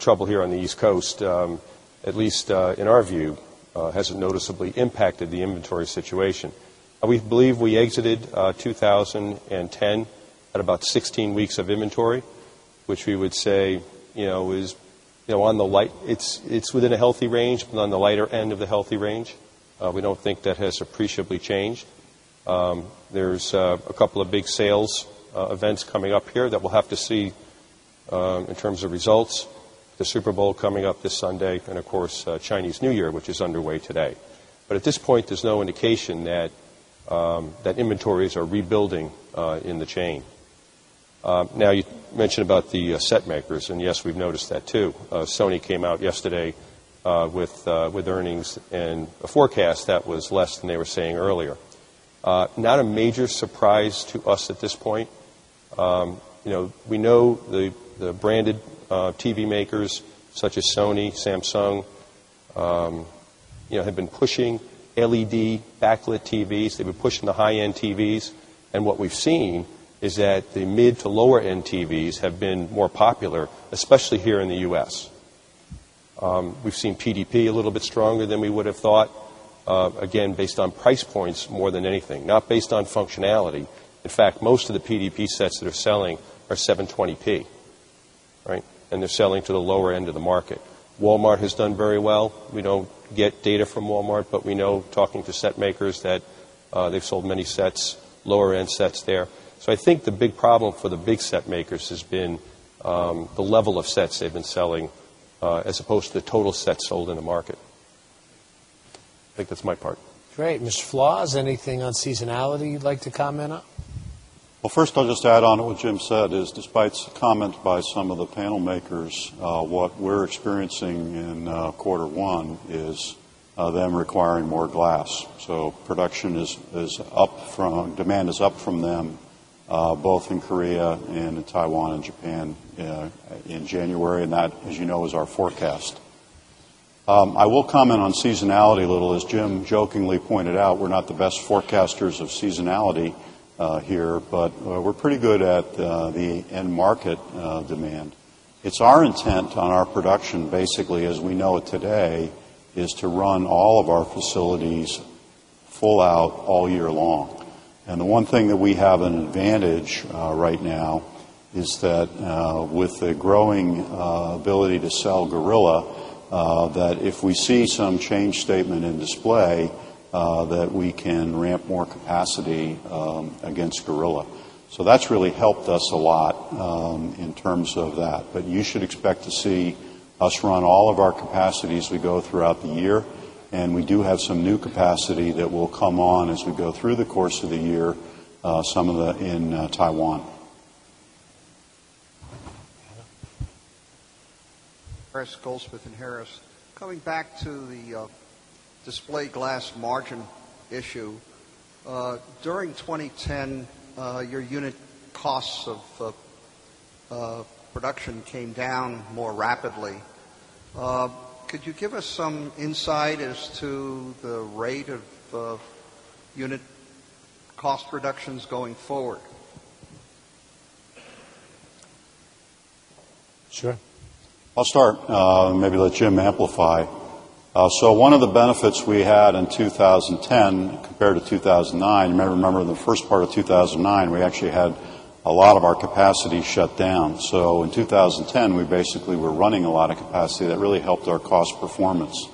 trouble here on the East Coast, at least in our view, hasn't noticeably impacted the inventory situation. We believe we exited 2010 at about 16 weeks of inventory, which we would say is on the light it's within a healthy range, but on the lighter end of the healthy range. We don't think that has appreciably changed. There's a couple of big sales events coming up here that we'll have to see in terms of results, the Super Bowl coming up this Sunday and of course Chinese New Year, which is underway today. But at this point, there's no indication that inventories are rebuilding in the chain. Now you mentioned about the set makers, and yes, we've noticed that too. Sony came out yesterday with earnings and a forecast that was less than they were saying earlier. Not a major surprise to us at this point. We know the branded TV makers such as Sony, Samsung have been pushing LED backlit TVs. They've been pushing the high end TVs. And what we've seen is that the mid- to lower end TVs have been more popular, popular, especially here in the U. S. We've seen PDP a little bit stronger than we would have thought, again, based on price points more than anything, not based on functionality. In fact, most of the PDP sets that are selling are 7 market. Walmart has done very well. We don't get data from Walmart, but we know talking to set makers that they've sold many sets, lower end sets there. So I think the big problem for the big set makers has been the level of sets they've been selling as opposed to the total sets sold in the market. I think that's my part. Great. Mr. Floss, anything on seasonality you'd like to comment on? Well, first, I'll just add on to what Jim said is despite the comment by some of the panel makers, what we're experiencing in quarter 1 is them requiring more glass. So production is up from demand is up from them, both in Korea and in Taiwan and Japan in January. And that, as you know, is our forecast. I will comment on seasonality a little. As Jim jokingly pointed out, we're not the best forecasters of seasonality here, but we're pretty good at the end market demand. It's our intent on our production basically as we know it today is to run all of our facilities full out all year long. And the one thing that we have an advantage right now is that with the growing ability to sell Gorilla, that if we see some change statement in display, that we can ramp more capacity against Gorilla. So that's really helped us a lot in terms of that. But you should expect to see us run all of our capacity as we go throughout the year. And we do have some new capacity that will come on as we go through the course of the year, some of that in Taiwan. Chris Goldsmith and Harris. Coming back to the display glass margin issue, during 2010, your unit costs of production came down more rapidly. Could you give us some insight as to the rate of unit cost reductions going forward? Sure. I'll start, maybe let Jim amplify. So one of the benefits we had in 2010 compared to 2,009, you may remember in the 2010 compared to 2,009, you may remember the 1st part of 2,009, we actually had a lot of our capacity shut down. So in 2010, we basically were running a lot capacity that really helped our cost performance.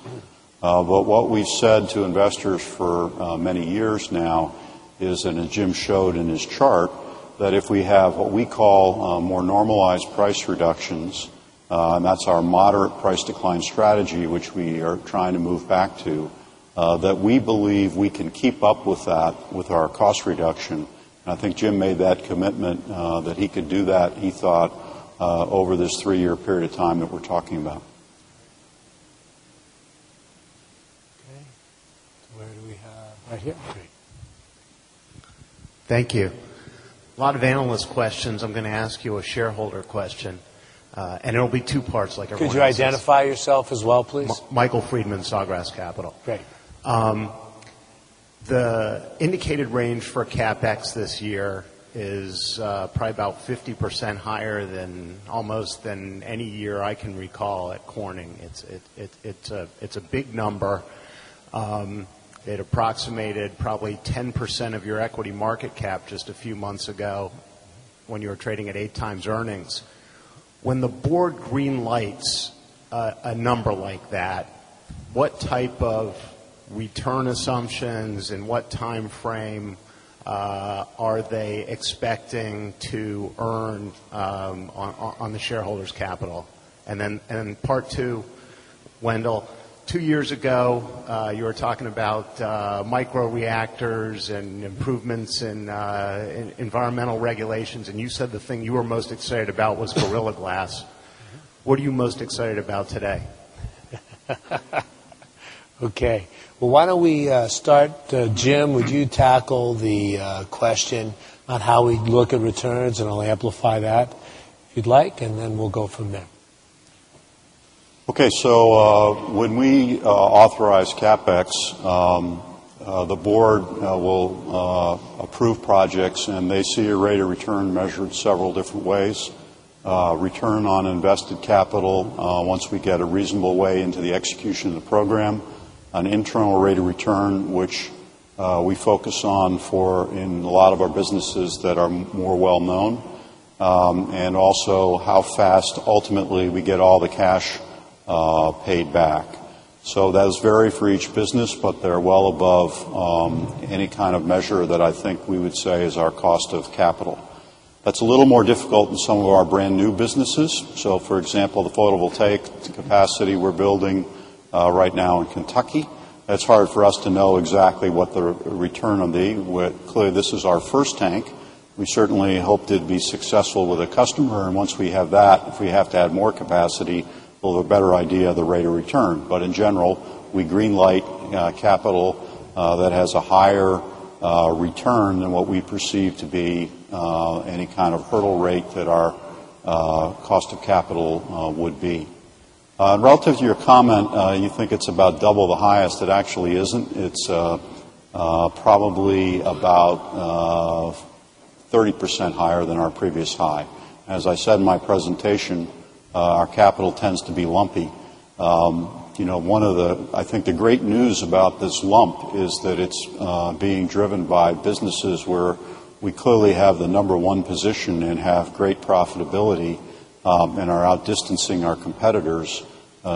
But what we've said to investors for many years now is and as Jim showed in his chart that if we have what we call more normalized price reductions, and that's our moderate price decline strategy, which we are trying to move back to, that we believe we can keep up with that with our cost reduction. I think Jim made that commitment that he could do that, he thought, over this 3 year period of time that we're talking about. Thank you. A lot of analyst questions. I'm going to ask you a shareholder question. And it will be 2 parts like Could you identify yourself as well, please? Michael Friedman, Sawgrass Capital. Great. The indicated range for CapEx this year is probably about 50% higher than almost than any year I can recall at Corning. It's a big number. It approximated probably 10% of your equity market cap just a few months ago when you were trading at 8x earnings. When the Board green lights a number like that, what type of return assumptions and what timeframe are they expecting to earn on the shareholders' capital? And then part 2, Wendell, 2 years ago, you were talking about micro reactors and improvements in environmental regulations. And you said the thing you were most excited about was Gorilla Glass. What are you most excited about today? Okay. Why don't we start, Jim, would you tackle the question on how we look at returns and I'll amplify that if you'd like and then we'll go from there. Okay. So, when we authorize CapEx, the Board will approve projects and they see a rate of return measured several different ways. Return on invested capital, once we get a reasonable way into the execution of the program, an internal rate of return, which we focus on for in a lot of our businesses that are more well known, and also how fast ultimately we get all the cash paid back. So, that is very for each business, but they are well above any kind of measure that I think we would say is our cost of capital. That's a little more difficult than some of our brand new businesses. So, for example, the photovoltaic capacity we're building right now in Kentucky. It's hard for us to know exactly what the return will be. Clearly, this is our first tank. We certainly hope to be successful with a customer. And once we have that, if we have to add more capacity, we'll have a better idea of the rate of return. But in general, we green light capital that has a higher return than what we perceive to be any kind of hurdle rate that our cost of capital would be. Relative to your comment, you think it's about double the highest, it actually isn't. It's probably about 30% higher than our previous high. As I said in my presentation, our capital tends to be lumpy. One of the I think the great news about this lump is that it's being driven by businesses where we clearly have the number one position and have great profitability and are outdistancing our competitors.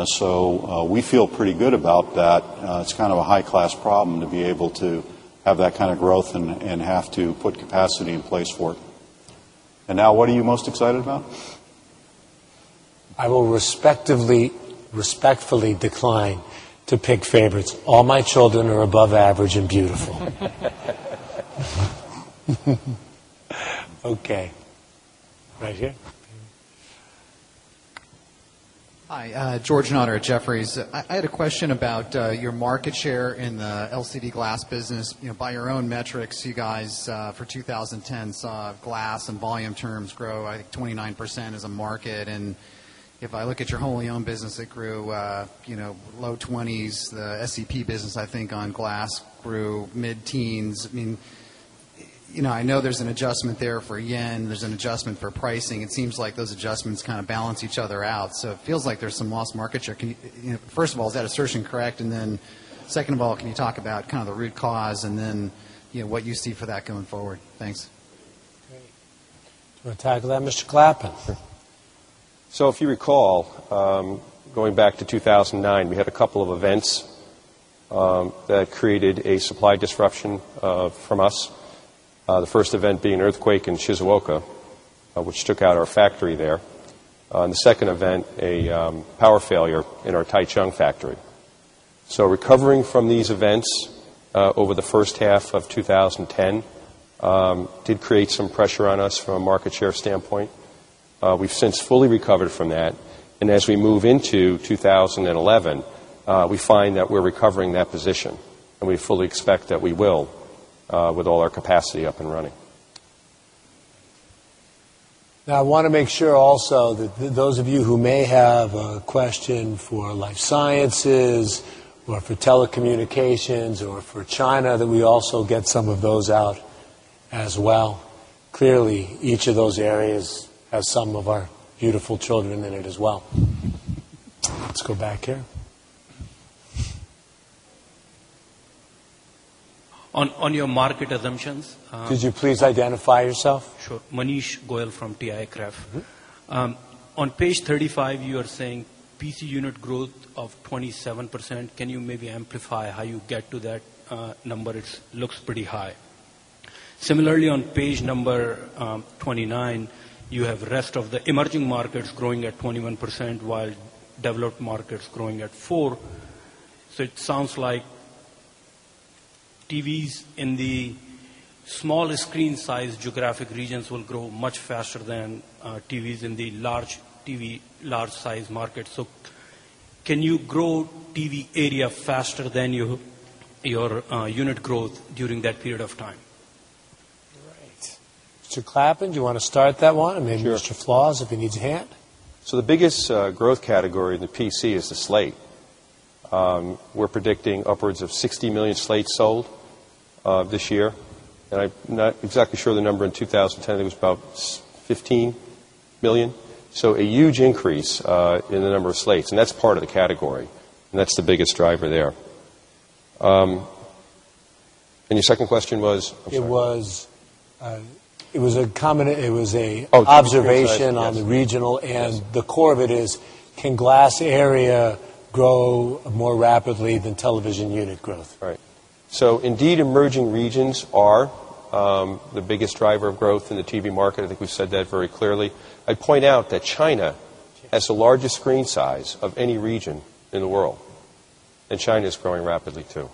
So we feel pretty good about that. It's kind of a high class problem to be able to have that kind of growth and have to put capacity in place for it. And now what are you most excited about? I will respectively decline to pick favorites. All my children are above average and beautiful. Okay. Right here. Hi. George Notter at Jefferies. I had a question about your market share in the LCD glass business. By your own metrics, you guys for 2010 saw glass and volume terms grow, I think, 29% as a market. And if I look at your wholly owned business, it grew low 20s, the SEP business, I think, on glass grew mid teens. I mean, I know there's an adjustment there for yen, there's an adjustment for pricing. It seems like those adjustments kind of balance each other out. So it feels like there's some lost market share. Can you first of all, is that assertion correct? And then second of all, can you talk about kind of the root cause and then what you see for that going forward? Thanks. Okay. Do you want to tackle that, Mr. Clappin? So if you recall, going back to 2,009, we had a couple of events that created a supply disruption from us. The first event being an earthquake in Shizuoka, which took out our factory there. And the second event, a power failure in our Taichung factory. So recovering from these events over the first half of twenty ten did create some pressure on us from a market share standpoint. We've since fully recovered from that. And as we move into 2011, we find that we're recovering that position, and we fully expect that we will with all our capacity up and running. Now I want to make sure also that those of you who may have a question for life sciences or for telecommunications or for China that we also get some of those out as well. Clearly, each of those areas has some of our beautiful children in it as well. Let's go back here. On your market assumptions Could you please identify yourself? Sure. Manish Goyal from TICREF. On Page 35, you are saying PC unit growth of 27%. Can you maybe amplify how you get to that number? It looks pretty high. Similarly on Page 29, you have rest of the emerging markets growing at 21%, while developed markets growing at 4%. So it sounds like TVs in the small screen size geographic regions will grow much faster than TVs in the large TV large size market. So can you grow TV area faster than your unit growth during that period of time? Mr. Clappin, do you want to start that one and maybe Mr. Floss, if you need your hand? So the biggest growth category in the PC is the slate. We're predicting upwards of 60,000,000 slates sold this year. And I'm not exactly sure of the number in 2010. I think it was about 15 1,000,000. So a huge increase in the number of slates and that's part of the category and that's the biggest driver there. And your second question was? It was a combination on the regional and the core of it is can glass area grow more rapidly than television unit growth? Right. So indeed emerging regions are the biggest driver of growth in the TV market. I think we've said that very clearly. I'd point out that China has the largest screen size of any region in the world. And China is growing rapidly too.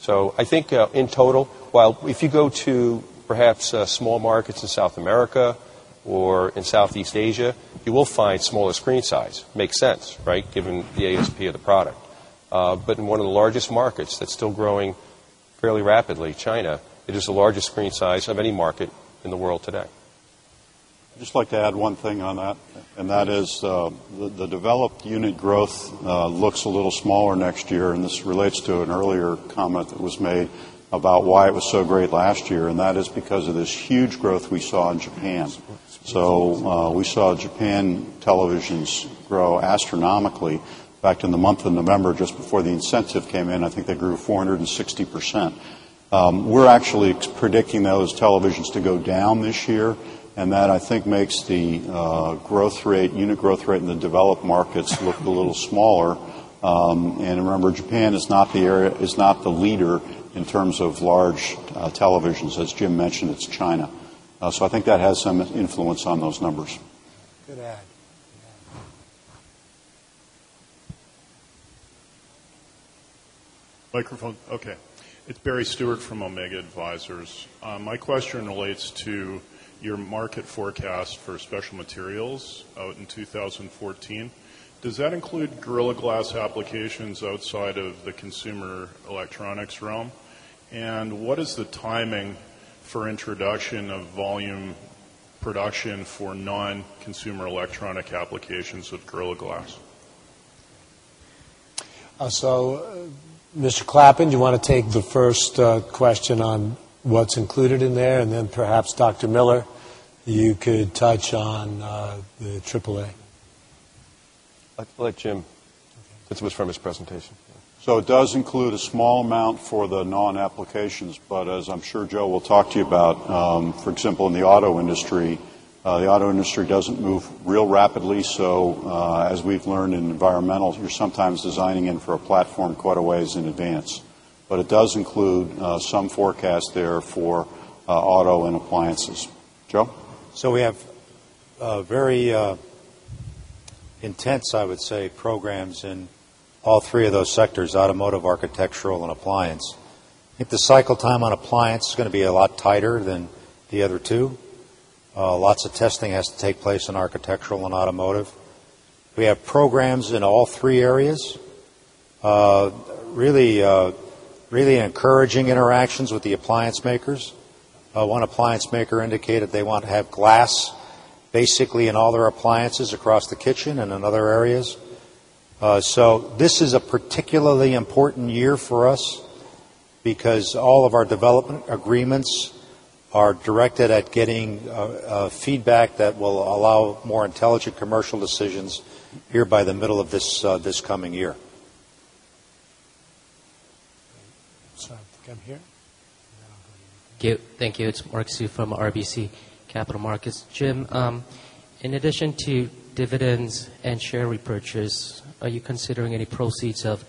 So I think in total, while if you go to perhaps small markets in South America or in Southeast Asia, you will find smaller screen size. Makes sense, right, given the ASP of the product. But in one of the largest markets that's still growing fairly rapidly, China, it is the largest screen size of any market in the world today. I'd just like to add one thing on that, and that is the developed unit growth looks a little smaller next year, and this relates to an earlier comment that was made about why it was so great last year and that is because of this huge growth we saw in Japan. So we saw Japan televisions grow astronomically. Back in the month of November, just before the incentive came in, I think they grew 4 60%. We are actually predicting those televisions to go down this year and that I think makes the growth rate unit growth rate in the developed markets look a little smaller. And remember, Japan is not the area is not the leader in terms of large televisions. As Jim mentioned, it's China. So I think that has some influence on those numbers. It's Barry Stewart from Omega Advisors. My question relates to your market forecast for special materials out in 2014. Does that include Gorilla Glass applications outside of the consumer electronics realm? And what is the timing for introduction of volume production for non consumer electronic applications of Gorilla Glass? So Mr. Clappin, do you want to take the first question on what's included in there? And then perhaps Doctor. Miller, you could touch on the AAA. I'd like Jim. That's what was from his presentation. So it does include a small amount for the non applications. But as I'm sure Joe will talk to you about, for example, in the auto industry, the auto industry doesn't move real rapidly. So, as we've learned in environmental, you're sometimes designing in for a platform quite a ways in advance. But it does include some forecast there for auto and appliances. Joe? So we have very intense, I would say, programs in all three of those sectors, automotive, architectural and appliance. If the cycle time on appliance is going to be a lot tighter than the other 2, lots of testing has to take place in architectural and automotive. We have programs in all three areas. Really encouraging interactions with the appliance makers. One appliance maker indicated they want to have glass basically in all their appliances across the kitchen and in other areas. So this is a particularly important year for us because all of our development agreements are directed at getting feedback that will allow more intelligent commercial decisions here by the middle of this coming year. Thank you. It's Mark Hsu from RBC Capital Markets. Jim, in addition to dividends and share repurchase, are you considering any proceeds of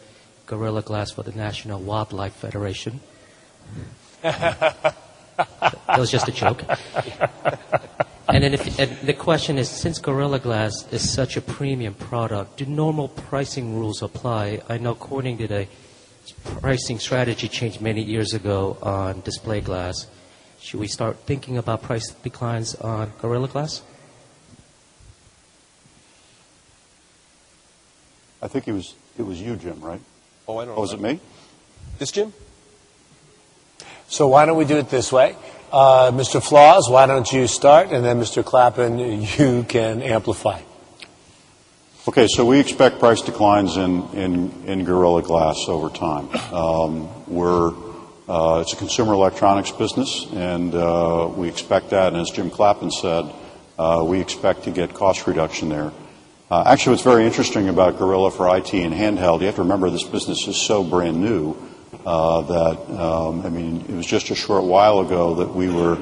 Gorilla Glass for the National Wildlife Federation? That was just a joke. And then the question is, since Gorilla Glass is such a premium product, do normal pricing rules apply? I know Corning did a pricing strategy change many years ago on display glass. Should we start thinking about price declines on Gorilla Glass? I think it was you, Jim, right? I don't know. Was it me? Yes, Jim. So why don't we do it this way? Mr. Floss, why don't you start and then Clappen, you can amplify. Okay. So we expect price declines in Gorilla Glass over time. We're it's a consumer electronics business and we expect that. And as Jim Clappin said, we expect to get cost reduction there. Actually, what's very interesting about Gorilla for IT and handheld, you have to remember this business is so brand new that, I mean, it was just a short while ago that we were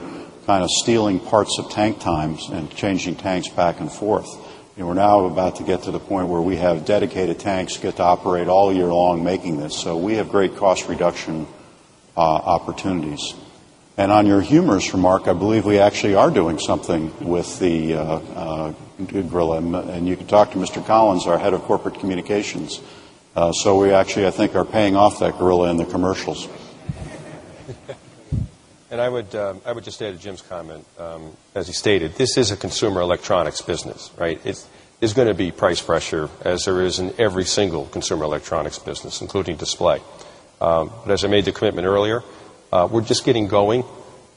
kind of stealing parts of tank times and changing tanks back and forth. And we're now about to get to the point where we have dedicated tanks get to operate all year long making this. So we have great cost reduction opportunities. And on your humorous remark, I believe we actually are doing something with the gorilla and you can talk to Mr. Collins, our Head of Corporate Communications. So we actually, I think, are paying off that gorilla in the commercials. And I would just add to Jim's comment. As he stated, this is a consumer electronics business, right? It's going to be price pressure as there is in every single consumer electronics business, including display. As I made the commitment earlier, we're just getting going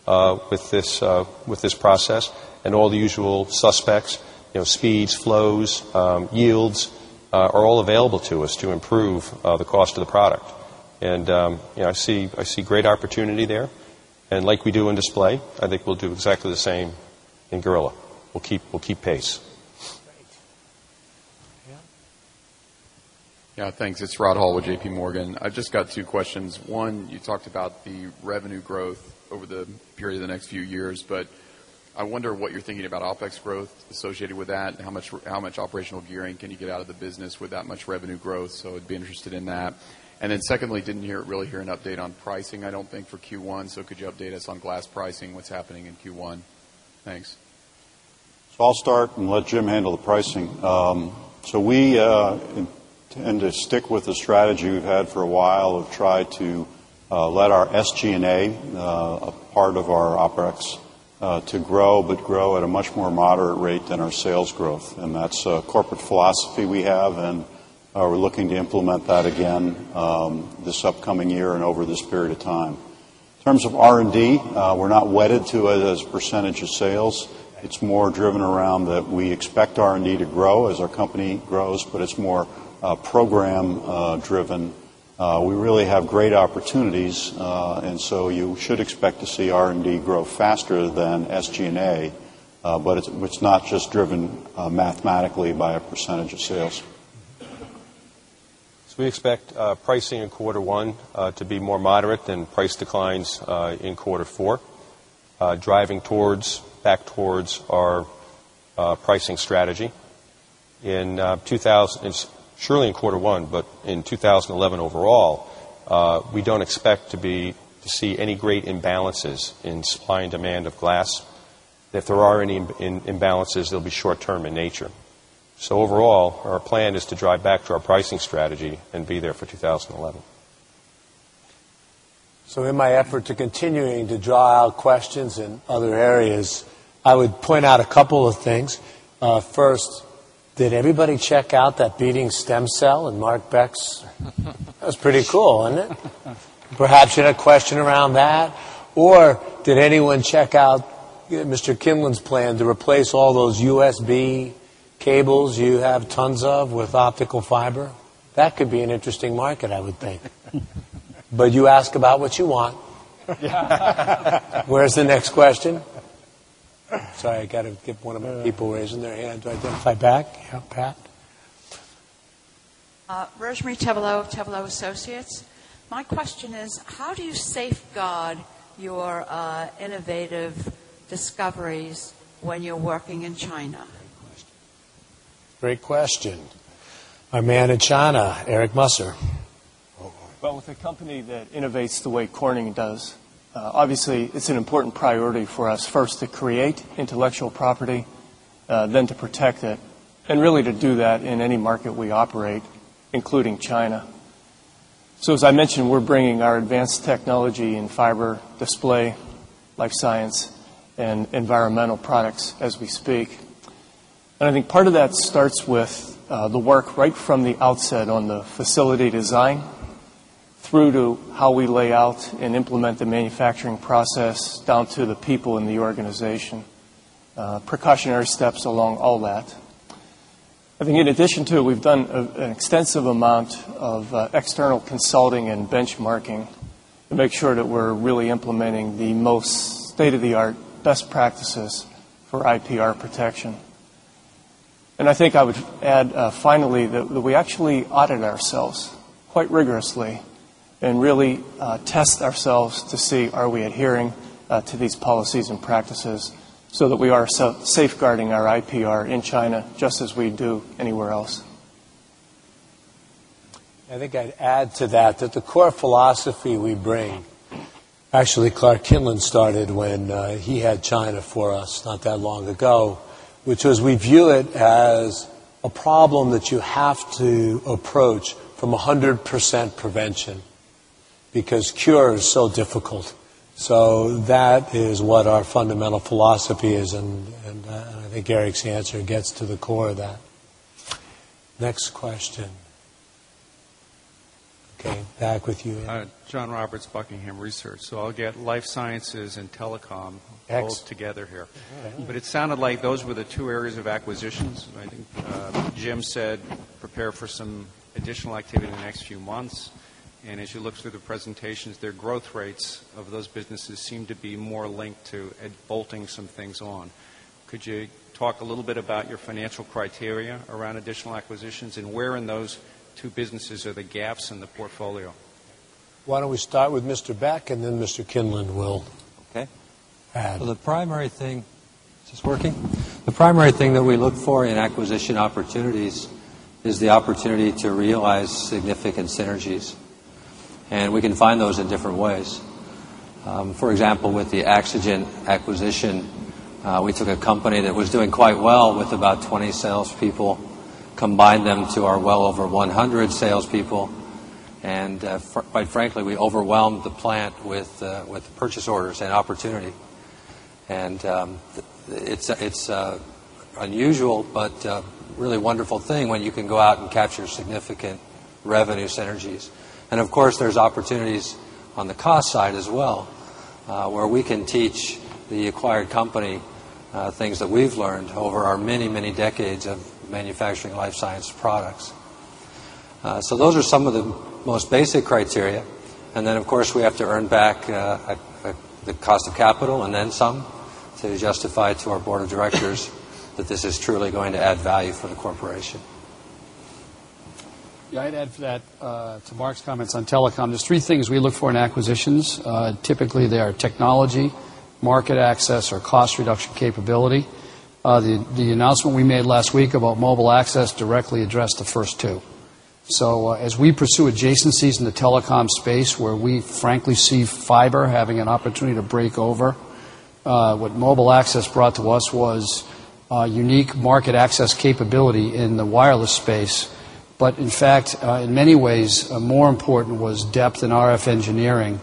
with this process. And all the usual suspects, speeds, flows, yields are all available to us to improve the cost of the product. And I see great opportunity there. Like we do in display, I think we'll do exactly the same in Gorilla. We'll keep pace. Yes. Thanks. It's Rod Hall with JPMorgan. I've just got two questions. One, you talked about the revenue growth over the period of the next few years, but I wonder what you're thinking about OpEx growth associated with that and how much operational gearing can you get out of the business with that much revenue growth, so I'd be interested in that. And then secondly, didn't really hear an update on pricing, I don't think for Q1. So could you update us on glass pricing, what's happening in Q1? Thanks. So I'll start and let Jim handle the pricing. So we tend to stick with the strategy we've had for a while of try to let our SG and A, a part of our OpEx, to grow, but grow at a much more moderate rate than our sales growth. And that's a corporate philosophy we have and we're looking to implement that again. Percentage of sales. It's more driven around that we expect R and percentage of sales. It's more driven around that we expect R and D to grow as our company grows, but it's more program driven. We really have great opportunities. And so you should expect to see R and D grow faster than SG and A, but it's not just driven mathematically by a percentage of sales. So we expect pricing in quarter 1 to be more moderate and price declines in quarter 4, driving towards back towards our pricing strategy. In 2,000 surely in quarter 1, but in 2011 overall, we don't expect to see any great imbalances in supply and demand of glass. If there are any imbalances, they'll be short term in nature. So overall, our plan is to drive back to our pricing strategy and be there for 2011. So in my effort to continuing to draw out questions in other areas, I would point out a couple of things. First, did everybody check out that beating stem cell in Marc Beck's? That's pretty cool, isn't it? Perhaps you had a question around that? Or did anyone check out Mr. Kinlin's plan to replace all those USB cables you have tons of with optical fiber? That could be an interesting market, I would think. But you ask about what you want. Where is the next question? Sorry, I got to get one of the people raising your innovative your innovative discoveries when you're working in China? Great question. Our man in China, Eric Muser. Well, with a company that innovates the way Corning does, obviously, it's an important priority for us first to create intellectual property, then to protect it, and really to do that in any market we operate, including China. So as I mentioned, we're bringing our advanced technology in fiber display, life science and environmental products as we speak. And I think part of that starts with the work right from the outset on the facility design through to how we lay out and implement the manufacturing process down to the people in the organization, precautionary steps along all that. I think in addition to it, we've done an extensive amount of external consulting and benchmarking to make sure that we're really implementing the most state of the art best practices for IPR protection. And I think I would add finally that we actually audit ourselves quite rigorously and really test ourselves to see are we adhering to these policies and practices so that we are safeguarding our IPR in China just as we do anywhere else. I think I'd add to that, that the core philosophy we bring actually, Clark Kinlan started when he had China for us not that long ago, which was we view it as a problem that you have to approach from 100% prevention, because cure is so difficult. So that is what our fundamental philosophy is. And I think Eric's answer gets to the core of that. Next question. Okay, back with you. John Roberts, Buckingham Research. So I'll get life sciences and telecom all together here. But it sounded like those were the two areas of acquisitions. I think Jim said prepare for some additional activity in the next few months. And as you look through the presentations, their growth rates of those businesses seem to be more linked to bolting some things on. Could you talk a little bit about your financial criteria around additional acquisitions and where in those two businesses are the gaps in the portfolio? Why don't we start with Mr. Beck and then Mr. Kinlin will. Okay. So the primary thing is this working? The primary thing that we look for in acquisition opportunities is the opportunity to realize significant synergies. And we can find those in different ways. For example, with the AxoGen acquisition, we took a company that was doing quite well with about 20 sales people, combined them to our well over 100 sales people. And quite frankly, we overwhelmed the plant with purchase orders and opportunity. And it's unusual, but really wonderful thing when you can go out and capture significant revenue synergies. And of course, there's opportunities on the cost side as well, where we can teach the acquired company things that we've learned over our many, many decades of manufacturing life science products. So, those are some of the most basic criteria. And then of course, we have to earn back the cost of capital and then some to justify to our Board of Directors that this is truly going to add value for the corporation. Yes. I'd add to that to Mark's comments on telecom. There's 3 things we look for in acquisitions. Typically, they are technology, market access or cost reduction capability. The announcement we made last week about mobile access directly addressed the first two. So as we pursue adjacencies in the telecom space where we frankly see fiber having an opportunity to break over, what mobile access brought to us was unique market access capability in the wireless space. But in fact, in many ways, more important was depth in RF engineering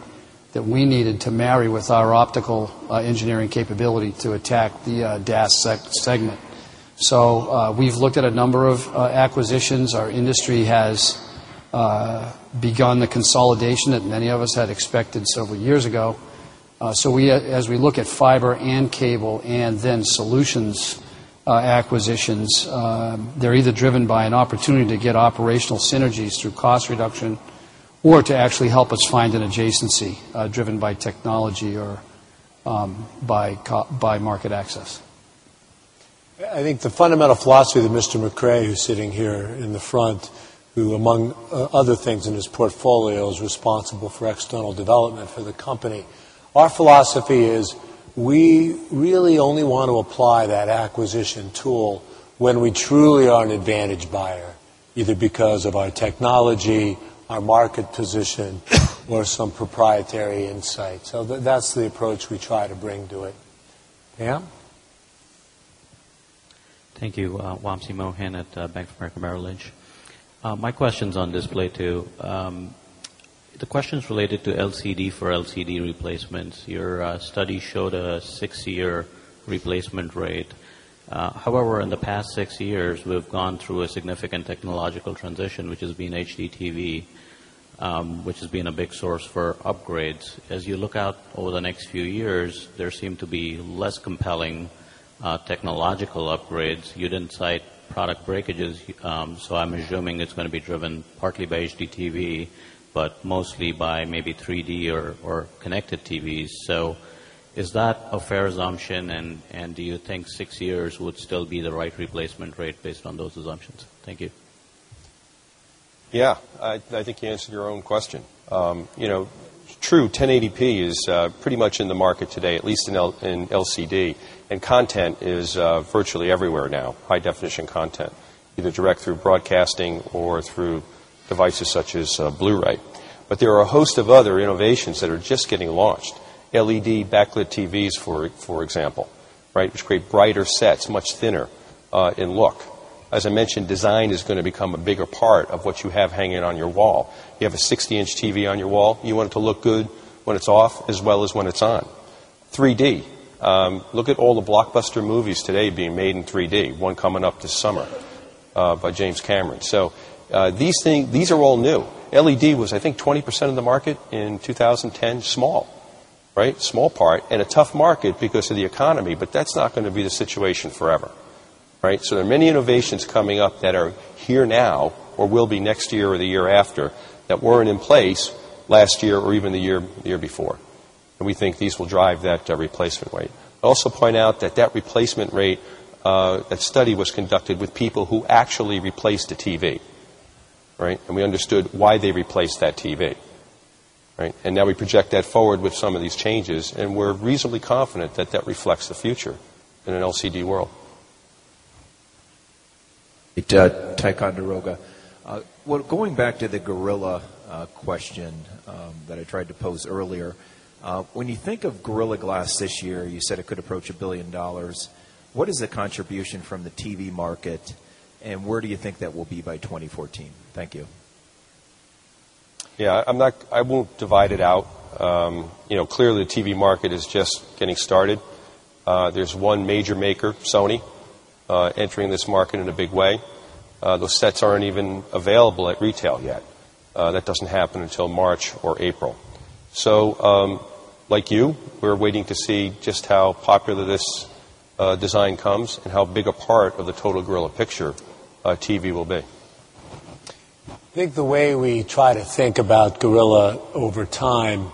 that we needed to marry with our optical engineering capability to attack the DAS segment. So we've looked at a number of acquisitions. Our industry has begun the consolidation that many of us had expected several years ago. So we as we look at fiber and cable and then solutions acquisitions, they're either driven by an by market access. Yes. By market access? I think the fundamental philosophy that Mr. Macrae, who's sitting here in the front, who among other things in his portfolio is responsible for external development for the company, our philosophy is we really only want to apply that acquisition tool when we truly are an advantaged buyer, either because of our technology, our market position or some proprietary insights. So, that's the approach we try to bring to it. Pam? Thank you. Wamsi Mohan at Bank of America Merrill Lynch. My question is on display, too. The question is related to LCD for LCD replacements. Your study showed a 6 year replacement rate. However, in the past 6 years, we've gone through a significant technological transition, which has been HDTV, which has been a big source for upgrades. As you look out over the next few years, there seem to be less compelling technological upgrades. You didn't cite product breakages. So I'm assuming it's going to be driven partly by HDTV, but mostly by maybe 3 d or connected TVs. So is that a fair assumption? And do you think 6 years would still be the right replacement rate based on those assumptions? Thank you. Yes. I think you answered your own question. It's true, 1080p is pretty much in the market today, at least in LCD, And content is virtually everywhere now, high definition content, either direct through broadcasting or through devices such as Blu Ray. But there are a host of other innovations that are just getting launched. LED backlit TVs, for example, right, which create brighter sets, much thinner in look. As I mentioned, design is going to become a bigger part of what you have hanging on your wall. You have a 60 inches TV on your wall, you want it to look good when it's off as well as when it's on. 3 d, look at all the blockbuster movies today being made in 3 d, one coming up this summer by James Cameron. So, these things these are all new. LED was, I think, 20% of the market in 2010, small, right? Small part and a tough market because of the economy, but that's not going to be the situation forever, right? So there are many innovations coming up that are here now or will be next year or the year after that weren't in place last year or even the year before. And we think these will drive that replacement rate. I'd also point out that, that replacement rate, that study was conducted with people who actually replaced the TV, right? And we understood why they replaced that TV, right? And now we project that forward with some of these changes, and we're reasonably confident that, that reflects the future in an LCD world. It's Tycho Duroga. Going back to the Gorilla question that I tried to pose earlier, When you think of Gorilla Glass this year, you said it could approach $1,000,000,000 What is the contribution from the TV market? And where do you think that will be by 2014? Thank you. Yes. I won't divide it out. Clearly, the TV market is just getting started. There's one major maker, Sony, entering this market in a big way. Those sets aren't even available at retail yet. That doesn't happen until March or April. So, like you, we're waiting to see just how popular this design comes and how big a part of the total Gorilla picture TV will be. I think the way we try to think about Gorilla over time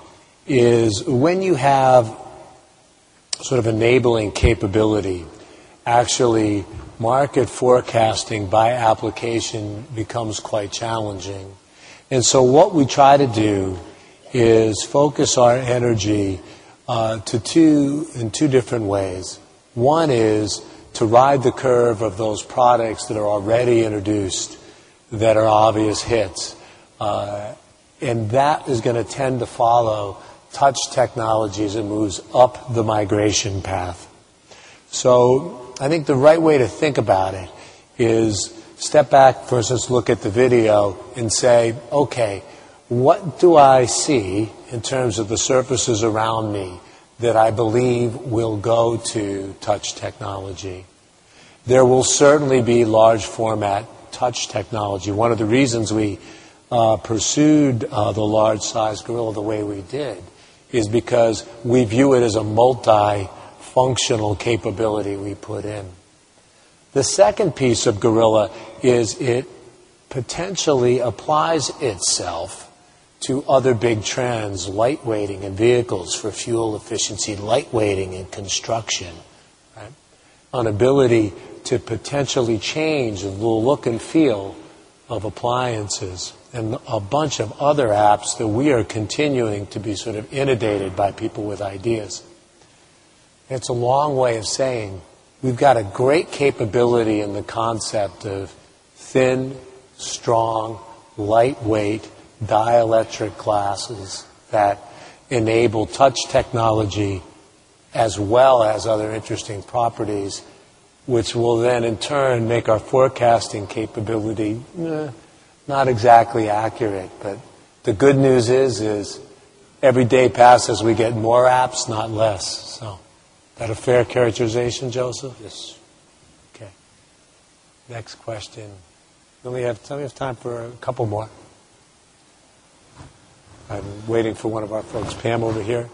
is when you have sort of enabling capability, actually market forecasting by application becomes quite challenging. And so what we try to do is focus our energy in 2 different ways. 1 is to ride the curve of those products that are already introduced that are obvious hits. And that is going to tend to follow touch technologies and moves up the migration path. So, I think the right way to think about it is step back versus look at the video and say, okay, what do I see in terms of the surfaces around me that I believe will go to touch technology? There will certainly be large format touch technology. One of the reasons we pursued the large size Gorilla the way we did is because we view it as a multi functional capability we put in. The second piece of Gorilla is it potentially applies itself to other big trends, lightweighting and vehicles for fuel efficiency, lightweighting and construction, right, an ability to potentially change the look and feel of appliances and a bunch of other apps that we are continuing to be sort of inundated by people with ideas. It's a long way of saying, we've got a great capability in the concept of thin, strong, lightweight dielectric glasses that enable touch technology as well as other interesting properties, which will then in turn make our forecasting capability not exactly accurate. But the good news is, is every day passes we get more apps, not less. So, is that a fair characterization, Joseph? Yes. Okay. Next question. We have time for a couple more. I'm waiting for one of our folks. Pam, over here.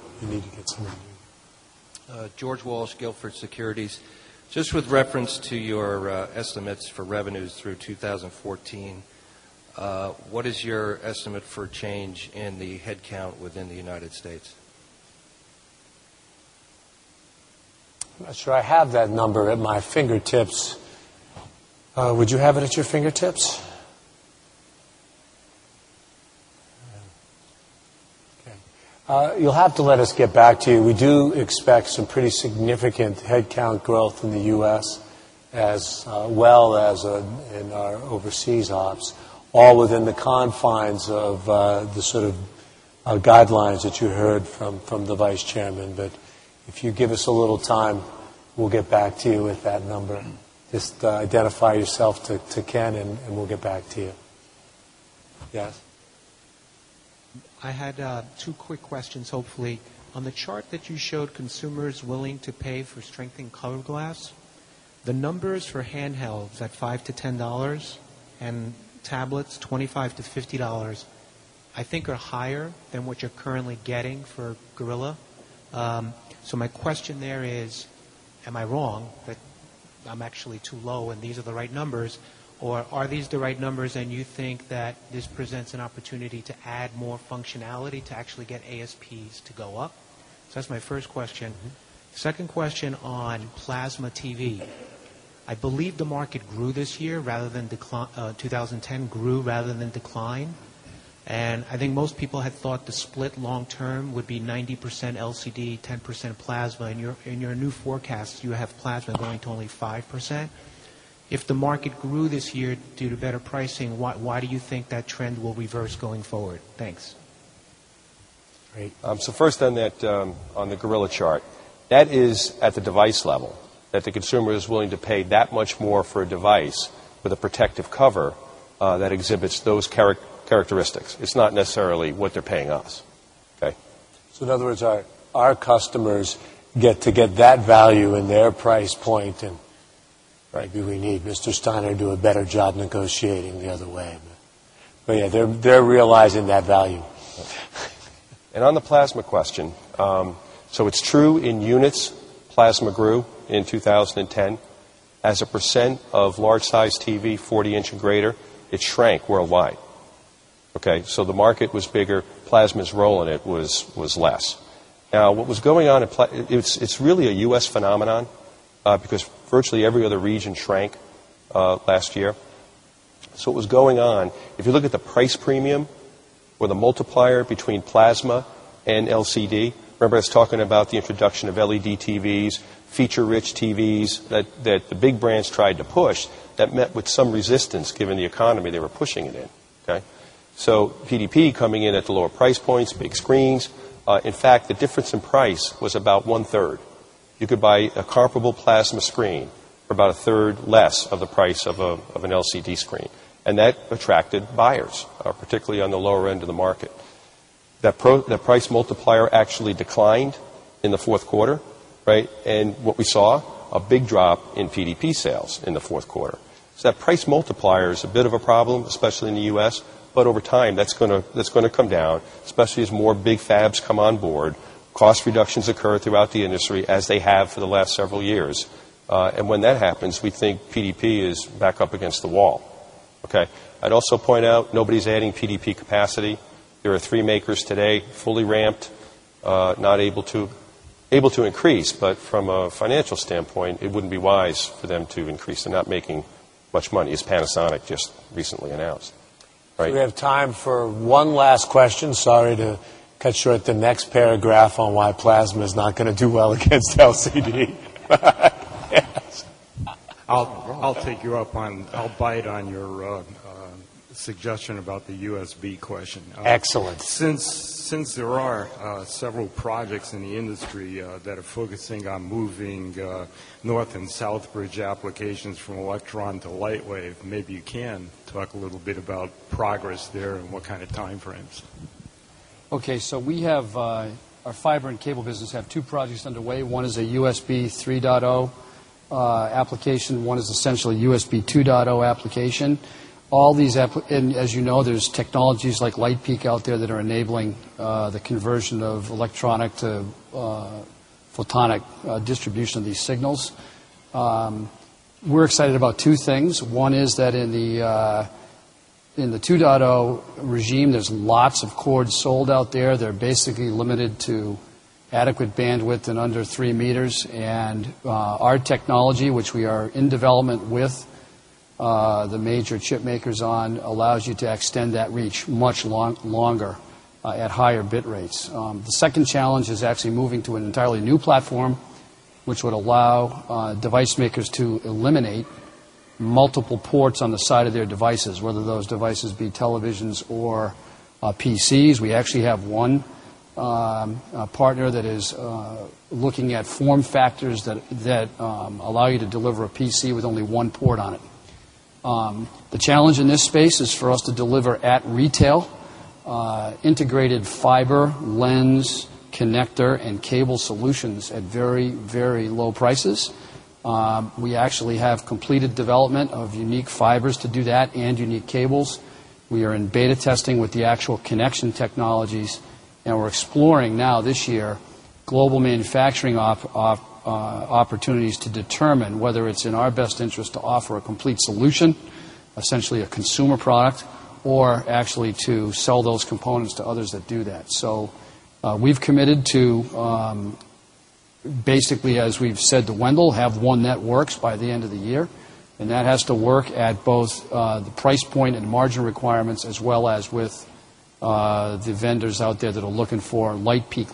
George Walsh, Guilford Securities. Just with reference to your estimates for revenues through 2014, what is your estimate for change in the headcount within the United States? I'm not sure I have that number at my fingertips. Would you have it at your fingertips? You'll have to let us get back to you. We do expect some pretty significant headcount growth in the U. S. As well as in our overseas ops, all within the confines of the sort of guidelines that you heard from the Vice Chairman. But if you give us a little time, we'll get back to you with that number. Just identify yourself to Ken and we'll get back to you. Yes? I had two quick questions hopefully. On the chart that you showed consumers willing to pay for strength in color glass, the numbers for handhelds at $5 to $10 and tablets $25 to $50 I think are higher than what you're currently getting for Gorilla. So my question there is, am I wrong that I'm actually too low and these are the right numbers or are these the right numbers and you think that this presents an opportunity to add more functionality to actually get ASPs to go up? So that's my first question. Second question on plasma TV. I believe the market grew this year rather than 2010 grew rather than decline. And I think most people had thought the split long term would be 90% LCD, 10% plasma. In your new forecast, you have plasma going to only 5%. If the market grew this year due to better pricing, why do you think that trend will reverse going forward? Thanks. Great. So first on that on the Gorilla chart, that is at the device level that the consumer is willing to pay that much more for a device with a protective cover that exhibits those characteristics. It's not necessarily what they're paying us, okay? So in other words, our customers get to get that value in their price point and do we need Mr. Steiner to do a better job negotiating the other way. But And on the plasma question, so it's true in units, Plasma grew in 2010. As a percent of large size TV, 40 inches or greater, it shrank worldwide. Okay? So the market was bigger, plasma's role in it was less. Now what was going on in it's really a U. S. Phenomenon because virtually every other region shrank last year. So what was going on, if you look at the price premium or the multiplier between plasma and LCD, remember I was talking about the introduction of LED TVs, feature rich TVs that the big brands tried to push that met with some resistance given the economy they were pushing it in, okay? So, PDP coming in at the lower price points, big screens. In fact, the difference in price was about 1 third. You could buy a comparable plasma screen for about 1 third less of the price of an LCD screen. And that attracted buyers, particularly on the lower end of the market. The price multiplier actually declined in the 4th quarter, right? And what we saw, a big drop in PDP sales in the 4th quarter. So that price multiplier is a bit of a problem, especially in the U. S, but over time, that's going to come down, especially as more big fabs come on board, cost reductions occur throughout the industry as they have for the last several years. And when that happens, we think PDP is back up against the wall, okay? I'd also point out nobody is adding PDP capacity. There are 3 makers today fully ramped, not able to increase. But from a financial standpoint, it wouldn't be wise for them to increase and not making much money as Panasonic just recently announced. We have time for one last question. Sorry to cut short the next paragraph on why plasma is not going to do well against LCD. I'll take you up on I'll bite on your suggestion about the USB question. Excellent. Since there are several projects in the industry that are focusing on moving north and south bridge applications from electron to light wave. Maybe you can talk a little bit about progress there and what kind of timeframes? Okay. So we have our fiber and cable business have 2 projects underway. 1 is a USB 3.0 application, 1 is essentially USB 2.0 application. All these and as you know, there's technologies like LitePeak out there that are enabling the conversion of electronic to photonic distribution of these signals. We are excited about 2 things. One is that in the 2.0 regime, there is lots of cords sold out there. They are basically limited to adequate bandwidth and under 3 meters. And our technology, which we are in development with the major chipmakers on, allows you to extend that reach much longer at higher bit rates. The second challenge is actually moving to an entirely new platform, which would allow device makers to eliminate multiple ports on the side of their devices, whether those devices be televisions or PCs. We actually have one partner that is looking at form factors that allow you to deliver a PC with only one port on it. The challenge in this space is for us to deliver at retail, integrated fiber, lens, connector and cable solutions at very, very low prices. We actually have completed development of unique fibers to do that and unique cables. We are in beta testing with the actual connection technologies and we're exploring now this year global manufacturing opportunities to determine whether it's in our best interest to offer a complete solution, essentially a consumer product, or actually to sell those components to others that do that. So we've committed to, basically, as we've said to Wendell, have one that works by the end of the year. And that has to work at both the price point and margin requirements as well as with the vendors out there that are looking for light peak